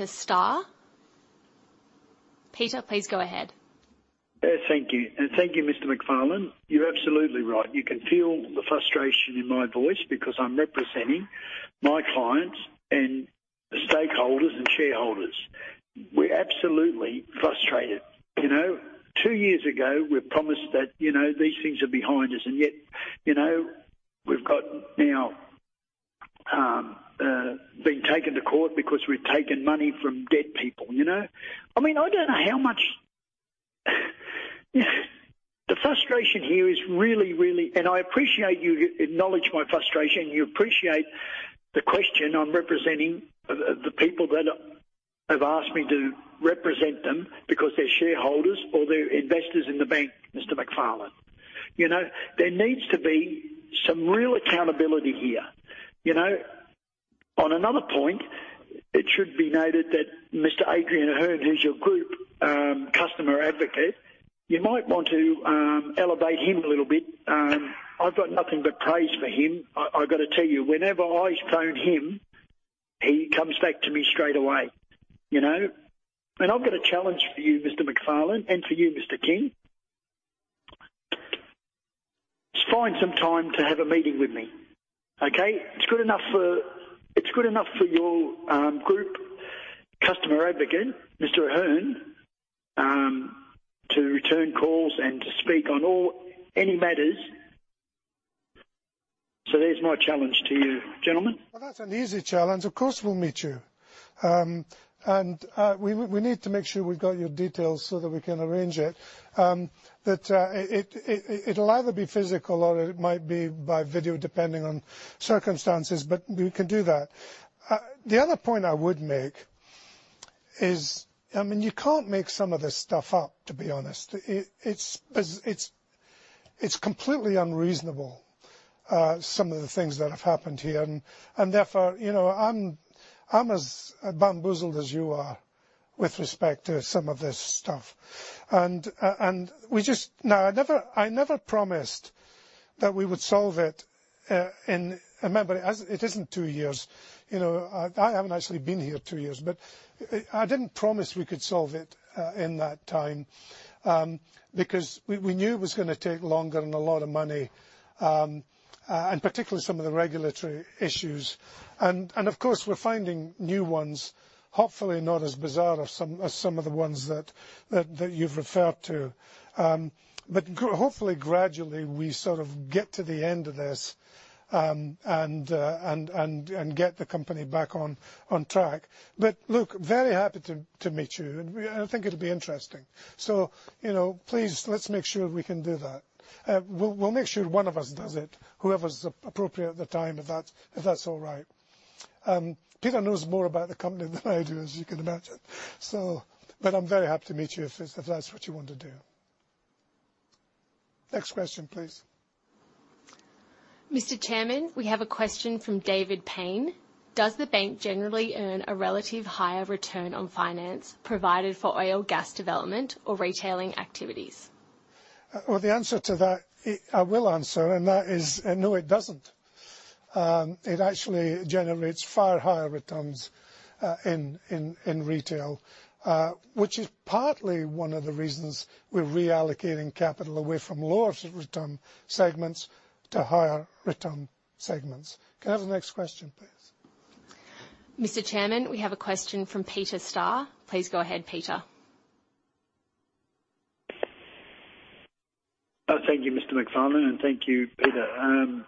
Peter, please go ahead. Yeah, thank you. Thank you, Mr. McFarlane. You're absolutely right. You can feel the frustration in my voice because I'm representing my clients and the stakeholders and shareholders. We're absolutely frustrated. You know, two years ago, we promised that, you know, these things are behind us, and yet, you know, we've got now being taken to court because we've taken money from dead people, you know. I mean, I don't know how much. The frustration here is really. I appreciate you acknowledge my frustration. You appreciate the question. I'm representing the people that have asked me to represent them because they're shareholders or they're investors in the bank, Mr. McFarlane. You know, there needs to be some real accountability here, you know. On another point, it should be noted that Mr. Adrian Ahern, who's your Group Customer Advocate, you might want to elevate him a little bit. I've got nothing but praise for him. I got to tell you, whenever I phone him, he comes back to me straight away, you know. I've got a challenge for you, Mr. McFarlane, and for you, Mr. King. Just find some time to have a meeting with me. Okay. It's good enough for your Group Customer Advocate, Mr. Ahern, to return calls and to speak on any matters. There's my challenge to you, gentlemen. Well, that's an easy challenge. Of course, we'll meet you. We need to make sure we've got your details so that we can arrange it. It'll either be physical or it might be by video, depending on circumstances, but we can do that. The other point I would make is, I mean, you can't make some of this stuff up, to be honest. It's completely unreasonable, some of the things that have happened here. Therefore, you know, I'm as bamboozled as you are with respect to some of this stuff. We just. Now, I never promised that we would solve it in. Remember, as it isn't two years, you know, I haven't actually been here two years, but I didn't promise we could solve it in that time, because we knew it was gonna take longer and a lot of money, and particularly some of the regulatory issues. Of course, we're finding new ones, hopefully not as bizarre as some of the ones that you've referred to. But hopefully gradually, we sort of get to the end of this, and get the company back on track. Look, very happy to meet you. I think it'll be interesting. You know, please let's make sure we can do that. We'll make sure one of us does it, whoever's appropriate at the time, if that's all right. Peter knows more about the company than I do, as you can imagine. I'm very happy to meet you if that's what you want to do. Next question, please. Mr. Chairman, we have a question from David Payne. Does the bank generally earn a relative higher return on finance provided for oil, gas development or retailing activities? Well, the answer to that, I will answer, and that is, no, it doesn't. It actually generates far higher returns in retail, which is partly one of the reasons we're reallocating capital away from lower return segments to higher return segments. Can I have the next question, please? Mr. Chairman, we have a question from Peter Starr. Please go ahead, Peter. Oh, thank you, Mr. McFarlane, and thank you, Peter.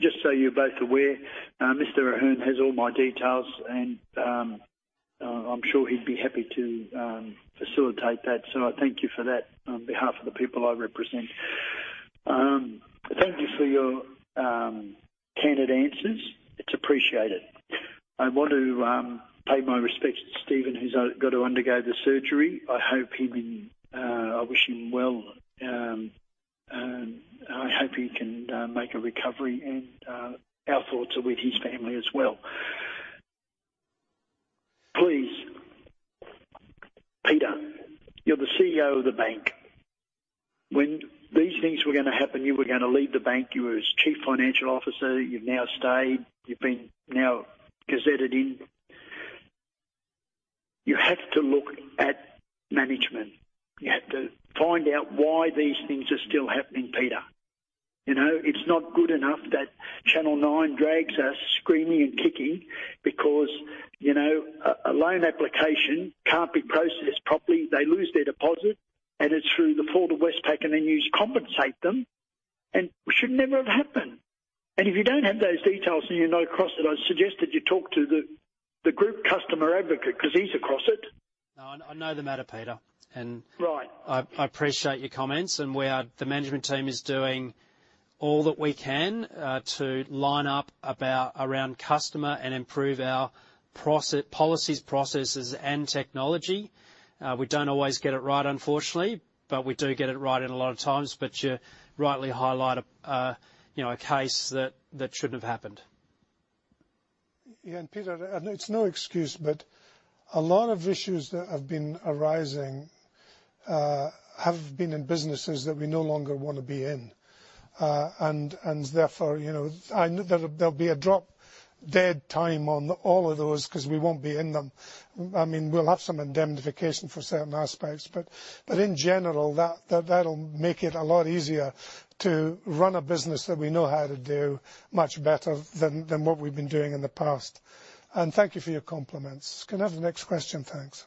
Just so you're both aware, Mr. Ahern has all my details and I'm sure he'd be happy to facilitate that. So I thank you for that on behalf of the people I represent. Thank you for your candid answers. It's appreciated. I want to pay my respects to Stephen, who's got to undergo the surgery. I wish him well, and I hope he can make a recovery, and our thoughts are with his family as well. Please, Peter, you're the CEO of the bank. When these things were gonna happen, you were gonna leave the bank. You were its chief financial officer. You've now stayed. You've been now gazetted in. You have to look at management. You have to find out why these things are still happening, Peter. You know, it's not good enough that Channel Nine drags us screaming and kicking because, you know, a loan application can't be processed properly. They lose their deposit, and it's through the fault of Westpac, and then you compensate them. It should never have happened. If you don't have those details then you're not across it. I suggest that you talk to the Group Customer Advocate, 'cause he's across it. No, I know the matter, Peter and. Right. I appreciate your comments and the management team is doing all that we can to align around customer and improve our policies, processes and technology. We don't always get it right, unfortunately, but we do get it right in a lot of times. You rightly highlight a you know case that shouldn't have happened. Yeah. Peter, I know it's no excuse, but a lot of issues that have been arising have been in businesses that we no longer wanna be in. Therefore, you know, I know there'll be a drop dead time on all of those 'cause we won't be in them. I mean, we'll have some indemnification for certain aspects, but in general, that'll make it a lot easier to run a business that we know how to do much better than what we've been doing in the past. Thank you for your compliments. Can I have the next question? Thanks.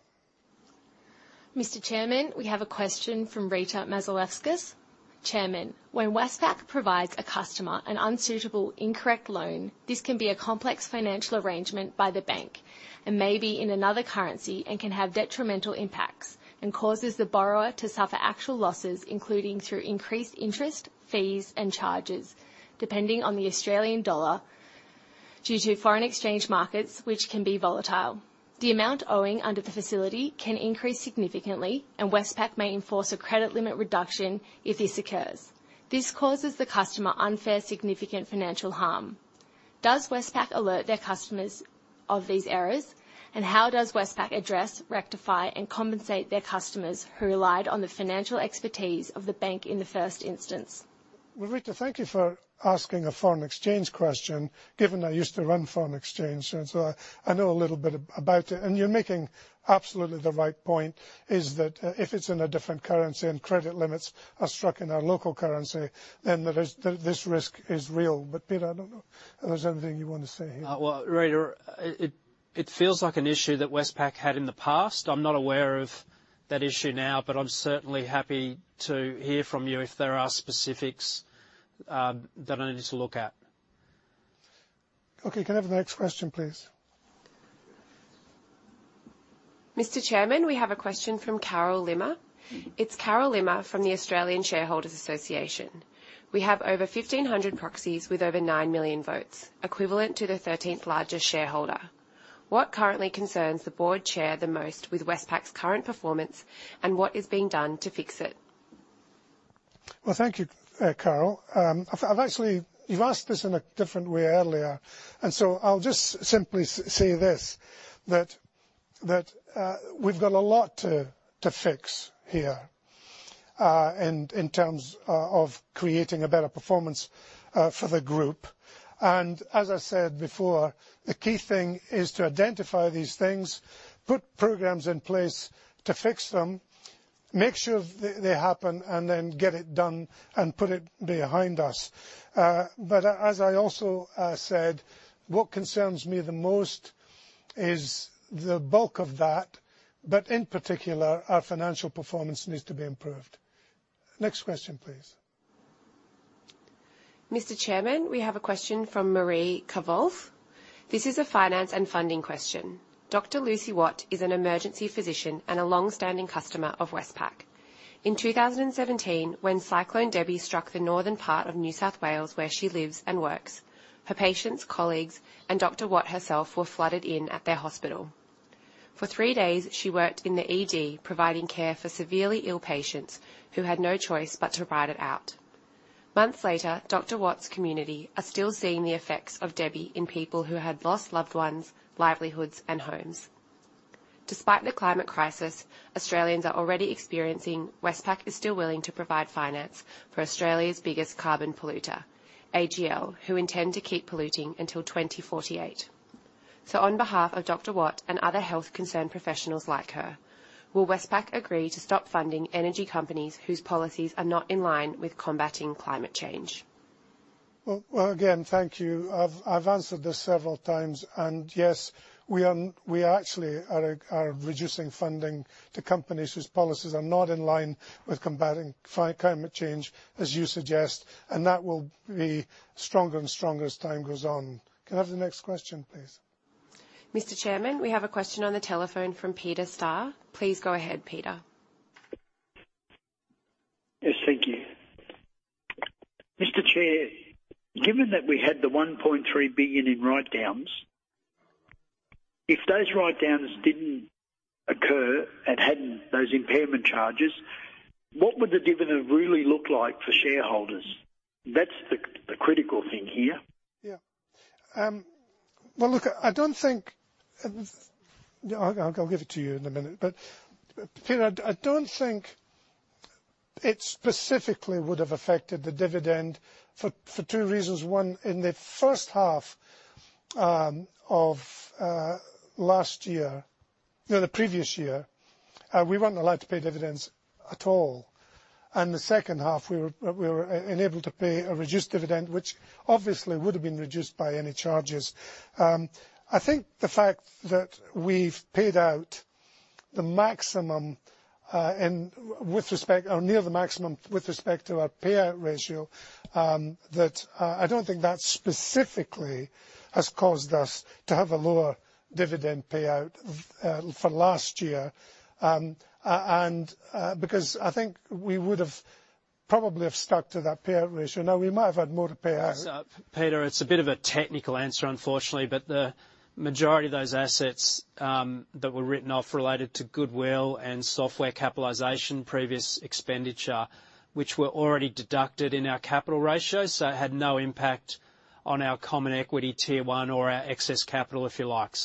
Mr. Chairman, we have a question from Rita Mazaleskas. "Chairman, when Westpac provides a customer an unsuitable, incorrect loan, this can be a complex financial arrangement by the bank and may be in another currency and can have detrimental impacts and causes the borrower to suffer actual losses, including through increased interest, fees, and charges, depending on the Australian dollar due to foreign exchange markets, which can be volatile. The amount owing under the facility can increase significantly, and Westpac may enforce a credit limit reduction if this occurs. This causes the customer unfair, significant financial harm. Does Westpac alert their customers of these errors? And how does Westpac address, rectify, and compensate their customers who relied on the financial expertise of the bank in the first instance? Well, Rita, thank you for asking a foreign exchange question, given I used to run foreign exchange, and so I know a little bit about it. You're making absolutely the right point is that if it's in a different currency and credit limits are struck in our local currency, then there is this risk is real. Peter, I don't know if there's anything you want to say here. Well, Rita, it feels like an issue that Westpac had in the past. I'm not aware of that issue now, but I'm certainly happy to hear from you if there are specifics that I need to look at. Okay. Can I have the next question, please? Mr. Chairman, we have a question from Carol Limmer. "It's Carol Limmer from the Australian Shareholders' Association. We have over 1,500 proxies with over 9 million votes, equivalent to the 13th largest shareholder. What currently concerns the Board Chair the most with Westpac's current performance, and what is being done to fix it? Well, thank you, Carol. I've actually—You've asked this in a different way earlier, so I'll just simply say this, that we've got a lot to fix here in terms of creating a better performance for the group. As I said before, the key thing is to identify these things, put programs in place to fix them, make sure they happen, and then get it done and put it behind us. As I also said, what concerns me the most is the bulk of that, but in particular, our financial performance needs to be improved. Next question, please. Mr. Chairman, we have a question from uncertain. This is a finance and funding question. "Dr. Lucy Watt is an emergency physician and a long-standing customer of Westpac. In 2017, when Cyclone Debbie struck the northern part of New South Wales, where she lives and works, her patients, colleagues, and Dr. Watt herself were flooded in at their hospital. For threedays, she worked in the ED providing care for severely ill patients who had no choice but to ride it out. Months later, Dr. Watt's community are still seeing the effects of Debbie in people who had lost loved ones, livelihoods, and homes. Despite the climate crisis Australians are already experiencing, Westpac is still willing to provide finance for Australia's biggest carbon polluter, AGL, who intend to keep polluting until 2048. On behalf of Dr. Watt and other health-concerned professionals like her, will Westpac agree to stop funding energy companies whose policies are not in line with combating climate change? Well, well, again, thank you. I've answered this several times. Yes, we actually are reducing funding to companies whose policies are not in line with combating climate change, as you suggest, and that will be stronger and stronger as time goes on. Can I have the next question, please? Mr. Chairman, we have a question on the telephone from Peter Starr. Please go ahead, Peter. Yes, thank you. Mr. Chair, given that we had the 1.3 billion in write-downs, if those write-downs didn't occur and hadn't those impairment charges, what would the dividend really look like for shareholders? That's the critical thing here. Well, look, I'll give it to you in a minute. Peter, I don't think it specifically would have affected the dividend for two reasons. One, in the first half of the previous year, we weren't allowed to pay dividends at all. The second half, we were enabled to pay a reduced dividend, which obviously would have been reduced by any charges. I think the fact that we've paid out the maximum and with respect to or near the maximum with respect to our payout ratio, that I don't think that specifically has caused us to have a lower dividend payout for last year, because I think we would have probably stuck to that payout ratio. Now, we might have had more to pay out. Peter, it's a bit of a technical answer, unfortunately, but the majority of those assets that were written off related to goodwill and software capitalization, previous expenditure, which were already deducted in our capital ratio, so it had no impact on our Common Equity Tier 1 or our excess capital, if you like.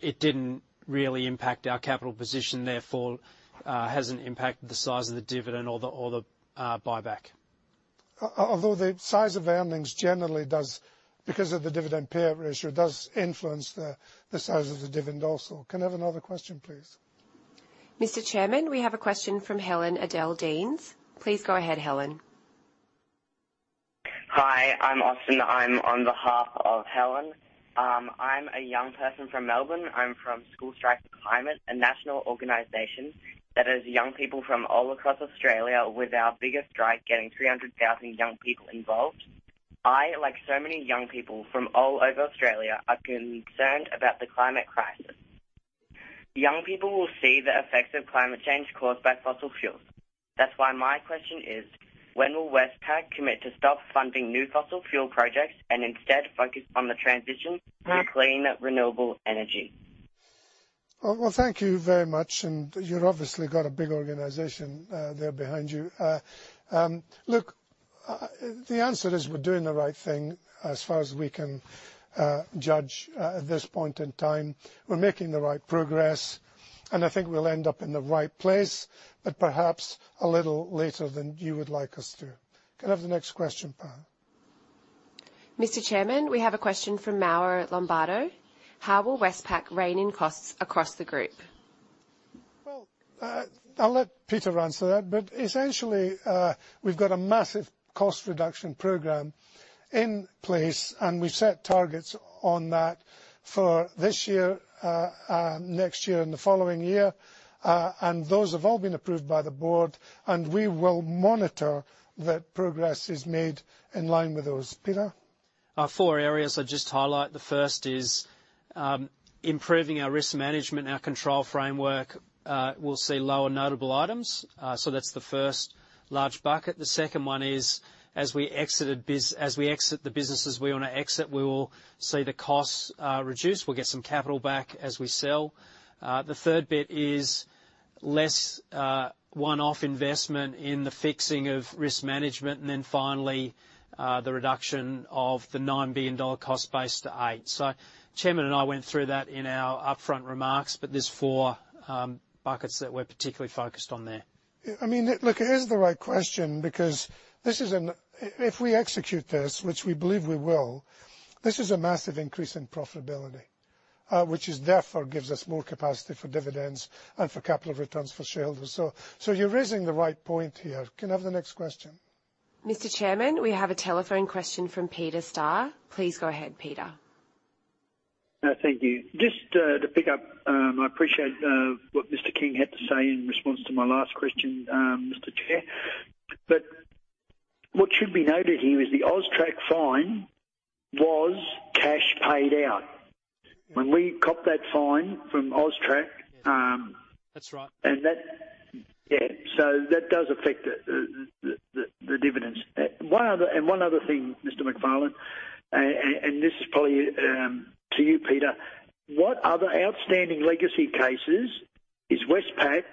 It didn't really impact our capital position, therefore, hasn't impacted the size of the dividend or the buyback. Although the size of earnings generally does, because of the dividend payout ratio, influence the size of the dividend also. Can I have another question, please? Mr. Chairman, we have a question from Helen Adessky. Please go ahead, Helen. I'm Austin. I'm on behalf of Helen. I'm a young person from Melbourne. I'm from School Strike 4 Climate, a national organization that has young people from all across Australia with our biggest strike getting 300,000 young people involved. I, like so many young people from all over Australia, are concerned about the climate crisis. Young people will see the effects of climate change caused by fossil fuels. That's why my question is, when will Westpac commit to stop funding new fossil fuel projects and instead focus on the transition to clean renewable energy? Well, thank you very much. You're obviously got a big organization, there behind you. Look, the answer is we're doing the right thing as far as we can judge at this point in time. We're making the right progress, and I think we'll end up in the right place, but perhaps a little later than you would like us to. Can I have the next question, Pam? Mr. Chairman, we have a question from Mauro Lombardo. How will Westpac rein in costs across the group? Well, I'll let Peter answer that. Essentially, we've got a massive cost reduction program in place, and we set targets on that for this year, next year and the following year. Those have all been approved by the Board, and we will monitor that progress is made in line with those. Peter. Four areas I just highlight. The first is improving our risk management and our control framework, we'll see lower notable items. That's the first large bucket. The second one is, as we exit the businesses we wanna exit, we will see the costs reduced. We'll get some capital back as we sell. The third bit is less one-off investment in the fixing of risk management. Then finally, the reduction of the 9 billion dollar cost base to 8 billion. Chairman and I went through that in our upfront remarks, but there are four buckets that we're particularly focused on there. I mean, look, it is the right question because if we execute this, which we believe we will, this is a massive increase in profitability, which is therefore gives us more capacity for dividends and for capital returns for shareholders. You're raising the right point here. Can I have the next question? Mr. Chairman, we have a telephone question from Peter Starr. Please go ahead, Peter. Thank you. Just to pick up, I appreciate what Mr. King had to say in response to my last question, Mr. Chair. What should be noted here is the AUSTRAC fine was cash paid out. When we copped that fine from AUSTRAC. That's right. That does affect the dividends. One other thing, Mr. McFarlane, and this is probably to you, Peter. What other outstanding legacy cases is Westpac,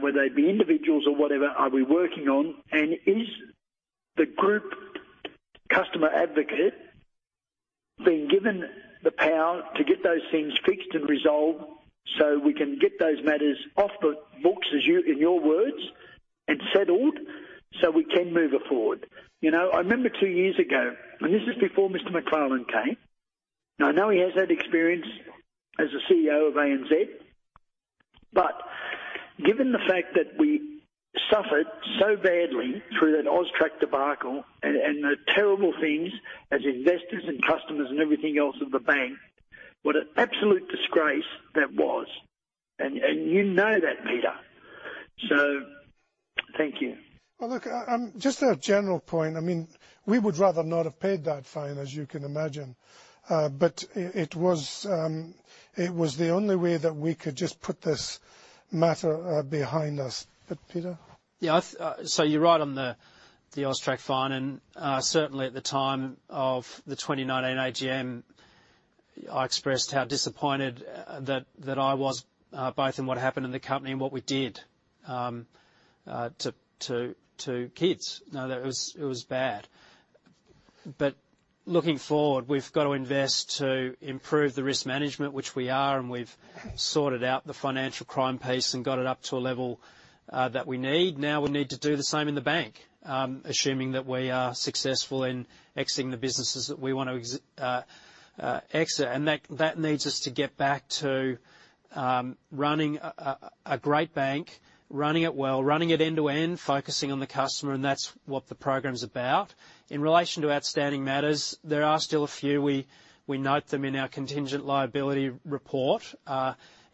whether they be individuals or whatever, are we working on? And is the group customer advocate being given the power to get those things fixed and resolved so we can get those matters off the books, as you in your words, and settled so we can move it forward? You know, I remember two years ago, and this is before Mr. McFarlane came. Now, I know he has had experience as a CEO of ANZ, but given the fact that we suffered so badly through that AUSTRAC debacle and the terrible things as investors and customers and everything else of the bank, what an absolute disgrace that was. you know that, Peter. thank you. Well, look, just a general point. I mean, we would rather not have paid that fine, as you can imagine. It was the only way that we could just put this matter behind us. Peter. Yeah. You're right on the AUSTRAC fine. Certainly at the time of the 2019 AGM, I expressed how disappointed that I was both in what happened in the company and what we did to kids. That was bad. Looking forward, we've got to invest to improve the risk management, which we are, and we've sorted out the financial crime piece and got it up to a level that we need. Now we need to do the same in the bank, assuming that we are successful in exiting the businesses that we want to exit, and that needs us to get back to running a great bank, running it well, running it end-to-end, focusing on the customer, and that's what the program is about. In relation to outstanding matters, there are still a few. We note them in our contingent liability report.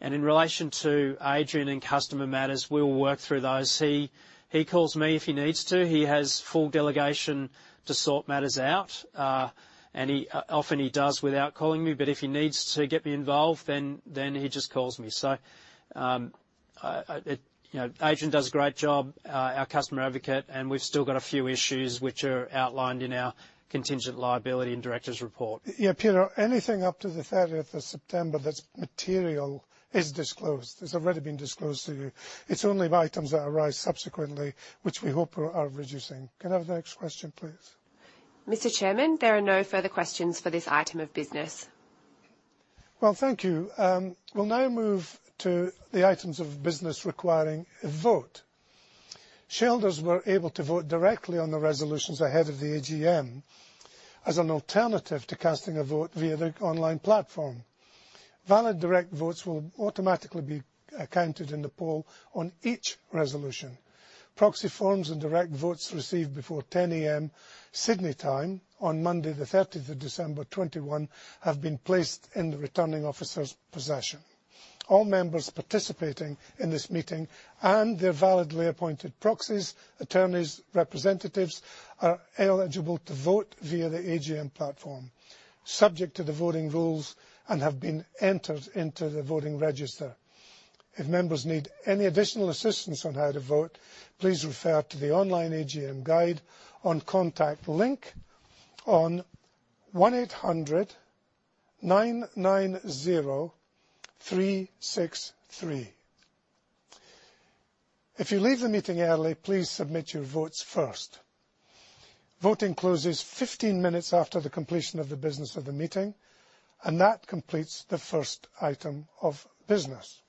In relation to Adrian and customer matters, we will work through those. He calls me if he needs to. He has full delegation to sort matters out. He often does without calling me, but if he needs to get me involved, then he just calls me. You know, Adrian does a great job, our customer advocate, and we've still got a few issues which are outlined in our contingent liability and directors' report. Yeah, Peter, anything up to the thirtieth of September that's material is disclosed. It's already been disclosed to you. It's only items that arise subsequently, which we hope are reducing. Can I have the next question, please? Mr. Chairman, there are no further questions for this item of business. Well, thank you. We'll now move to the items of business requiring a vote. Shareholders were able to vote directly on the resolutions ahead of the AGM as an alternative to casting a vote via the online platform. Valid direct votes will automatically be counted in the poll on each resolution. Proxy forms and direct votes received before 10 A.M. Sydney time on Monday the 30th of December 2021 have been placed in the returning officer's possession. All members participating in this meeting and their validly appointed proxies, attorneys, representatives, are eligible to vote via the AGM platform, subject to the voting rules and have been entered into the voting register. If members need any additional assistance on how to vote, please refer to the online AGM guide, or contact Link on 1-800-993-63. If you leave the meeting early, please submit your votes first. Voting closes 15 minutes after the completion of the business of the meeting, and that completes the first item of business.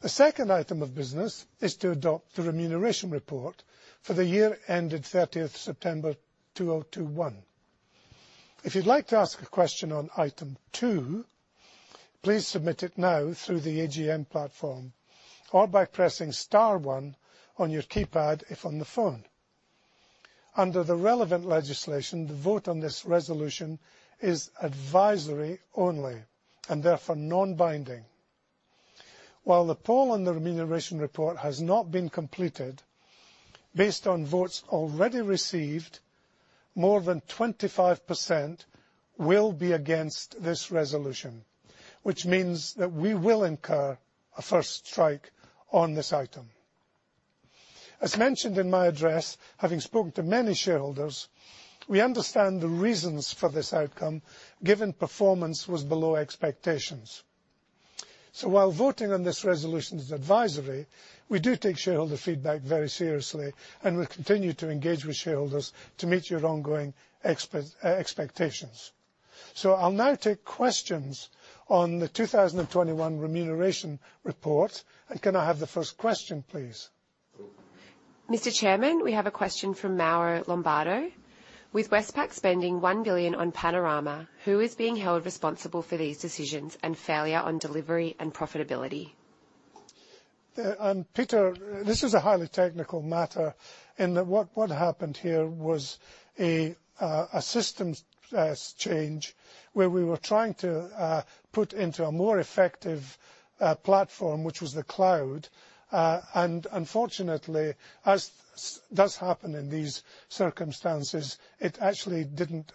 The second item of business is to adopt the remuneration report for the year ended 30 September 2021. If you'd like to ask a question on item 2, please submit it now through the AGM platform or by pressing star 1 on your keypad if on the phone. Under the relevant legislation, the vote on this resolution is advisory only, and therefore non-binding. While the poll on the remuneration report has not been completed, based on votes already received, more than 25% will be against this resolution, which means that we will incur a first strike on this item. As mentioned in my address, having spoken to many shareholders, we understand the reasons for this outcome, given performance was below expectations. While voting on this resolution is advisory, we do take shareholder feedback very seriously, and we continue to engage with shareholders to meet your ongoing expectations. I'll now take questions on the 2021 Remuneration Report. Can I have the first question, please? Mr. Chairman, we have a question from Mauro Lombardo. With Westpac spending 1 billion on Panorama, who is being held responsible for these decisions and failure on delivery and profitability? Peter, this is a highly technical matter in that what happened here was a systems change where we were trying to put into a more effective platform, which was the cloud. Unfortunately, as does happen in these circumstances, it actually didn't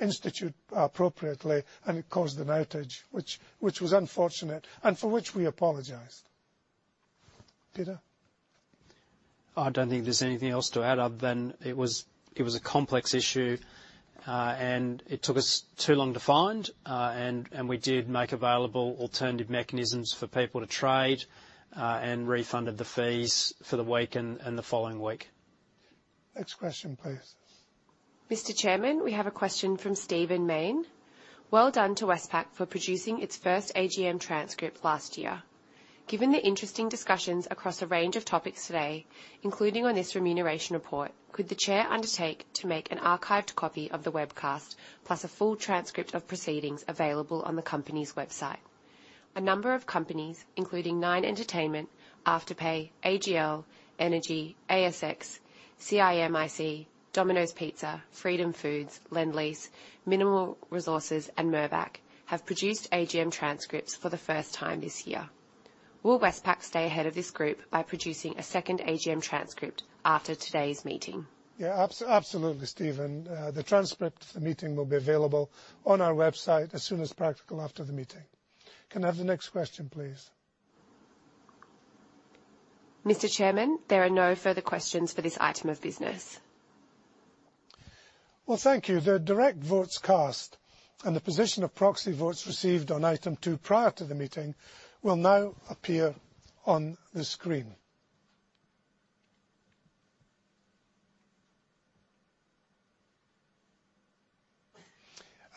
institute appropriately, and it caused an outage, which was unfortunate and for which we apologized. Peter? I don't think there's anything else to add other than it was a complex issue. It took us too long to find. We did make available alternative mechanisms for people to trade, and refunded the fees for the week and the following week. Next question, please. Mr. Chairman, we have a question from Stephen Mayne. Well done to Westpac for producing its first AGM transcript last year. Given the interesting discussions across a range of topics today, including on this remuneration report, could the chair undertake to make an archived copy of the webcast, plus a full transcript of proceedings available on the company's website? A number of companies, including Nine Entertainment, Afterpay, AGL Energy, ASX, CIMIC, Domino's Pizza, Noumi, Lendlease, Mineral Resources, and Mirvac have produced AGM transcripts for the first time this year. Will Westpac stay ahead of this group by producing a second AGM transcript after today's meeting? Yeah, absolutely, Stephen. The transcript of the meeting will be available on our website as soon as practical after the meeting. Can I have the next question, please? Mr. Chairman, there are no further questions for this item of business. Well, thank you. The direct votes cast and the position of proxy votes received on item two prior to the meeting will now appear on the screen.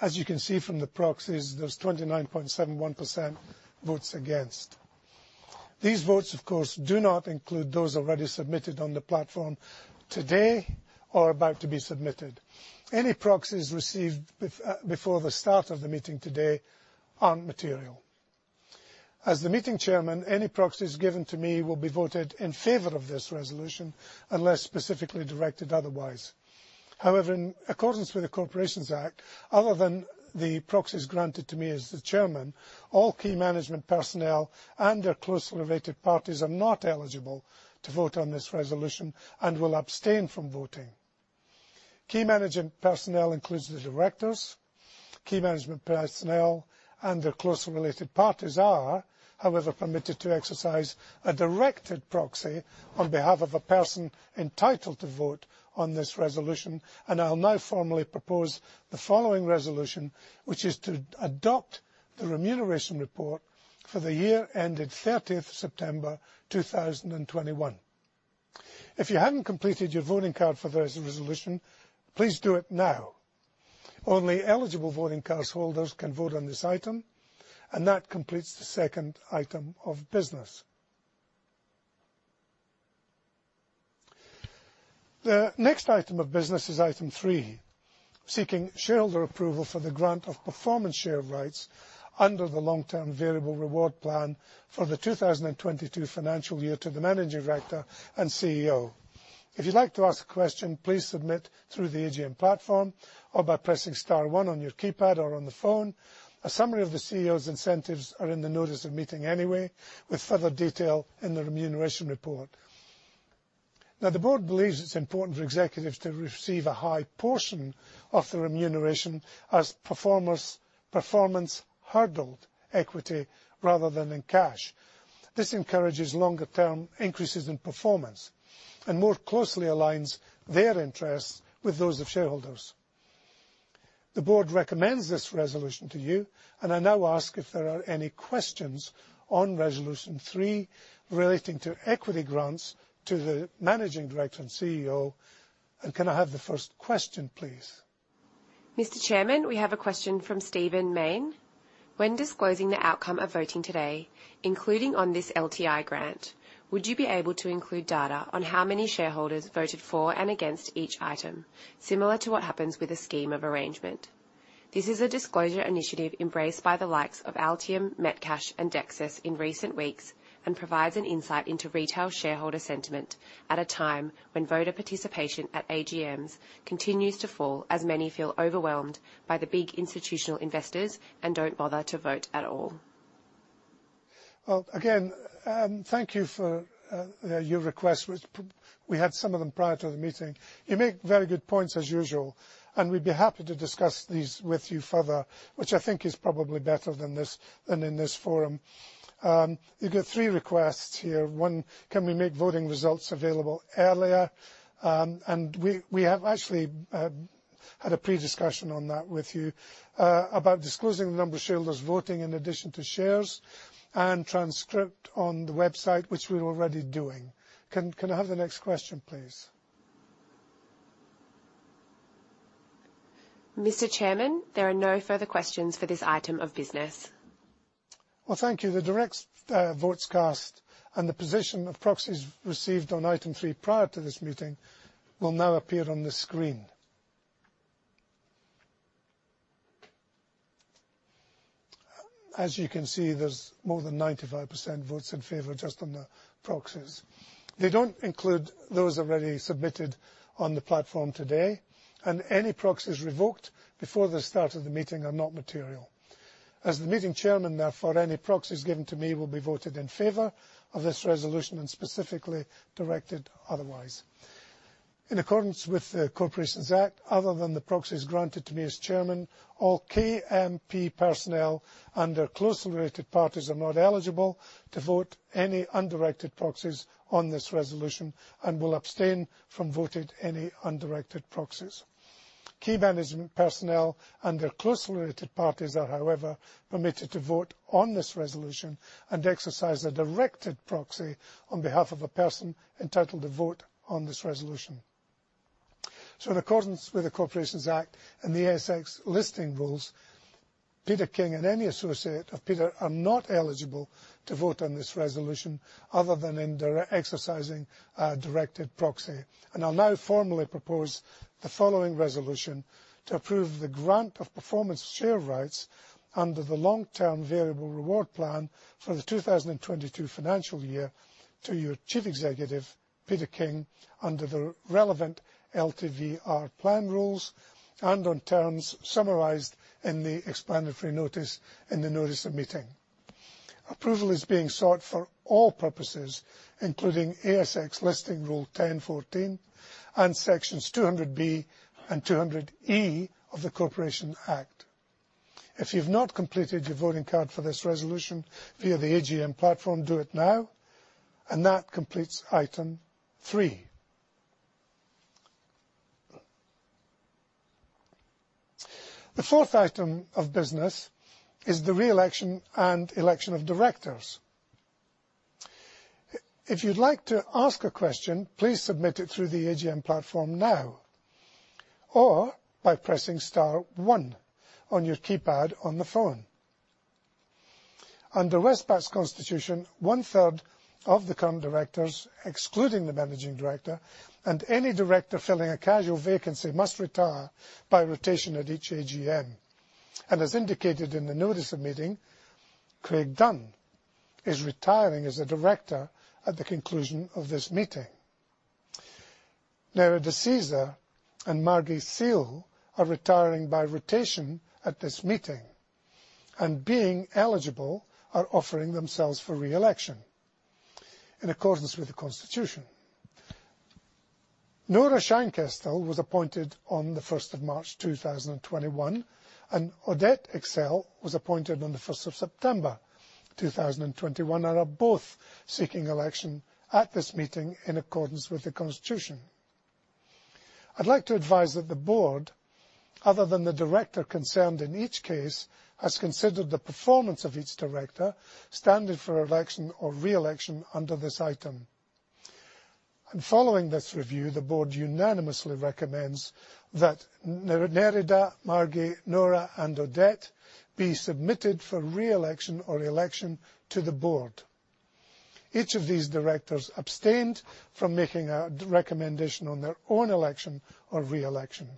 As you can see from the proxies, there's 29.71% votes against. These votes, of course, do not include those already submitted on the platform today or about to be submitted. Any proxies received before the start of the meeting today aren't material. As the meeting chairman, any proxies given to me will be voted in favor of this resolution unless specifically directed otherwise. However, in accordance with the Corporations Act, other than the proxies granted to me as the chairman, all key management personnel and their closely related parties are not eligible to vote on this resolution and will abstain from voting. Key management personnel includes the directors. Key management personnel and their closely related parties are, however, permitted to exercise a directed proxy on behalf of a person entitled to vote on this resolution. I'll now formally propose the following resolution, which is to adopt the remuneration report for the year ended 30 September 2021. If you haven't completed your voting card for this resolution, please do it now. Only eligible voting cast holders can vote on this item, and that completes the second item of business. The next item of business is item 3, seeking shareholder approval for the grant of performance share rights under the long-term variable reward plan for the 2022 financial year to the managing director and CEO. If you'd like to ask a question, please submit through the AGM platform or by pressing star one on your keypad or on the phone. A summary of the CEO's incentives are in the notice of meeting anyway, with further detail in the remuneration report. Now, the board believes it's important for executives to receive a high portion of the remuneration as performance hurdle equity rather than in cash. This encourages longer-term increases in performance and more closely aligns their interests with those of shareholders. The board recommends this resolution to you, and I now ask if there are any questions on resolution three relating to equity grants to the managing director and CEO. Can I have the first question, please? Mr. Chairman, we have a question from Stephen Mayne. When disclosing the outcome of voting today, including on this LTI grant, would you be able to include data on how many shareholders voted for and against each item, similar to what happens with a scheme of arrangement? This is a disclosure initiative embraced by the likes of Altium, Metcash, and Dexus in recent weeks, and provides an insight into retail shareholder sentiment at a time when voter participation at AGMs continues to fall, as many feel overwhelmed by the big institutional investors and don't bother to vote at all. Well, again, thank you for your request. We had some of them prior to the meeting. You make very good points as usual, and we'd be happy to discuss these with you further, which I think is probably better than in this forum. You got three requests here. One, can we make voting results available earlier? We have actually had a pre-discussion on that with you about disclosing the number of shareholders voting in addition to shares and transcript on the website, which we're already doing. Can I have the next question, please? Mr. Chairman, there are no further questions for this item of business. Well, thank you. The direct votes cast and the position of proxies received on item three prior to this meeting will now appear on the screen. As you can see, there's more than 95% votes in favor just on the proxies. They don't include those already submitted on the platform today, and any proxies revoked before the start of the meeting are not material. As the meeting chairman, therefore, any proxies given to me will be voted in favor of this resolution and specifically directed otherwise. In accordance with the Corporations Act, other than the proxies granted to me as chairman, all KMP personnel and their closely related parties are not eligible to vote any undirected proxies on this resolution and will abstain from voting any undirected proxies. Key management personnel and their closely related parties are, however, permitted to vote on this resolution and exercise their directed proxy on behalf of a person entitled to vote on this resolution. In accordance with the Corporations Act and the ASX Listing Rules, Peter King and any associate of Peter are not eligible to vote on this resolution other than exercising a directed proxy. I'll now formally propose the following resolution to approve the grant of performance share rights under the long-term variable reward plan for the 2022 financial year to your Chief Executive, Peter King, under the relevant LTVR plan rules and on terms summarized in the explanatory notice in the notice of meeting. Approval is being sought for all purposes, including ASX Listing Rule 10.14 and sections 200B and 200E of the Corporations Act. If you've not completed your voting card for this resolution via the AGM platform, do it now. That completes item three. The fourth item of business is the reelection and election of directors. If you'd like to ask a question, please submit it through the AGM platform now, or by pressing star one on your keypad on the phone. Under Westpac's constitution, one-third of the current directors, excluding the managing director, and any director filling a casual vacancy, must retire by rotation at each AGM. As indicated in the notice of meeting, Craig Dunn is retiring as a director at the conclusion of this meeting. Now, Nerida Caesar and Margie Seale are retiring by rotation at this meeting, and being eligible, are offering themselves for reelection in accordance with the constitution. Nora Scheinkestel was appointed on the first of March 2021, and Audette Exel was appointed on the first of September 2021, and are both seeking election at this meeting in accordance with the constitution. I'd like to advise that the board, other than the director concerned in each case, has considered the performance of each director standing for election or reelection under this item. Following this review, the board unanimously recommends that Nerida, Margie, Nora, and Audette be submitted for reelection or election to the board. Each of these directors abstained from making a recommendation on their own election or reelection.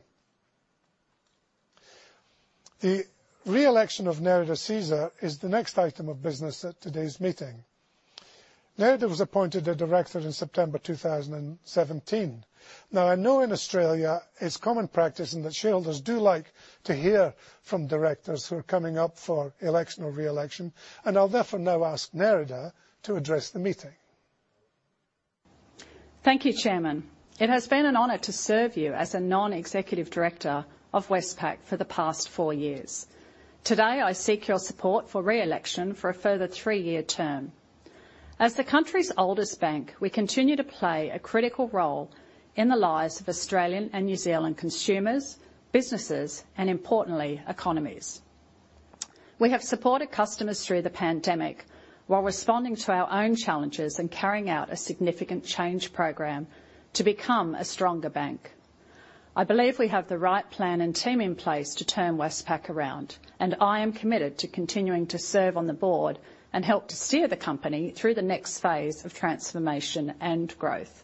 The reelection of Nerida Caesar is the next item of business at today's meeting. Nerida was appointed a director in September 2017. Now, I know in Australia it's common practice and that shareholders do like to hear from directors who are coming up for election or reelection, and I'll therefore now ask Nerida to address the meeting. Thank you, Chairman. It has been an honor to serve you as a non-executive director of Westpac for the past four years. Today, I seek your support for reelection for a further three-year term. As the country's oldest bank, we continue to play a critical role in the lives of Australian and New Zealand consumers, businesses, and importantly, economies. We have supported customers through the pandemic while responding to our own challenges and carrying out a significant change program to become a stronger bank. I believe we have the right plan and team in place to turn Westpac around, and I am committed to continuing to serve on the board and help to steer the company through the next phase of transformation and growth.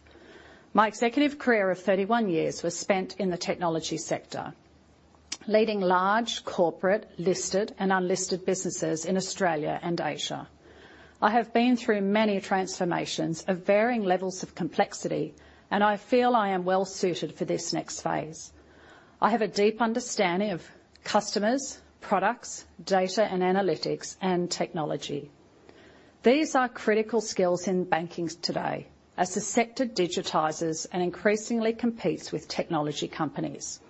My executive career of 31 years was spent in the technology sector, leading large corporate listed and unlisted businesses in Australia and Asia. I have been through many transformations of varying levels of complexity, and I feel I am well suited for this next phase. I have a deep understanding of customers, products, data and analytics, and technology. These are critical skills in banking today as the sector digitizes and increasingly competes with technology companies.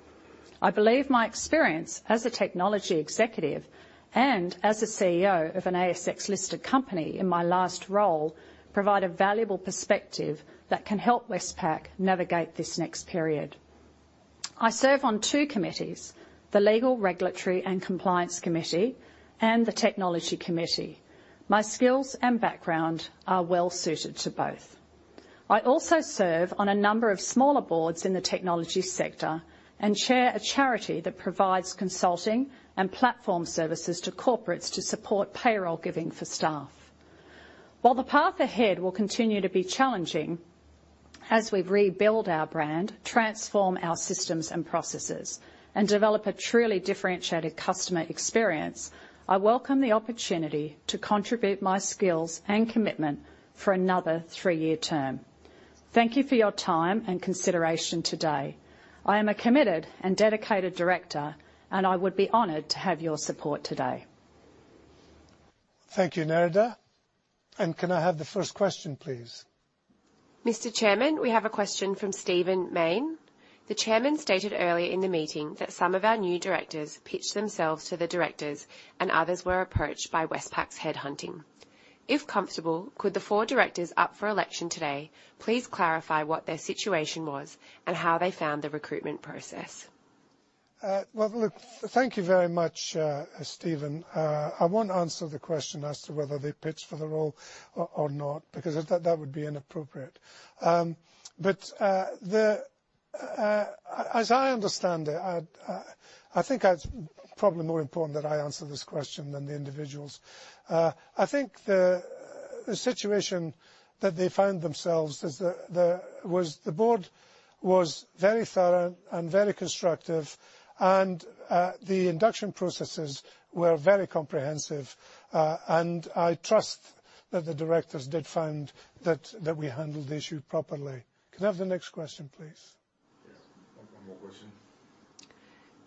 I believe my experience as a technology executive and as a CEO of an ASX-listed company in my last role provide a valuable perspective that can help Westpac navigate this next period. I serve on two committees, the Legal, Regulatory, and Compliance Committee and the Technology Committee. My skills and background are well suited to both. I also serve on a number of smaller boards in the technology sector and chair a charity that provides consulting and platform services to corporates to support payroll giving for staff. While the path ahead will continue to be challenging as we rebuild our brand, transform our systems and processes, and develop a truly differentiated customer experience, I welcome the opportunity to contribute my skills and commitment for another three-year term. Thank you for your time and consideration today. I am a committed and dedicated director, and I would be honored to have your support today. Thank you, Nerida. Can I have the first question, please? Mr. Chairman, we have a question from Stephen Mayne. The chairman stated earlier in the meeting that some of our new directors pitched themselves to the directors and others were approached by Westpac's headhunting. If comfortable, could the four directors up for election today please clarify what their situation was and how they found the recruitment process? Well, look, thank you very much, Stephen. I won't answer the question as to whether they pitched for the role or not because that would be inappropriate. As I understand it, I think it's probably more important that I answer this question than the individuals. I think the situation that they found themselves was the board was very thorough and very constructive and the induction processes were very comprehensive. I trust that the directors did find that we handled the issue properly. Can I have the next question, please? Yes. One more question.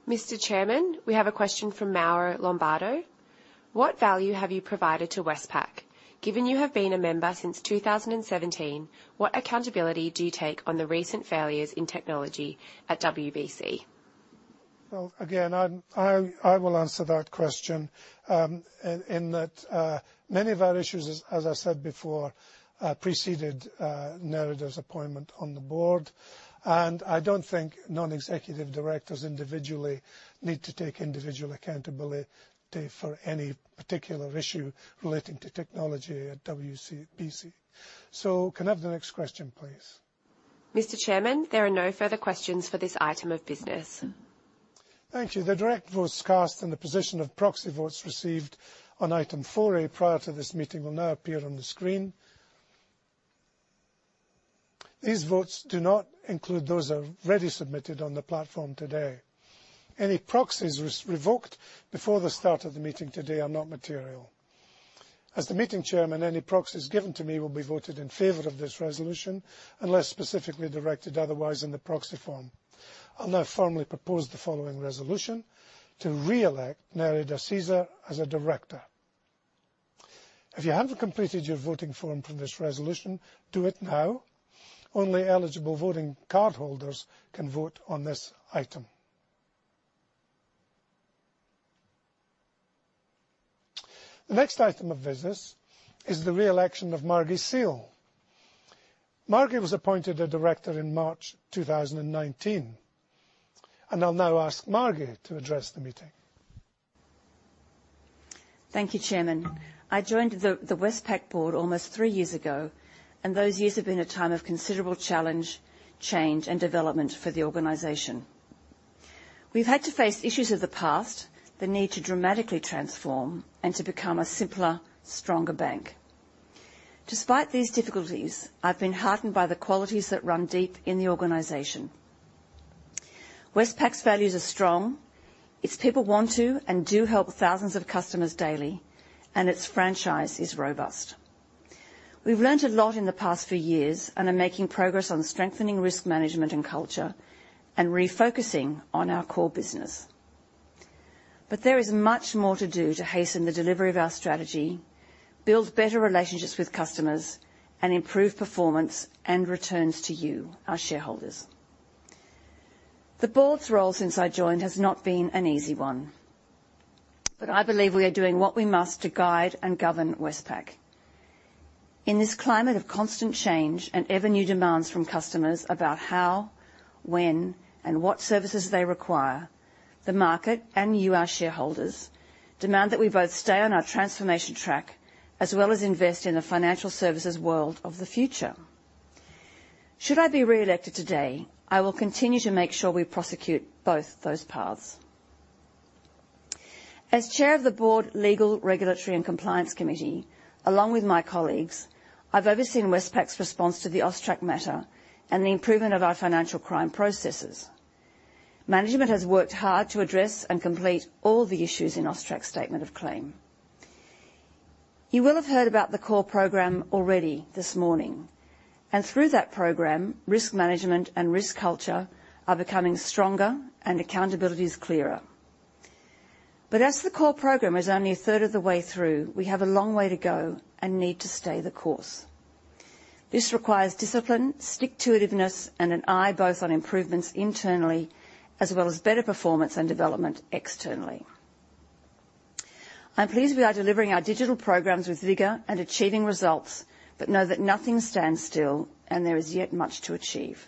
Mr. Chairman, we have a question from Mauro Lombardo. What value have you provided to Westpac? Given you have been a member since 2017, what accountability do you take on the recent failures in technology at WBC? Well, again, I will answer that question, in that many of our issues as I said before preceded Nerida's appointment on the board. I don't think non-executive directors individually need to take individual accountability for any particular issue relating to technology at WBC. Can I have the next question, please? Mr. Chairman, there are no further questions for this item of business. Thank you. The director votes cast and the position of proxy votes received on item 4A prior to this meeting will now appear on the screen. These votes do not include those already submitted on the platform today. Any proxies revoked before the start of the meeting today are not material. As the meeting chairman, any proxies given to me will be voted in favor of this resolution unless specifically directed otherwise in the proxy form. I'll now formally propose the following resolution to reelect Nerida Caesar as a director. If you haven't completed your voting form for this resolution, do it now. Only eligible voting cardholders can vote on this item. The next item of business is the reelection of Margie Seale. Margie was appointed a director in March 2019, and I'll now ask Margie to address the meeting. Thank you, Chairman. I joined the Westpac board almost three years ago, and those years have been a time of considerable challenge, change, and development for the organization. We've had to face issues of the past, the need to dramatically transform and to become a simpler, stronger bank. Despite these difficulties, I've been heartened by the qualities that run deep in the organization. Westpac's values are strong. Its people want to and do help thousands of customers daily, and its franchise is robust. We've learned a lot in the past few years and are making progress on strengthening risk management and culture and refocusing on our core business. But there is much more to do to hasten the delivery of our strategy, build better relationships with customers, and improve performance and returns to you, our shareholders. The board's role since I joined has not been an easy one, but I believe we are doing what we must to guide and govern Westpac. In this climate of constant change and ever new demands from customers about how, when, and what services they require, the market and you, our shareholders, demand that we both stay on our transformation track, as well as invest in the financial services world of the future. Should I be reelected today, I will continue to make sure we prosecute both those paths. As Chair of the Board Legal, Regulatory, and Compliance Committee, along with my colleagues, I've overseen Westpac's response to the AUSTRAC matter and the improvement of our financial crime processes. Management has worked hard to address and complete all the issues in AUSTRAC's statement of claim. You will have heard about the CORE program already this morning, and through that program, risk management and risk culture are becoming stronger and accountability is clearer. As the CORE program is only a third of the way through, we have a long way to go and need to stay the course. This requires discipline, stick-to-it-iveness, and an eye both on improvements internally as well as better performance and development externally. I'm pleased we are delivering our digital programs with vigor and achieving results, but know that nothing stands still and there is yet much to achieve.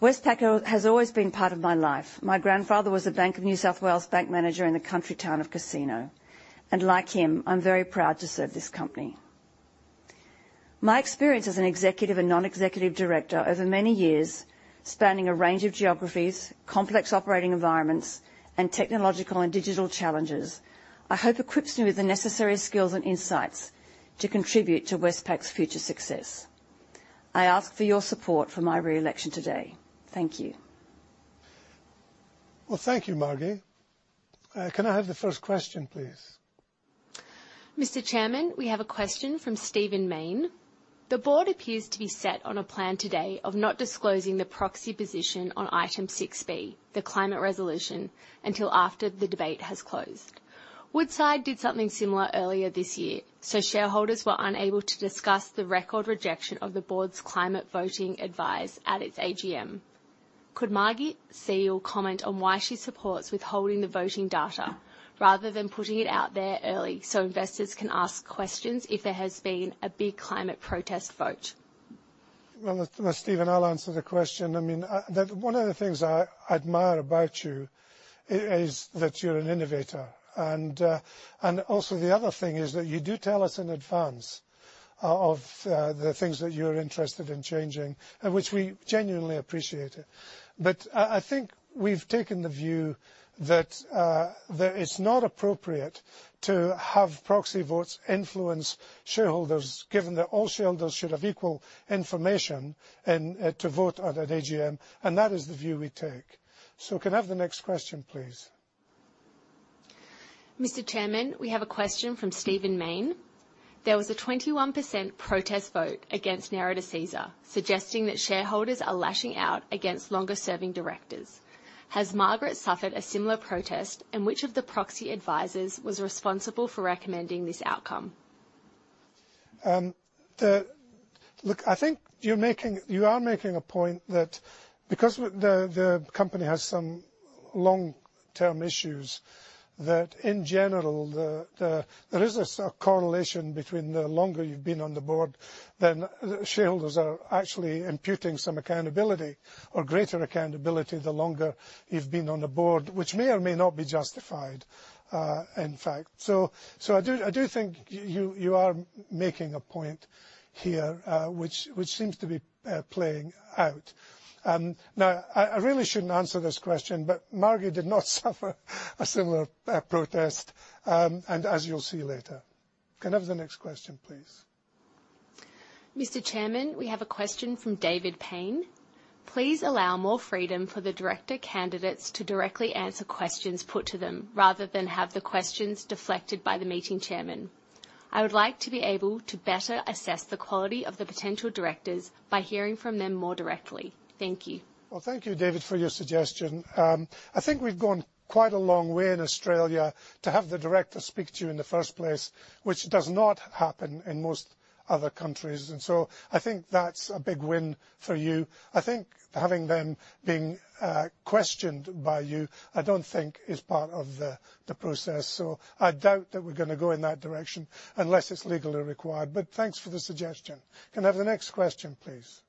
Westpac has always been part of my life. My grandfather was a Bank of New South Wales bank manager in the country town of Casino, and like him, I'm very proud to serve this company. My experience as an executive and non-executive director over many years, spanning a range of geographies, complex operating environments, and technological and digital challenges. I hope equips me with the necessary skills and insights to contribute to Westpac's future success. I ask for your support for my reelection today. Thank you. Well, thank you, Margie. Can I have the first question, please? Mr. Chairman, we have a question from Stephen Mayne. The board appears to be set on a plan today of not disclosing the proxy position on item 6B, the climate resolution, until after the debate has closed. Woodside did something similar earlier this year, so shareholders were unable to discuss the record rejection of the board's climate voting advice at its AGM. Could Margie Seale comment on why she supports withholding the voting data rather than putting it out there early so investors can ask questions if there has been a big climate protest vote? Well, Stephen, I'll answer the question. I mean, one of the things I admire about you is that you're an innovator. The other thing is that you do tell us in advance of the things that you're interested in changing, which we genuinely appreciate it. I think we've taken the view that it's not appropriate to have proxy votes influence shareholders, given that all shareholders should have equal information and to vote at an AGM, and that is the view we take. Can I have the next question, please? Mr. Chairman, we have a question from Stephen Mayne. There was a 21% protest vote against Nerida Caesar, suggesting that shareholders are lashing out against longer-serving directors. Has Margie Seale suffered a similar protest, and which of the proxy advisors was responsible for recommending this outcome? Look, I think you are making a point that because the company has some long-term issues, that in general there is a correlation between the longer you've been on the board, then shareholders are actually imputing some accountability or greater accountability the longer you've been on the board, which may or may not be justified, in fact. I do think you are making a point here, which seems to be playing out. Now, I really shouldn't answer this question, but Margie did not suffer a similar protest, and as you'll see later. Can I have the next question, please? Mr. Chairman, we have a question from David Payne. Please allow more freedom for the director candidates to directly answer questions put to them, rather than have the questions deflected by the meeting chairman. I would like to be able to better assess the quality of the potential directors by hearing from them more directly. Thank you. Well, thank you, David, for your suggestion. I think we've gone quite a long way in Australia to have the directors speak to you in the first place, which does not happen in most other countries. I think that's a big win for you. I think having them being questioned by you, I don't think is part of the process. I doubt that we're gonna go in that direction unless it's legally required. Thanks for the suggestion. Can I have the next question, please?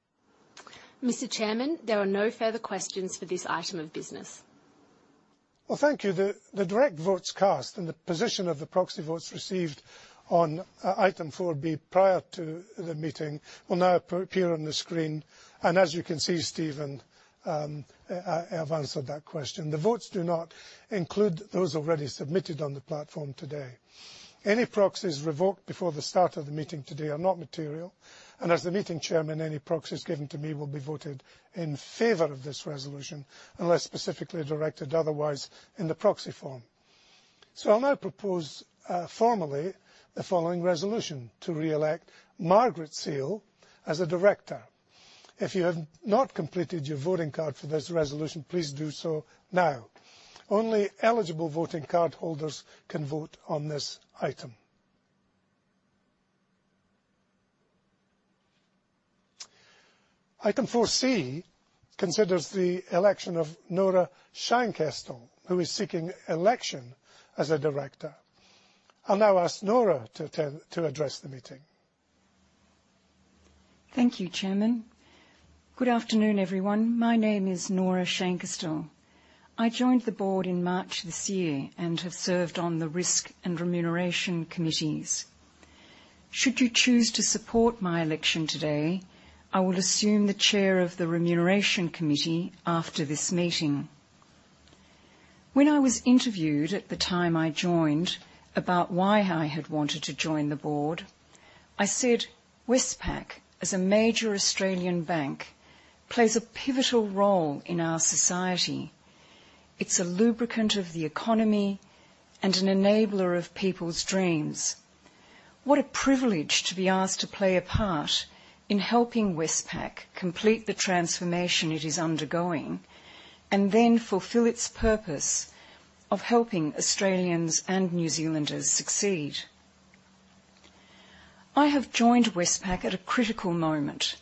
Mr. Chairman, there are no further questions for this item of business. Well, thank you. The direct votes cast and the position of the proxy votes received on item 4B prior to the meeting will now appear on the screen. As you can see, Stephen, I have answered that question. The votes do not include those already submitted on the platform today. Any proxies revoked before the start of the meeting today are not material and as the meeting chairman, any proxies given to me will be voted in favor of this resolution unless specifically directed otherwise in the proxy form. I'll now propose formally the following resolution to re-elect Margie Seale as a director. If you have not completed your voting card for this resolution, please do so now. Only eligible voting card holders can vote on this item. Item 4 C considers the election of Nora Scheinkestel, who is seeking election as a director. I'll now ask Nora to address the meeting. Thank you, Chairman. Good afternoon, everyone. My name is Nora Scheinkestel. I joined the board in March this year and have served on the risk and remuneration committees. Should you choose to support my election today, I will assume the chair of the remuneration committee after this meeting. When I was interviewed at the time I joined about why I had wanted to join the board, I said, Westpac, as a major Australian bank, plays a pivotal role in our society. It's a lubricant of the economy and an enabler of people's dreams. What a privilege to be asked to play a part in helping Westpac complete the transformation it is undergoing and then fulfill its purpose of helping Australians and New Zealanders succeed. I have joined Westpac at a critical moment,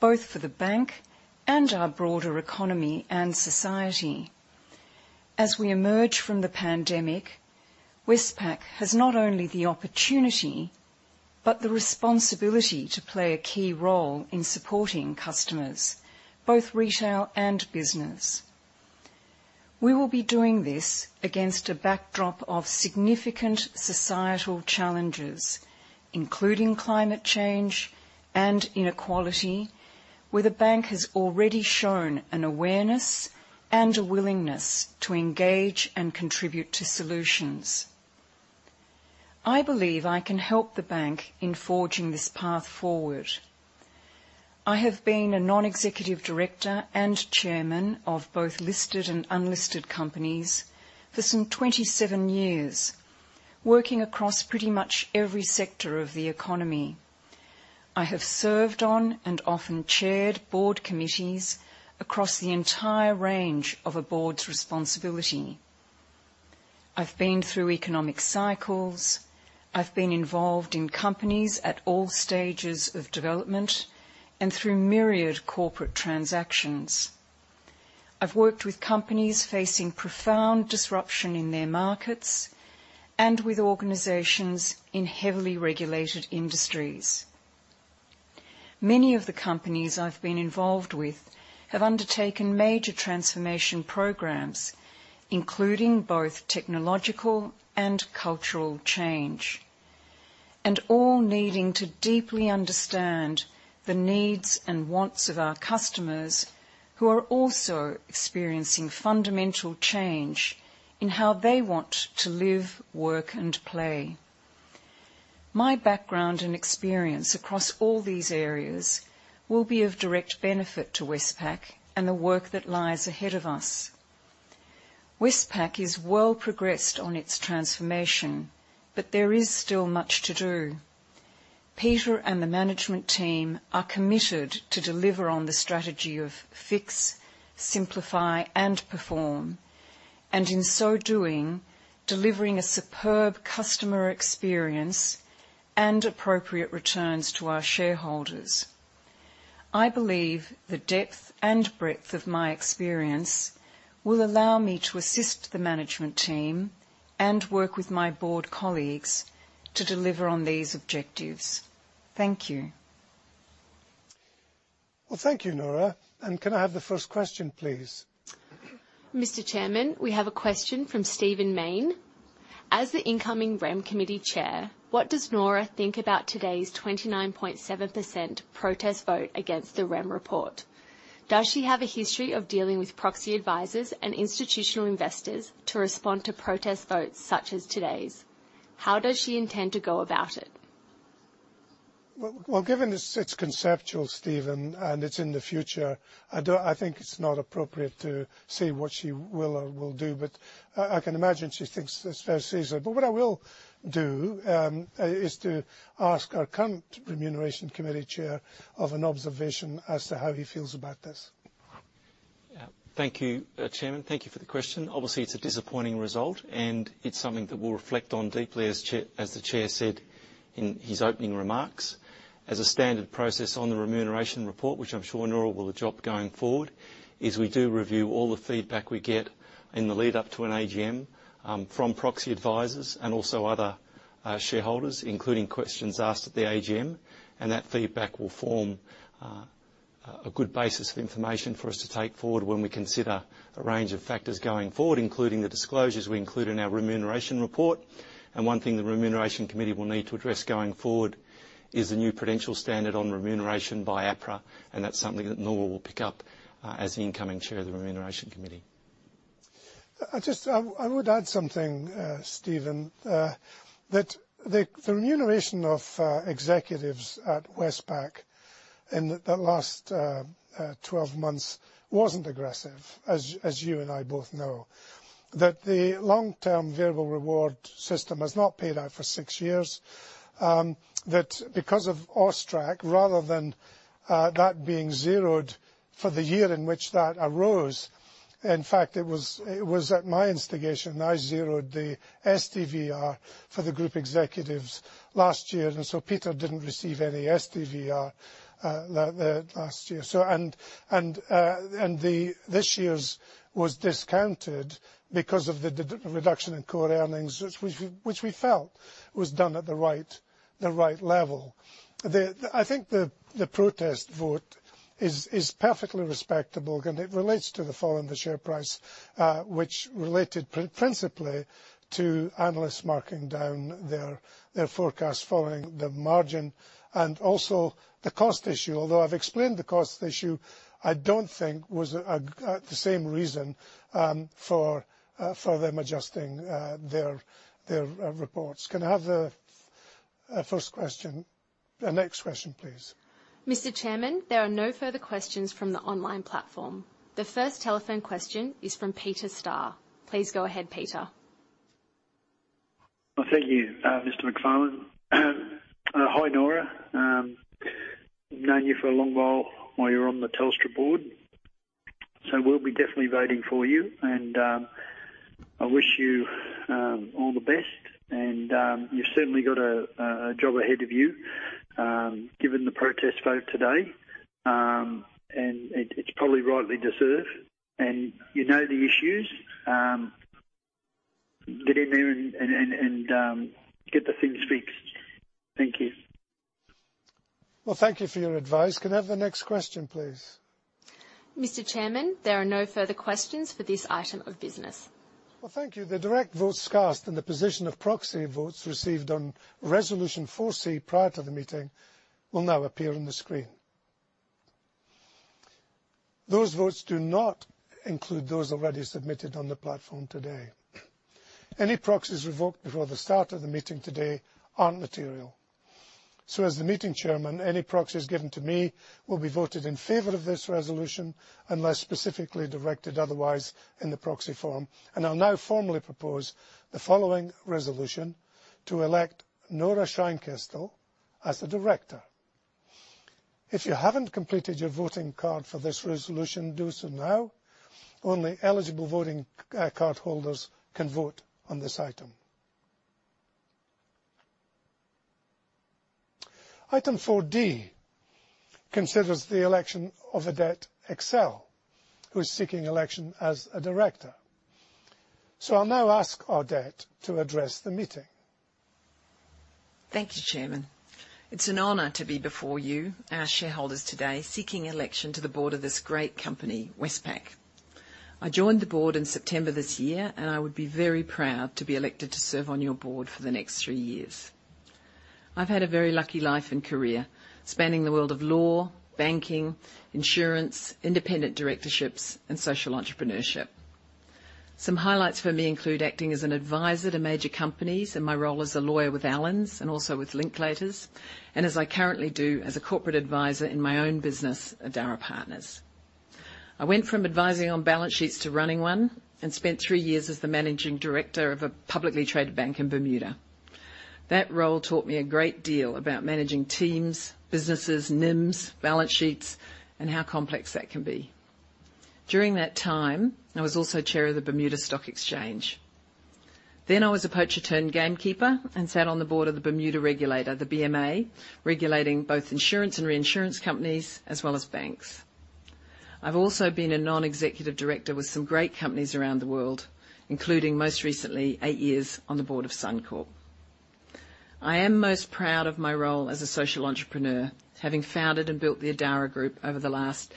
both for the bank and our broader economy and society. As we emerge from the pandemic, Westpac has not only the opportunity, but the responsibility to play a key role in supporting customers, both retail and business. We will be doing this against a backdrop of significant societal challenges, including climate change and inequality, where the bank has already shown an awareness and a willingness to engage and contribute to solutions. I believe I can help the bank in forging this path forward. I have been a non-executive director and chairman of both listed and unlisted companies for some 27 years, working across pretty much every sector of the economy. I have served on and often chaired board committees across the entire range of a board's responsibility. I've been through economic cycles. I've been involved in companies at all stages of development and through myriad corporate transactions. I've worked with companies facing profound disruption in their markets and with organizations in heavily regulated industries. Many of the companies I've been involved with have undertaken major transformation programs, including both technological and cultural change, and all needing to deeply understand the needs and wants of our customers who are also experiencing fundamental change in how they want to live, work, and play. My background and experience across all these areas will be of direct benefit to Westpac and the work that lies ahead of us. Westpac is well progressed on its transformation, but there is still much to do. Peter and the management team are committed to deliver on the strategy of fix, simplify, and perform, and in so doing, delivering a superb customer experience and appropriate returns to our shareholders. I believe the depth and breadth of my experience will allow me to assist the management team and work with my board colleagues to deliver on these objectives. Thank you. Well, thank you, Nora. Can I have the first question, please? Mr. Chairman, we have a question from Stephen Mayne. As the incoming REM committee chair, what does Nora Scheinkestel think about today's 29.7% protest vote against the REM report? Does she have a history of dealing with proxy advisors and institutional investors to respond to protest votes such as today's? How does she intend to go about it? Well, given it's conceptual, Stephen, and it's in the future, I don't think it's appropriate to say what she will do, but I can imagine she thinks this fiscal year. What I will do is to ask our current Remuneration Committee Chair for an observation as to how he feels about this. Yeah. Thank you, Chairman. Thank you for the question. Obviously, it's a disappointing result, and it's something that we'll reflect on deeply, as the Chair said in his opening remarks. As a standard process on the remuneration report, which I'm sure Nora will adopt going forward, is we do review all the feedback we get in the lead up to an AGM, from proxy advisors and also other shareholders, including questions asked at the AGM. That feedback will form a good basis of information for us to take forward when we consider a range of factors going forward, including the disclosures we include in our remuneration report. One thing the remuneration committee will need to address going forward is the new prudential standard on remuneration by APRA, and that's something that Nora will pick up as the incoming chair of the Remuneration Committee. I would add something, Stephen, that the remuneration of executives at Westpac in the last 12 months wasn't aggressive, as you and I both know, that the long-term variable reward system has not paid out for 6 years. That because of AUSTRAC, rather than that being zeroed for the year in which that arose, in fact, it was at my instigation, I zeroed the STVR for the group executives last year. Peter didn't receive any STVR last year. This year's was discounted because of the reduction in core earnings, which we felt was done at the right level. I think the protest vote is perfectly respectable, and it relates to the fall in the share price, which related principally to analysts marking down their forecast following the margin and also the cost issue. Although I've explained the cost issue, I don't think it was the same reason for them adjusting their reports. Can I have the first question? The next question, please. Mr. Chairman, there are no further questions from the online platform. The first telephone question is from Peter Starr. Please go ahead, Peter. Well, thank you, Mr. McFarlane. Hi, Nora. I've known you for a long while while you were on the Telstra board. We'll be definitely voting for you, and I wish you all the best. You've certainly got a job ahead of you, given the protest vote today. It's probably rightly deserved, and you know the issues. Get in there and get the things fixed. Thank you. Well, thank you for your advice. Can I have the next question, please? Mr. Chairman, there are no further questions for this item of business. Well, thank you. The direct votes cast and the position of proxy votes received on Resolution Four C prior to the meeting will now appear on the screen. Those votes do not include those already submitted on the platform today. Any proxies revoked before the start of the meeting today aren't material. As the meeting chairman, any proxies given to me will be voted in favor of this resolution unless specifically directed otherwise in the proxy form. I'll now formally propose the following resolution to elect Nora Scheinkestel as a director. If you haven't completed your voting card for this resolution, do so now. Only eligible voting card holders can vote on this item. Item Four D considers the election of Audette Exel, who is seeking election as a director. I'll now ask Audette Thank you, Chairman. It's an honor to be before you, our shareholders today, seeking election to the board of this great company, Westpac. I joined the board in September this year, and I would be very proud to be elected to serve on your board for the next three years. I've had a very lucky life and career spanning the world of law, banking, insurance, independent directorships, and social entrepreneurship. Some highlights for me include acting as an advisor to major companies and my role as a lawyer with Allens and also with Linklaters, and as I currently do as a corporate advisor in my own business, Adara Partners. I went from advising on balance sheets to running one and spent three years as the managing director of a publicly traded bank in Bermuda. That role taught me a great deal about managing teams, businesses, NIMs, balance sheets, and how complex that can be. During that time, I was also chair of the Bermuda Stock Exchange. I was a poacher-turned-gamekeeper and sat on the board of the Bermuda regulator, the BMA, regulating both insurance and reinsurance companies as well as banks. I've also been a non-executive director with some great companies around the world, including most recently eight years on the board of Suncorp. I am most proud of my role as a social entrepreneur, having founded and built the Adara Group over the last,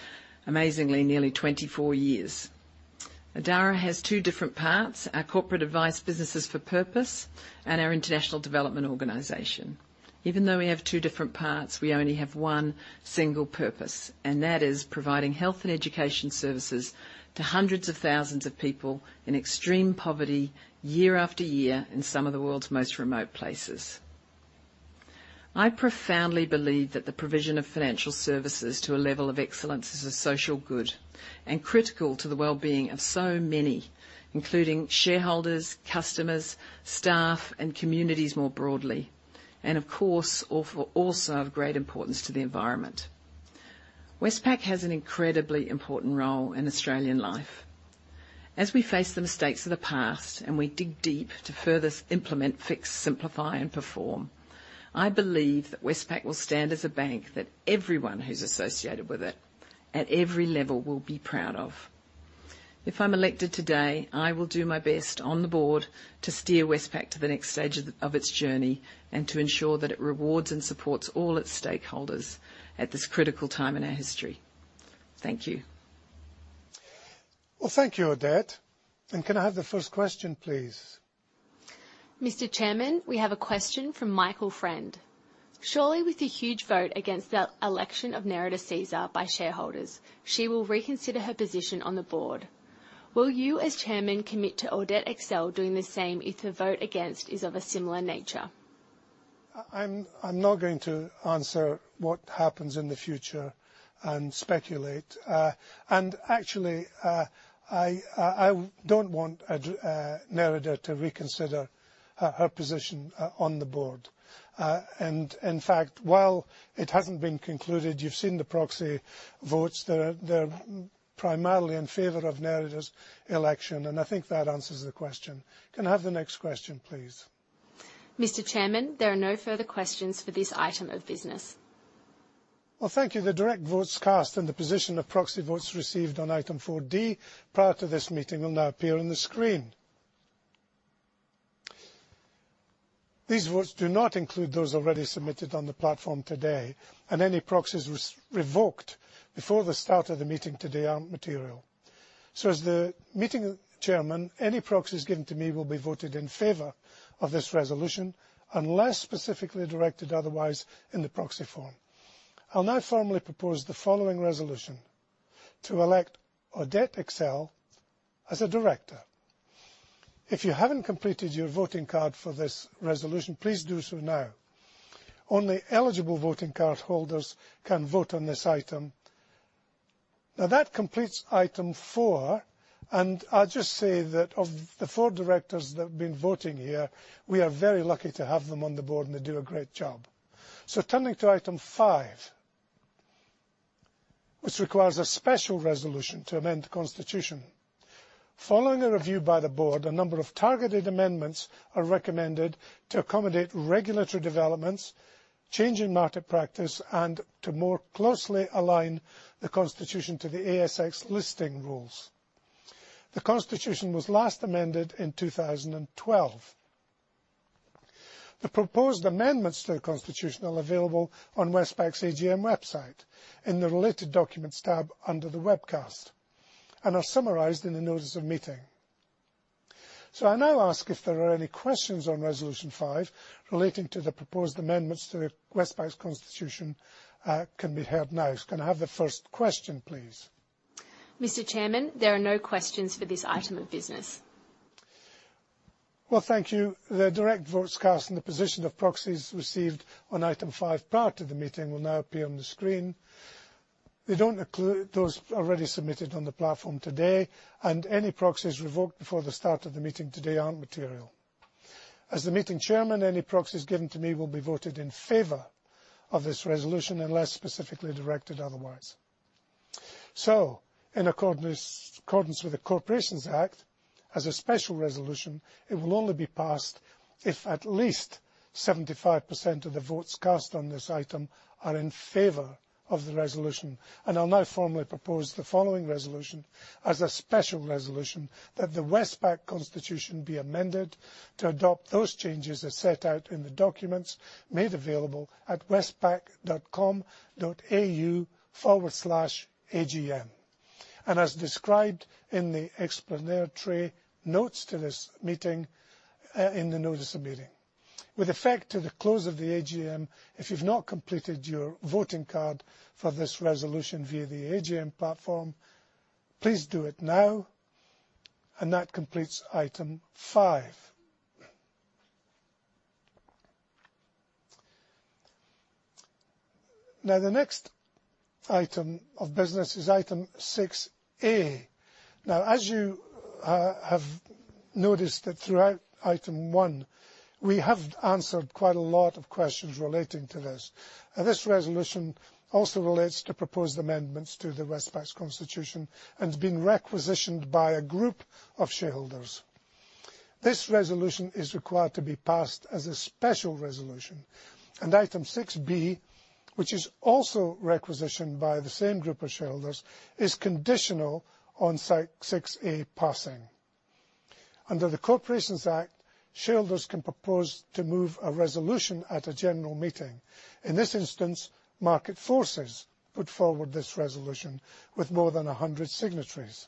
amazingly, nearly 24 years. Adara has two different parts, our corporate advice businesses for-purpose and our international development organization. Even though we have two different parts, we only have one single purpose, and that is providing health and education services to hundreds of thousands of people in extreme poverty year after year in some of the world's most remote places. I profoundly believe that the provision of financial services to a level of excellence is a social good and critical to the well-being of so many, including shareholders, customers, staff, and communities more broadly, and of course, also of great importance to the environment. Westpac has an incredibly important role in Australian life. As we face the mistakes of the past and we dig deep to further implement, fix, simplify, and perform, I believe that Westpac will stand as a bank that everyone who's associated with it at every level will be proud of. If I'm elected today, I will do my best on the board to steer Westpac to the next stage of its journey and to ensure that it rewards and supports all its stakeholders at this critical time in our history. Thank you. Well, thank you, Audette. Can I have the first question, please? Mr. Chairman, we have a question from Michael Friend. Surely with the huge vote against the election of Nerida Caesar by shareholders, she will reconsider her position on the board. Will you, as Chairman, commit to Audette Exel doing the same if the vote against is of a similar nature? I'm not going to answer what happens in the future and speculate. Actually, I don't want Nerida to reconsider her position on the board. In fact, while it hasn't been concluded, you've seen the proxy votes. They're primarily in favor of Nerida's election, and I think that answers the question. Can I have the next question, please? Mr. Chairman, there are no further questions for this item of business. Well, thank you. The direct votes cast and the position of proxy votes received on item 4D prior to this meeting will now appear on the screen. These votes do not include those already submitted on the platform today, and any proxies was revoked before the start of the meeting today aren't material. As the meeting chairman, any proxies given to me will be voted in favor of this resolution unless specifically directed otherwise in the proxy form. I'll now formally propose the following resolution. To elect Audette Exel as a director. If you haven't completed your voting card for this resolution, please do so now. Only eligible voting card holders can vote on this item. Now, that completes item four, and I'll just say that of the four directors that have been voting here, we are very lucky to have them on the board, and they do a great job. Turning to item five, which requires a special resolution to amend the constitution. Following a review by the board, a number of targeted amendments are recommended to accommodate regulatory developments, change in market practice, and to more closely align the constitution to the ASX Listing Rules. The constitution was last amended in 2012. The proposed amendments to the constitution are available on Westpac's AGM website in the Related Documents tab under the webcast and are summarized in the notice of meeting. I now ask if there are any questions on resolution five relating to the proposed amendments to Westpac's constitution can be heard now. Can I have the first question, please? Mr. Chairman, there are no questions for this item of business. Well, thank you. The direct votes cast and the position of proxies received on item 5 prior to the meeting will now appear on the screen. They don't include those already submitted on the platform today, and any proxies revoked before the start of the meeting today aren't material. As the meeting chairman, any proxies given to me will be voted in favor of this resolution unless specifically directed otherwise. In accordance with the Corporations Act, as a special resolution, it will only be passed if at least 75% of the votes cast on this item are in favor of the resolution. I'll now formally propose the following resolution as a special resolution that the Westpac constitution be amended to adopt those changes as set out in the documents made available at westpac.com.au/agm. As described in the explanatory notes to this meeting, in the notice of meeting. With effect to the close of the AGM, if you've not completed your voting card for this resolution via the AGM platform, please do it now. That completes item 5. Now, the next item of business is item 6A. Now, as you have noticed that throughout item 1, we have answered quite a lot of questions relating to this. This resolution also relates to proposed amendments to Westpac's constitution and has been requisitioned by a group of shareholders. This resolution is required to be passed as a special resolution. Item 6B, which is also requisitioned by the same group of shareholders, is conditional on 6A passing. Under the Corporations Act, shareholders can propose to move a resolution at a general meeting. In this instance, Market Forces put forward this resolution with more than 100 signatories.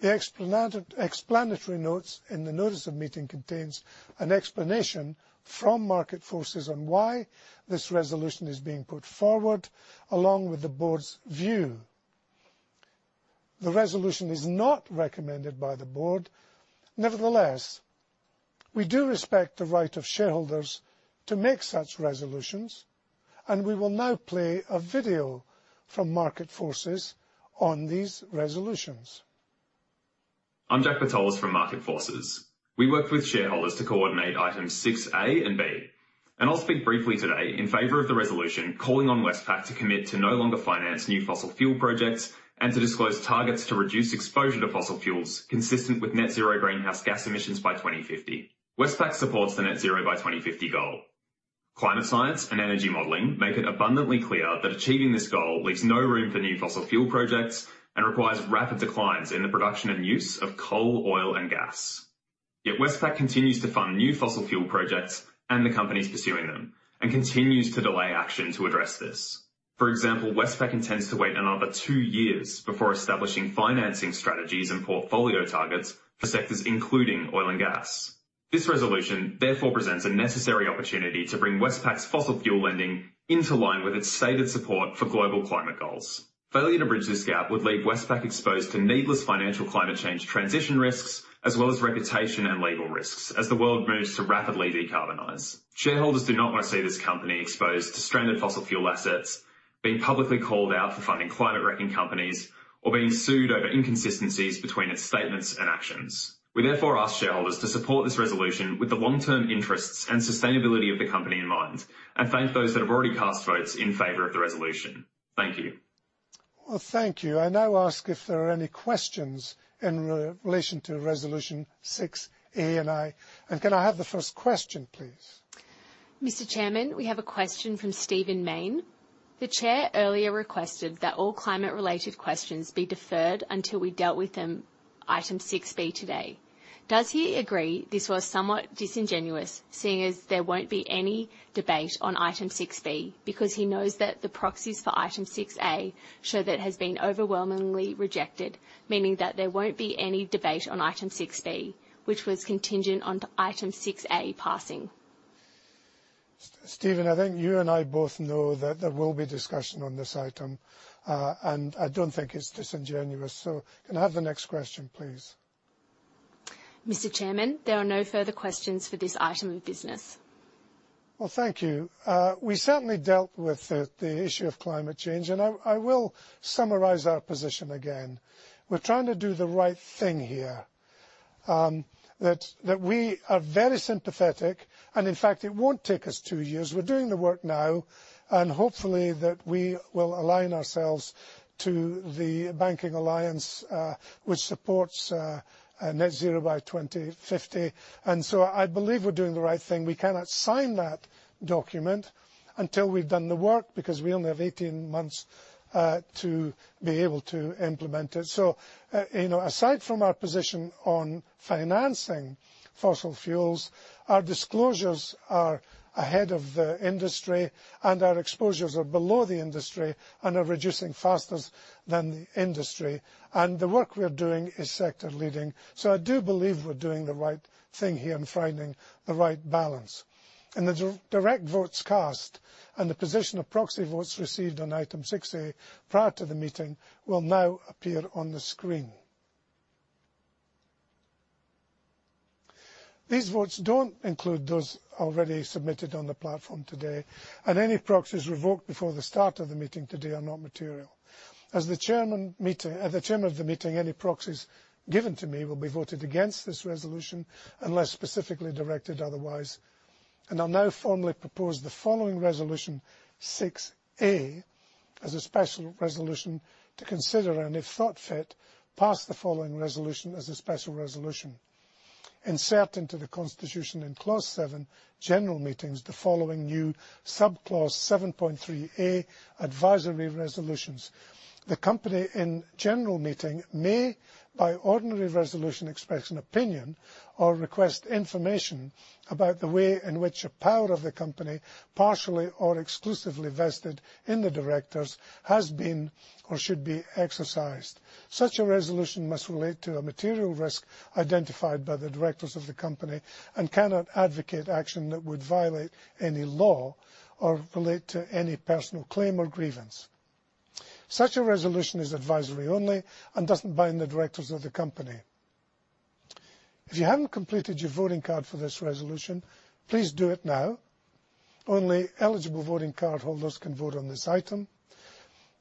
The explanatory notes in the notice of meeting contain an explanation from Market Forces on why this resolution is being put forward, along with the board's view. The resolution is not recommended by the board. Nevertheless, we do respect the right of shareholders to make such resolutions, and we will now play a video from Market Forces on these resolutions. I'm Jack Bertolus from Market Forces. We work with shareholders to coordinate items 6A and 6B. I'll speak briefly today in favor of the resolution, calling on Westpac to commit to no longer finance new fossil fuel projects and to disclose targets to reduce exposure to fossil fuels consistent with net zero greenhouse gas emissions by 2050. Westpac supports the net zero by 2050 goal. Climate science and energy modeling make it abundantly clear that achieving this goal leaves no room for new fossil fuel projects and requires rapid declines in the production and use of coal, oil, and gas. Yet Westpac continues to fund new fossil fuel projects and the companies pursuing them, and continues to delay action to address this. For example, Westpac intends to wait another 2 years before establishing financing strategies and portfolio targets for sectors including oil and gas. This resolution therefore presents a necessary opportunity to bring Westpac's fossil fuel lending into line with its stated support for global climate goals. Failure to bridge this gap would leave Westpac exposed to needless financial climate change transition risks, as well as reputation and legal risks as the world moves to rapidly decarbonize. Shareholders do not want to see this company exposed to stranded fossil fuel assets, being publicly called out for funding climate-wrecking companies, or being sued over inconsistencies between its statements and actions. We therefore ask shareholders to support this resolution with the long-term interests and sustainability of the company in mind, and thank those that have already cast votes in favor of the resolution. Thank you. Well, thank you. I now ask if there are any questions in relation to Resolution 6A and 1. Can I have the first question, please? Mr. Chairman, we have a question from Stephen Mayne. The chair earlier requested that all climate-related questions be deferred until we've dealt with them, item six B today. Does he agree this was somewhat disingenuous, seeing as there won't be any debate on item six B because he knows that the proxies for item six A show that it has been overwhelmingly rejected, meaning that there won't be any debate on item six B, which was contingent on item six A passing? Steven, I think you and I both know that there will be discussion on this item. I don't think it's disingenuous. Can I have the next question, please? Mr. Chairman, there are no further questions for this item of business. Well, thank you. We certainly dealt with the issue of climate change, and I will summarize our position again. We're trying to do the right thing here. That we are very sympathetic, and in fact, it won't take us 2 years. We're doing the work now, and hopefully that we will align ourselves to the banking alliance, which supports net zero by 2050. I believe we're doing the right thing. We cannot sign that document until we've done the work because we only have 18 months to be able to implement it. You know, aside from our position on financing fossil fuels, our disclosures are ahead of the industry, and our exposures are below the industry and are reducing faster than the industry. The work we are doing is sector leading. I do believe we're doing the right thing here and finding the right balance. The direct votes cast and the position of proxy votes received on Item 6A prior to the meeting will now appear on the screen. These votes don't include those already submitted on the platform today, and any proxies revoked before the start of the meeting today are not material. As the Chairman of the meeting, any proxies given to me will be voted against this resolution unless specifically directed otherwise. I'll now formally propose the following resolution, 6A, as a special resolution to consider and, if thought fit, pass the following resolution as a special resolution. Insert into the constitution in Clause 7, general meetings, the following new sub-clause, 7.3A, advisory resolutions. The company in general meeting may, by ordinary resolution, express an opinion or request information about the way in which a power of the company, partially or exclusively vested in the directors, has been or should be exercised. Such a resolution must relate to a material risk identified by the directors of the company and cannot advocate action that would violate any law or relate to any personal claim or grievance. Such a resolution is advisory only and doesn't bind the directors of the company. If you haven't completed your voting card for this resolution, please do it now. Only eligible voting card holders can vote on this item.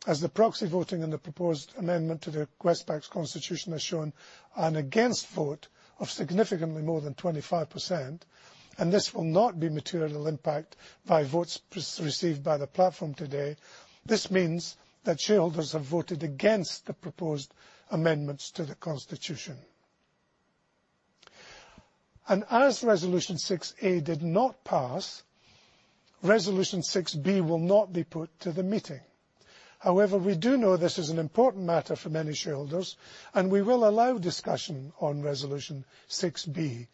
As the proxy voting in the proposed amendment to Westpac's constitution has shown, an against vote of significantly more than 25%, and this will not be materially impacted by votes pre-received by the platform today. This means that shareholders have voted against the proposed amendments to the constitution. As Resolution 6A did not pass, Resolution 6B will not be put to the meeting. However, we do know this is an important matter for many shareholders, and we will allow discussion on Resolution 6B.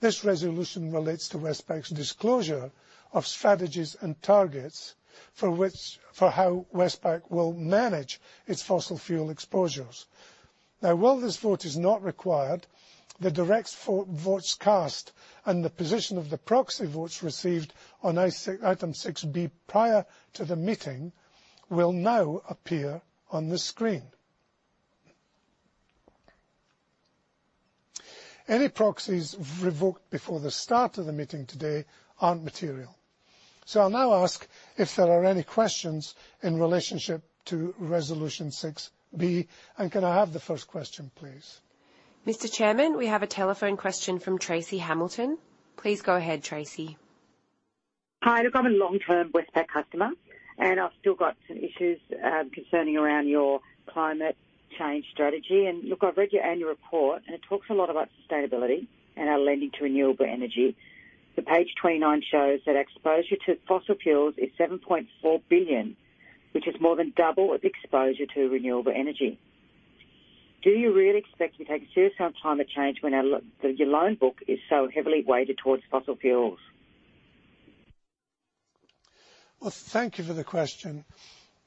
This resolution relates to Westpac's disclosure of strategies and targets for how Westpac will manage its fossil fuel exposures. Now, while this vote is not required, the direct votes cast and the position of the proxy votes received on item 6B prior to the meeting will now appear on the screen. Any proxies revoked before the start of the meeting today aren't material. I'll now ask if there are any questions in relationship to Resolution 6B, and can I have the first question, please? Mr. Chairman, we have a telephone question from Tracy Hamilton. Please go ahead, Tracy. Hi. Look, I'm a long-term Westpac customer, and I've still got some issues concerning around your climate change strategy. Look, I've read your annual report, and it talks a lot about sustainability and our lending to renewable energy. The page 29 shows that exposure to fossil fuels is 7.4 billion, which is more than double of exposure to renewable energy. Do you really expect me to take serious on climate change when your loan book is so heavily weighted towards fossil fuels? Well, thank you for the question.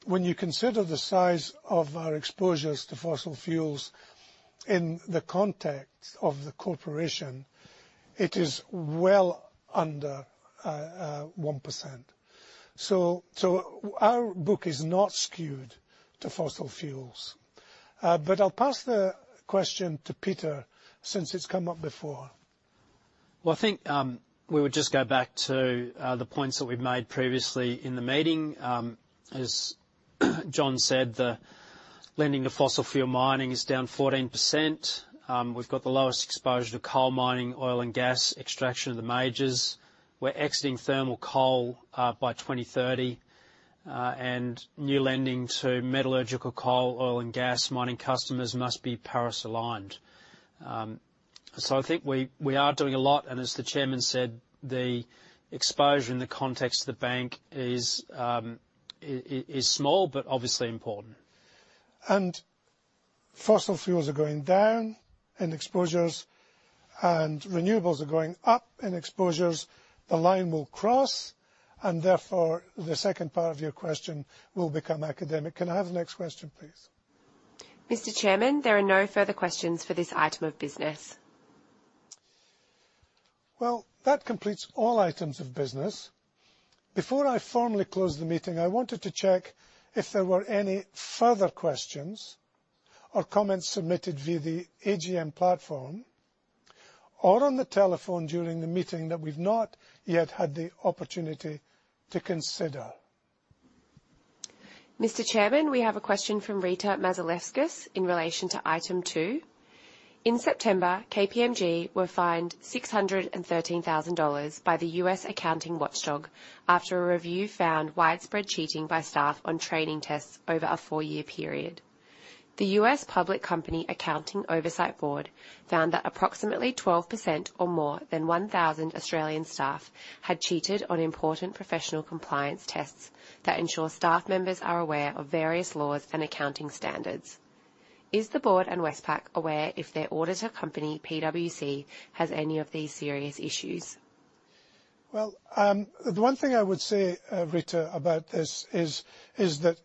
When you consider the size of our exposures to fossil fuels in the context of the corporation, it is well under 1%. Our book is not skewed to fossil fuels. I'll pass the question to Peter since it's come up before. Well, I think we would just go back to the points that we've made previously in the meeting, as John said, the lending to fossil fuel mining is down 14%. We've got the lowest exposure to coal mining, oil and gas extraction of the majors. We're exiting thermal coal by 2030. New lending to metallurgical coal, oil and gas mining customers must be Paris-aligned. I think we are doing a lot, and as the chairman said, the exposure in the context of the bank is small, but obviously important. Fossil fuels are going down in exposures, and renewables are going up in exposures. The line will cross, and therefore, the second part of your question will become academic. Can I have the next question, please? Mr. Chairman, there are no further questions for this item of business. Well, that completes all items of business. Before I formally close the meeting, I wanted to check if there were any further questions or comments submitted via the AGM platform or on the telephone during the meeting that we've not yet had the opportunity to consider. Mr. Chairman, we have a question from Rita Mazaleskas in relation to item two. In September, KPMG were fined $613,000 by the U.S. Accounting Watchdog after a review found widespread cheating by staff on training tests over a four-year period. The U.S. Public Company Accounting Oversight Board found that approximately 12% or more than 1,000 Australian staff had cheated on important professional compliance tests that ensure staff members are aware of various laws and accounting standards. Is the board and Westpac aware if their auditor company, PwC, has any of these serious issues? Well, the one thing I would say, Rita, about this is that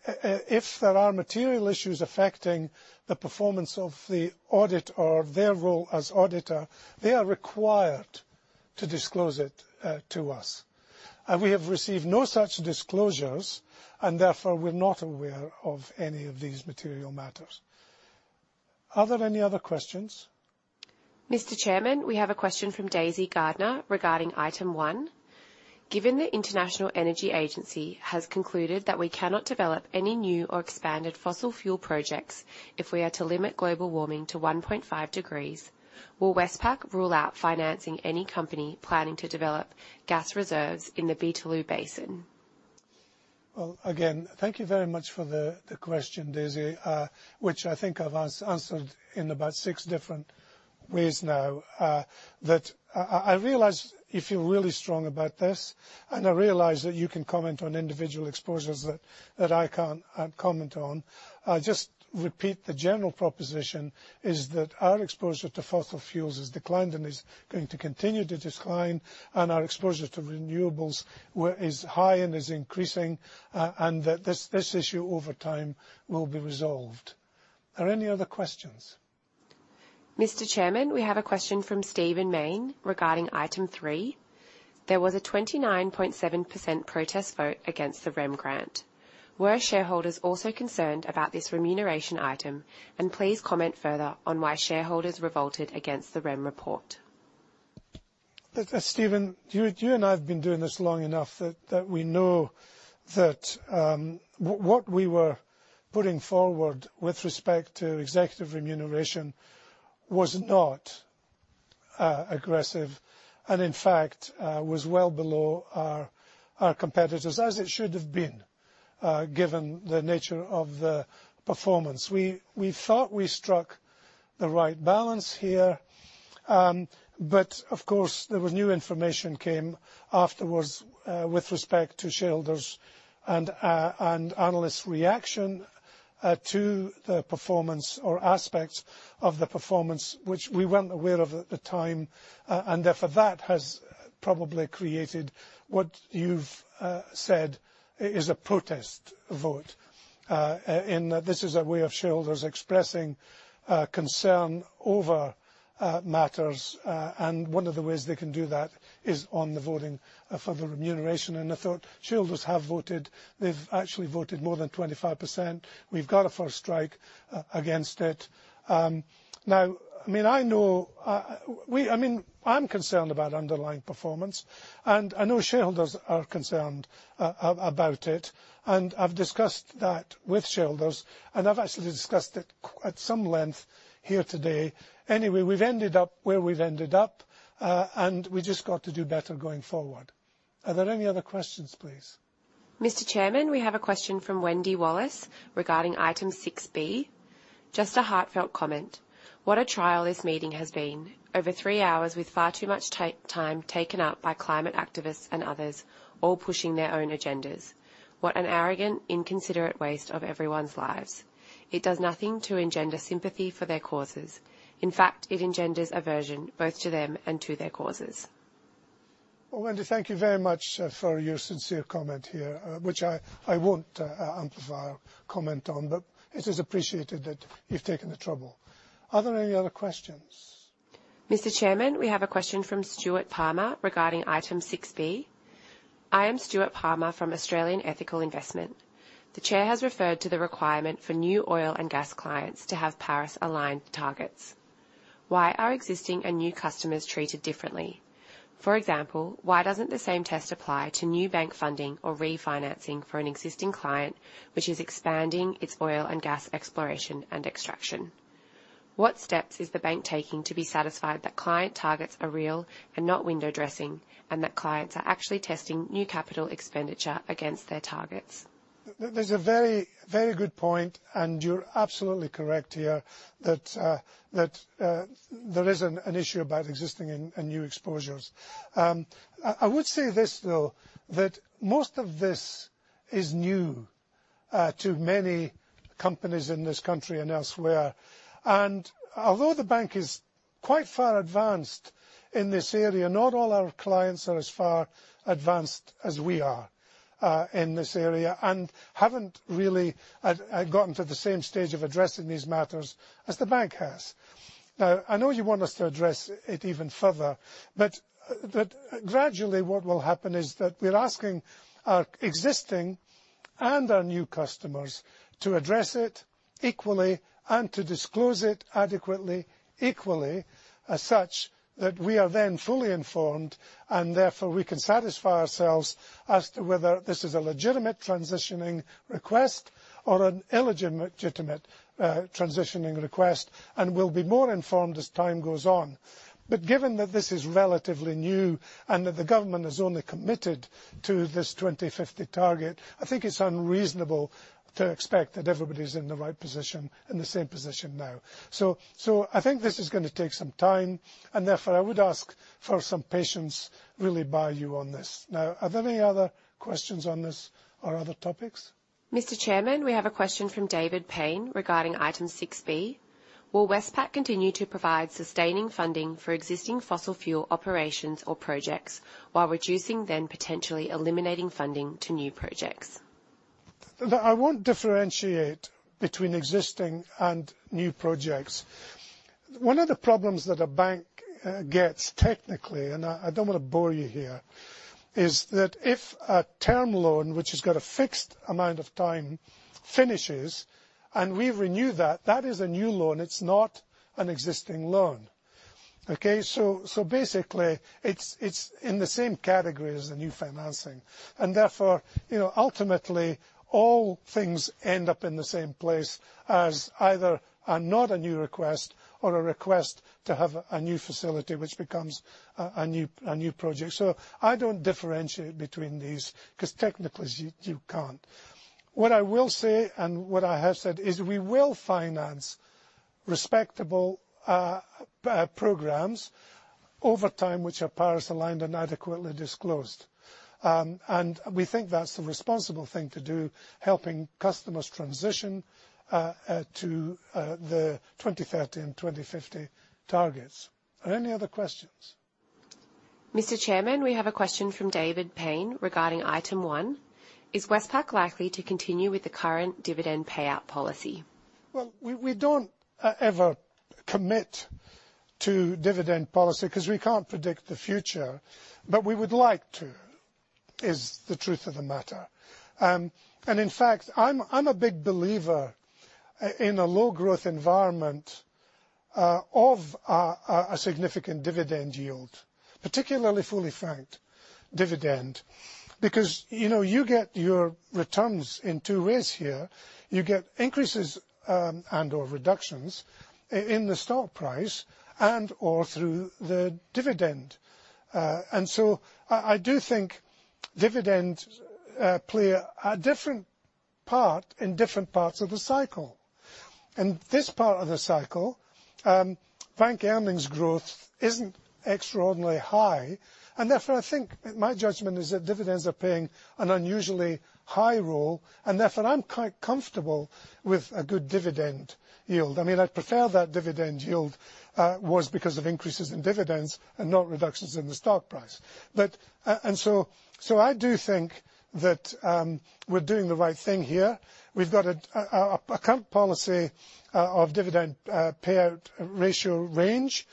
if there are material issues affecting the performance of the audit or their role as auditor, they are required to disclose it to us. We have received no such disclosures, and therefore, we're not aware of any of these material matters. Are there any other questions? Mr. Chairman, we have a question from Daisy Gardner regarding item one. Given the International Energy Agency has concluded that we cannot develop any new or expanded fossil fuel projects if we are to limit global warming to 1.5 degrees, will Westpac rule out financing any company planning to develop gas reserves in the Beetaloo Basin? Well, again, thank you very much for the question, Daisy, which I think I've answered in about six different ways now. That I realize you feel really strong about this, and I realize that you can comment on individual exposures that I can't comment on. I'll just repeat the general proposition is that our exposure to fossil fuels has declined and is going to continue to decline, and our exposure to renewables were as high and is increasing, and that this issue over time will be resolved. Are there any other questions? Mr. Chairman, we have a question from Stephen Mayne regarding item three. There was a 29.7% protest vote against the REM grant. Were shareholders also concerned about this remuneration item, and please comment further on why shareholders revolted against the REM report? Steven, you and I have been doing this long enough that we know that what we were putting forward with respect to executive remuneration was not aggressive, and in fact, was well below our competitors, as it should have been, given the nature of the performance. We thought we struck the right balance here. Of course, there was new information came afterwards, with respect to shareholders and analysts' reaction to the performance or aspects of the performance, which we weren't aware of at the time. Therefore, that has probably created what you've said is a protest vote. This is a way of shareholders expressing concern over matters. One of the ways they can do that is on the voting for the remuneration. I thought shareholders have voted. They've actually voted more than 25%. We've got a first strike against it. Now, I mean, I know we, I mean, I'm concerned about underlying performance, and I know shareholders are concerned about it. I've discussed that with shareholders, and I've actually discussed it at some length here today. Anyway, we've ended up where we've ended up, and we just got to do better going forward. Are there any other questions, please? Mr. Chairman, we have a question from Wendy Wallace regarding item 6B. Just a heartfelt comment. What a trial this meeting has been. Over 3 hours with far too much time taken up by climate activists and others, all pushing their own agendas. What an arrogant, inconsiderate waste of everyone's lives. It does nothing to engender sympathy for their causes. In fact, it engenders aversion both to them and to their causes. Well, Wendy, thank you very much for your sincere comment here, which I won't provide a comment on. But it is appreciated that you've taken the trouble. Are there any other questions? Mr. Chairman, we have a question from Stuart Palmer regarding item 6-B. "I am Stuart Palmer from Australian Ethical Investment. The Chair has referred to the requirement for new oil and gas clients to have Paris-aligned targets. Why are existing and new customers treated differently? For example, why doesn't the same test apply to new bank funding or refinancing for an existing client, which is expanding its oil and gas exploration and extraction? What steps is the bank taking to be satisfied that client targets are real and not window dressing, and that clients are actually testing new capital expenditure against their targets? That's a very, very good point, and you're absolutely correct here that there is an issue about existing and new exposures. I would say this, though, that most of this is new to many companies in this country and elsewhere. Although the bank is quite far advanced in this area, not all our clients are as far advanced as we are in this area and haven't really gotten to the same stage of addressing these matters as the bank has. Now, I know you want us to address it even further, but, that gradually what will happen is that we're asking our existing and our new customers to address it equally and to disclose it adequately, equally as such that we are then fully informed, and therefore we can satisfy ourselves as to whether this is a legitimate transitioning request or an illegitimate, transitioning request, and we'll be more informed as time goes on. Given that this is relatively new and that the government has only committed to this 2050 target, I think it's unreasonable to expect that everybody's in the right position, in the same position now. I think this is gonna take some time, and therefore I would ask for some patience, really by you on this. Now, are there any other questions on this or other topics? Mr. Chairman, we have a question from David Payne regarding item 6-B. "Will Westpac continue to provide sustaining funding for existing fossil fuel operations or projects while reducing then potentially eliminating funding to new projects? That I won't differentiate between existing and new projects. One of the problems that a bank gets technically, and I don't wanna bore you here, is that if a term loan, which has got a fixed amount of time finishes, and we renew that is a new loan. It's not an existing loan. Okay? Basically, it's in the same category as the new financing. Therefore, you know, ultimately, all things end up in the same place as either not a new request or a request to have a new facility which becomes a new project. I don't differentiate between these because technically you can't. What I will say, and what I have said is we will finance respectable programs over time which are Paris-aligned and adequately disclosed. We think that's the responsible thing to do, helping customers transition to the 2030 and 2050 targets. Are there any other questions? Mr. Chairman, we have a question from David Payne regarding item one. "Is Westpac likely to continue with the current dividend payout policy? We don't ever commit to dividend policy 'cause we can't predict the future, but we would like to, is the truth of the matter. In fact, I'm a big believer in a low growth environment of a significant dividend yield, particularly fully franked dividend. Because, you know, you get your returns in two ways here. You get increases and/or reductions in the stock price and/or through the dividend. I do think dividends play a different part in different parts of the cycle. In this part of the cycle, bank earnings growth isn't extraordinarily high, and therefore I think my judgment is that dividends are playing an unusually high role, and therefore I'm quite comfortable with a good dividend yield. I mean, I'd prefer that dividend yield was because of increases in dividends and not reductions in the stock price. I do think that we're doing the right thing here. We've got a current policy of dividend payout ratio range.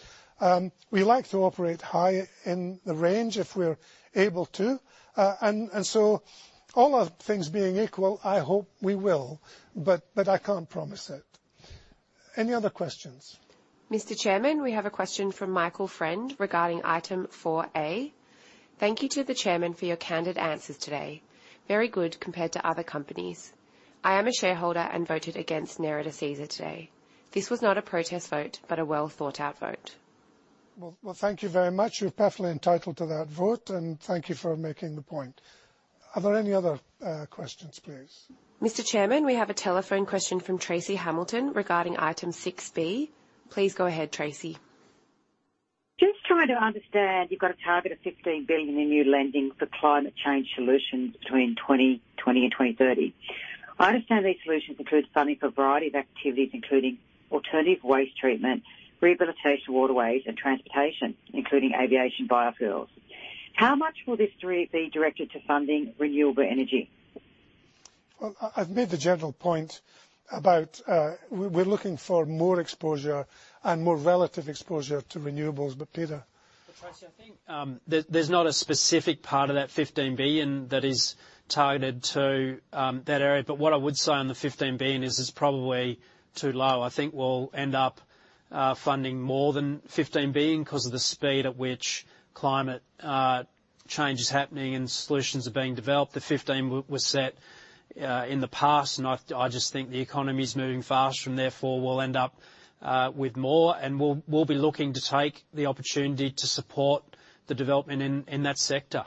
We like to operate high in the range if we're able to. All other things being equal, I hope we will, but I can't promise it. Any other questions? Mr. Chairman, we have a question from Michael Friend regarding item 4-A. "Thank you to the Chairman for your candid answers today. Very good compared to other companies. I am a shareholder and voted against Nerida Caesar today. This was not a protest vote, but a well-thought-out vote. Well, thank you very much. You're perfectly entitled to that vote, and thank you for making the point. Are there any other questions, please? Mr. Chairman, we have a telephone question from Tracy Hamilton regarding item 6B. Please go ahead, Tracy. Just trying to understand, you've got a target of 15 billion in new lending for climate change solutions between 2020 and 2030. I understand these solutions include funding for a variety of activities, including alternative waste treatment, rehabilitating waterways and transportation, including aviation biofuels. How much will this be directed to funding renewable energy? Well, I've made the general point about we're looking for more exposure and more relative exposure to renewables. Peter. Well, Tracy, I think, there's not a specific part of that 15 billion that is targeted to that area. What I would say on the 15 billion is it's probably too low. I think we'll end up funding more than 15 billion 'cause of the speed at which climate change is happening and solutions are being developed. The 15 billion was set in the past, and I just think the economy's moving faster and therefore we'll end up with more. We'll be looking to take the opportunity to support the development in that sector.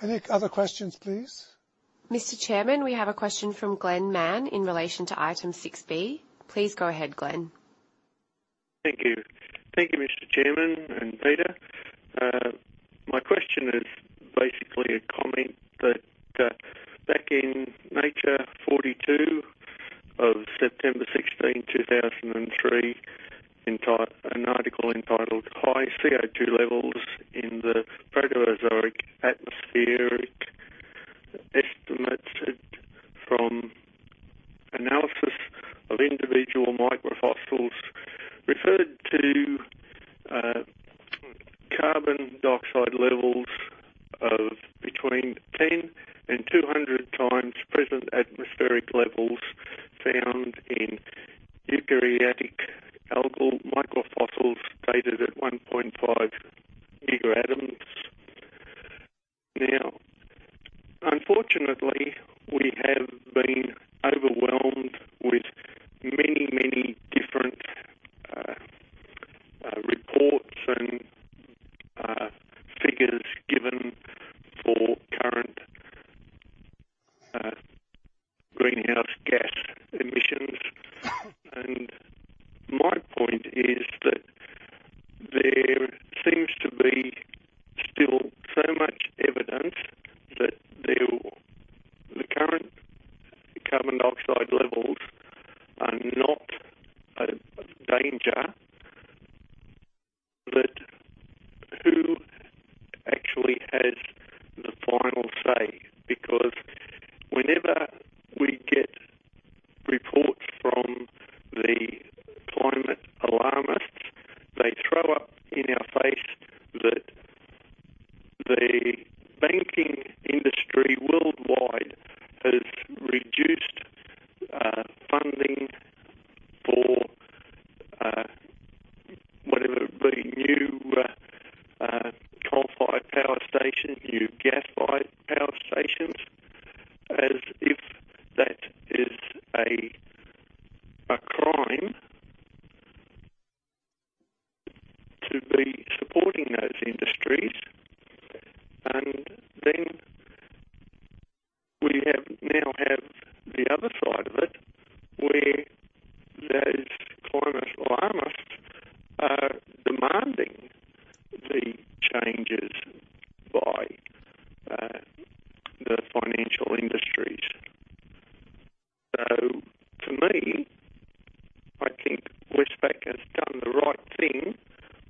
Any other questions, please? Mr. Chairman, we have a question from Peter Starr in relation to item 6 B. Please go ahead, Glenn. Thank you. Thank you, Mr. Chairman and Peter. My question is basically a comment that back in Nature 425 of September 16, 2003, an article entitled High CO2 Levels in the Proterozoic Atmosphere Estimated from Analyses of Individual Microfossils referred to carbon dioxide levels of between 10-200 times present atmospheric levels found in eukaryotic algal microfossils dated at 1.5 Ga. Now, unfortunately, we have been overwhelmed with many different reports and figures given for current greenhouse gas emissions. My point is that there seems to be still so much evidence that the current carbon dioxide levels are not a danger. But who actually has the final say? Because whenever we get reports from the climate alarmists, they throw up in our face that the banking industry worldwide has reduced funding for whatever the new coal-fired power station, new gas-fired power stations, as if that is a crime to be supporting those industries. We have the other side of it, where those climate alarmists are demanding the changes by the financial industries. To me, I think Westpac has done the right thing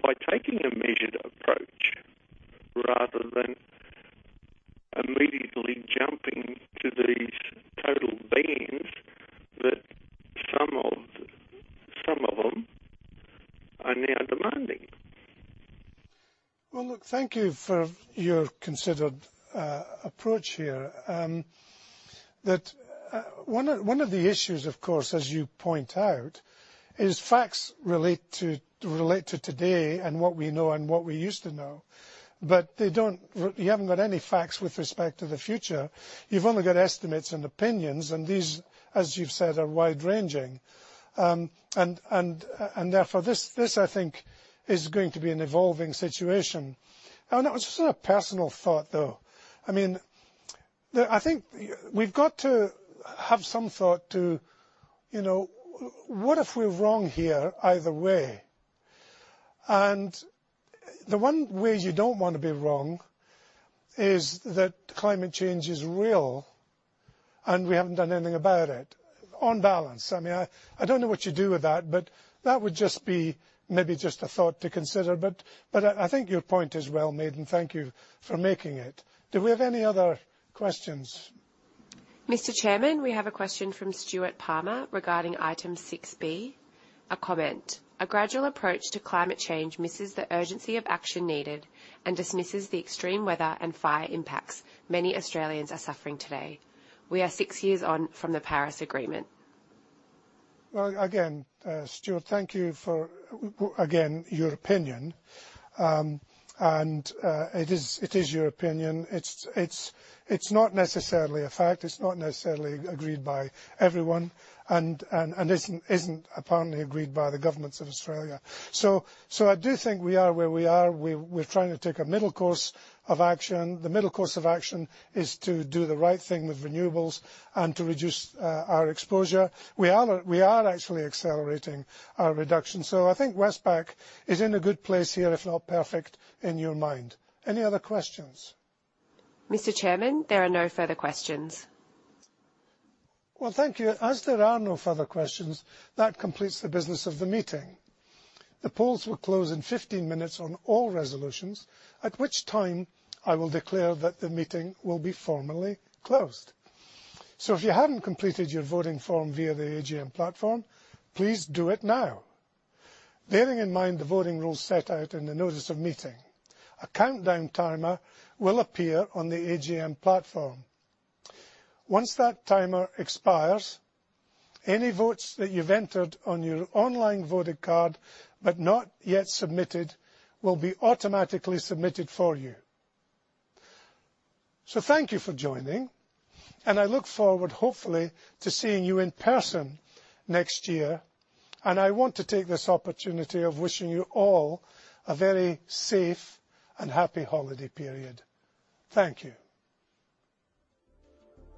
by taking a measured approach rather than immediately jumping to these total bans that some of them are now demanding. Well, look, thank you for your considered approach here. One of the issues, of course, as you point out, is facts relate to today and what we know and what we used to know. They don't. You haven't got any facts with respect to the future. You've only got estimates and opinions. These, as you've said, are wide-ranging. Therefore this I think is going to be an evolving situation. It was just a personal thought though. I mean, I think we've got to have some thought to, you know, what if we're wrong here either way? The one way you don't wanna be wrong is that climate change is real, and we haven't done anything about it, on balance. I mean, I don't know what you do with that, but that would just be maybe just a thought to consider. I think your point is well made, and thank you for making it. Do we have any other questions? Mr. Chairman, we have a question from Stuart Palmer regarding item 6B. A comment. A gradual approach to climate change misses the urgency of action needed and dismisses the extreme weather and fire impacts many Australians are suffering today. We are 6 years on from the Paris Agreement. Well, Stuart, thank you for your opinion. It is your opinion. It's not necessarily a fact. It's not necessarily agreed by everyone and isn't apparently agreed by the governments of Australia. I do think we are where we are. We're trying to take a middle course of action. The middle course of action is to do the right thing with renewables and to reduce our exposure. We are actually accelerating our reduction. I think Westpac is in a good place here, if not perfect in your mind. Any other questions? Mr. Chairman, there are no further questions. Well, thank you. As there are no further questions, that completes the business of the meeting. The polls will close in 15 minutes on all resolutions, at which time I will declare that the meeting will be formally closed. If you haven't completed your voting form via the AGM platform, please do it now. Bearing in mind the voting rules set out in the notice of meeting, a countdown timer will appear on the AGM platform. Once that timer expires, any votes that you've entered on your online voting card, but not yet submitted, will be automatically submitted for you. Thank you for joining, and I look forward, hopefully, to seeing you in person next year. I want to take this opportunity of wishing you all a very safe and happy holiday period. Thank you.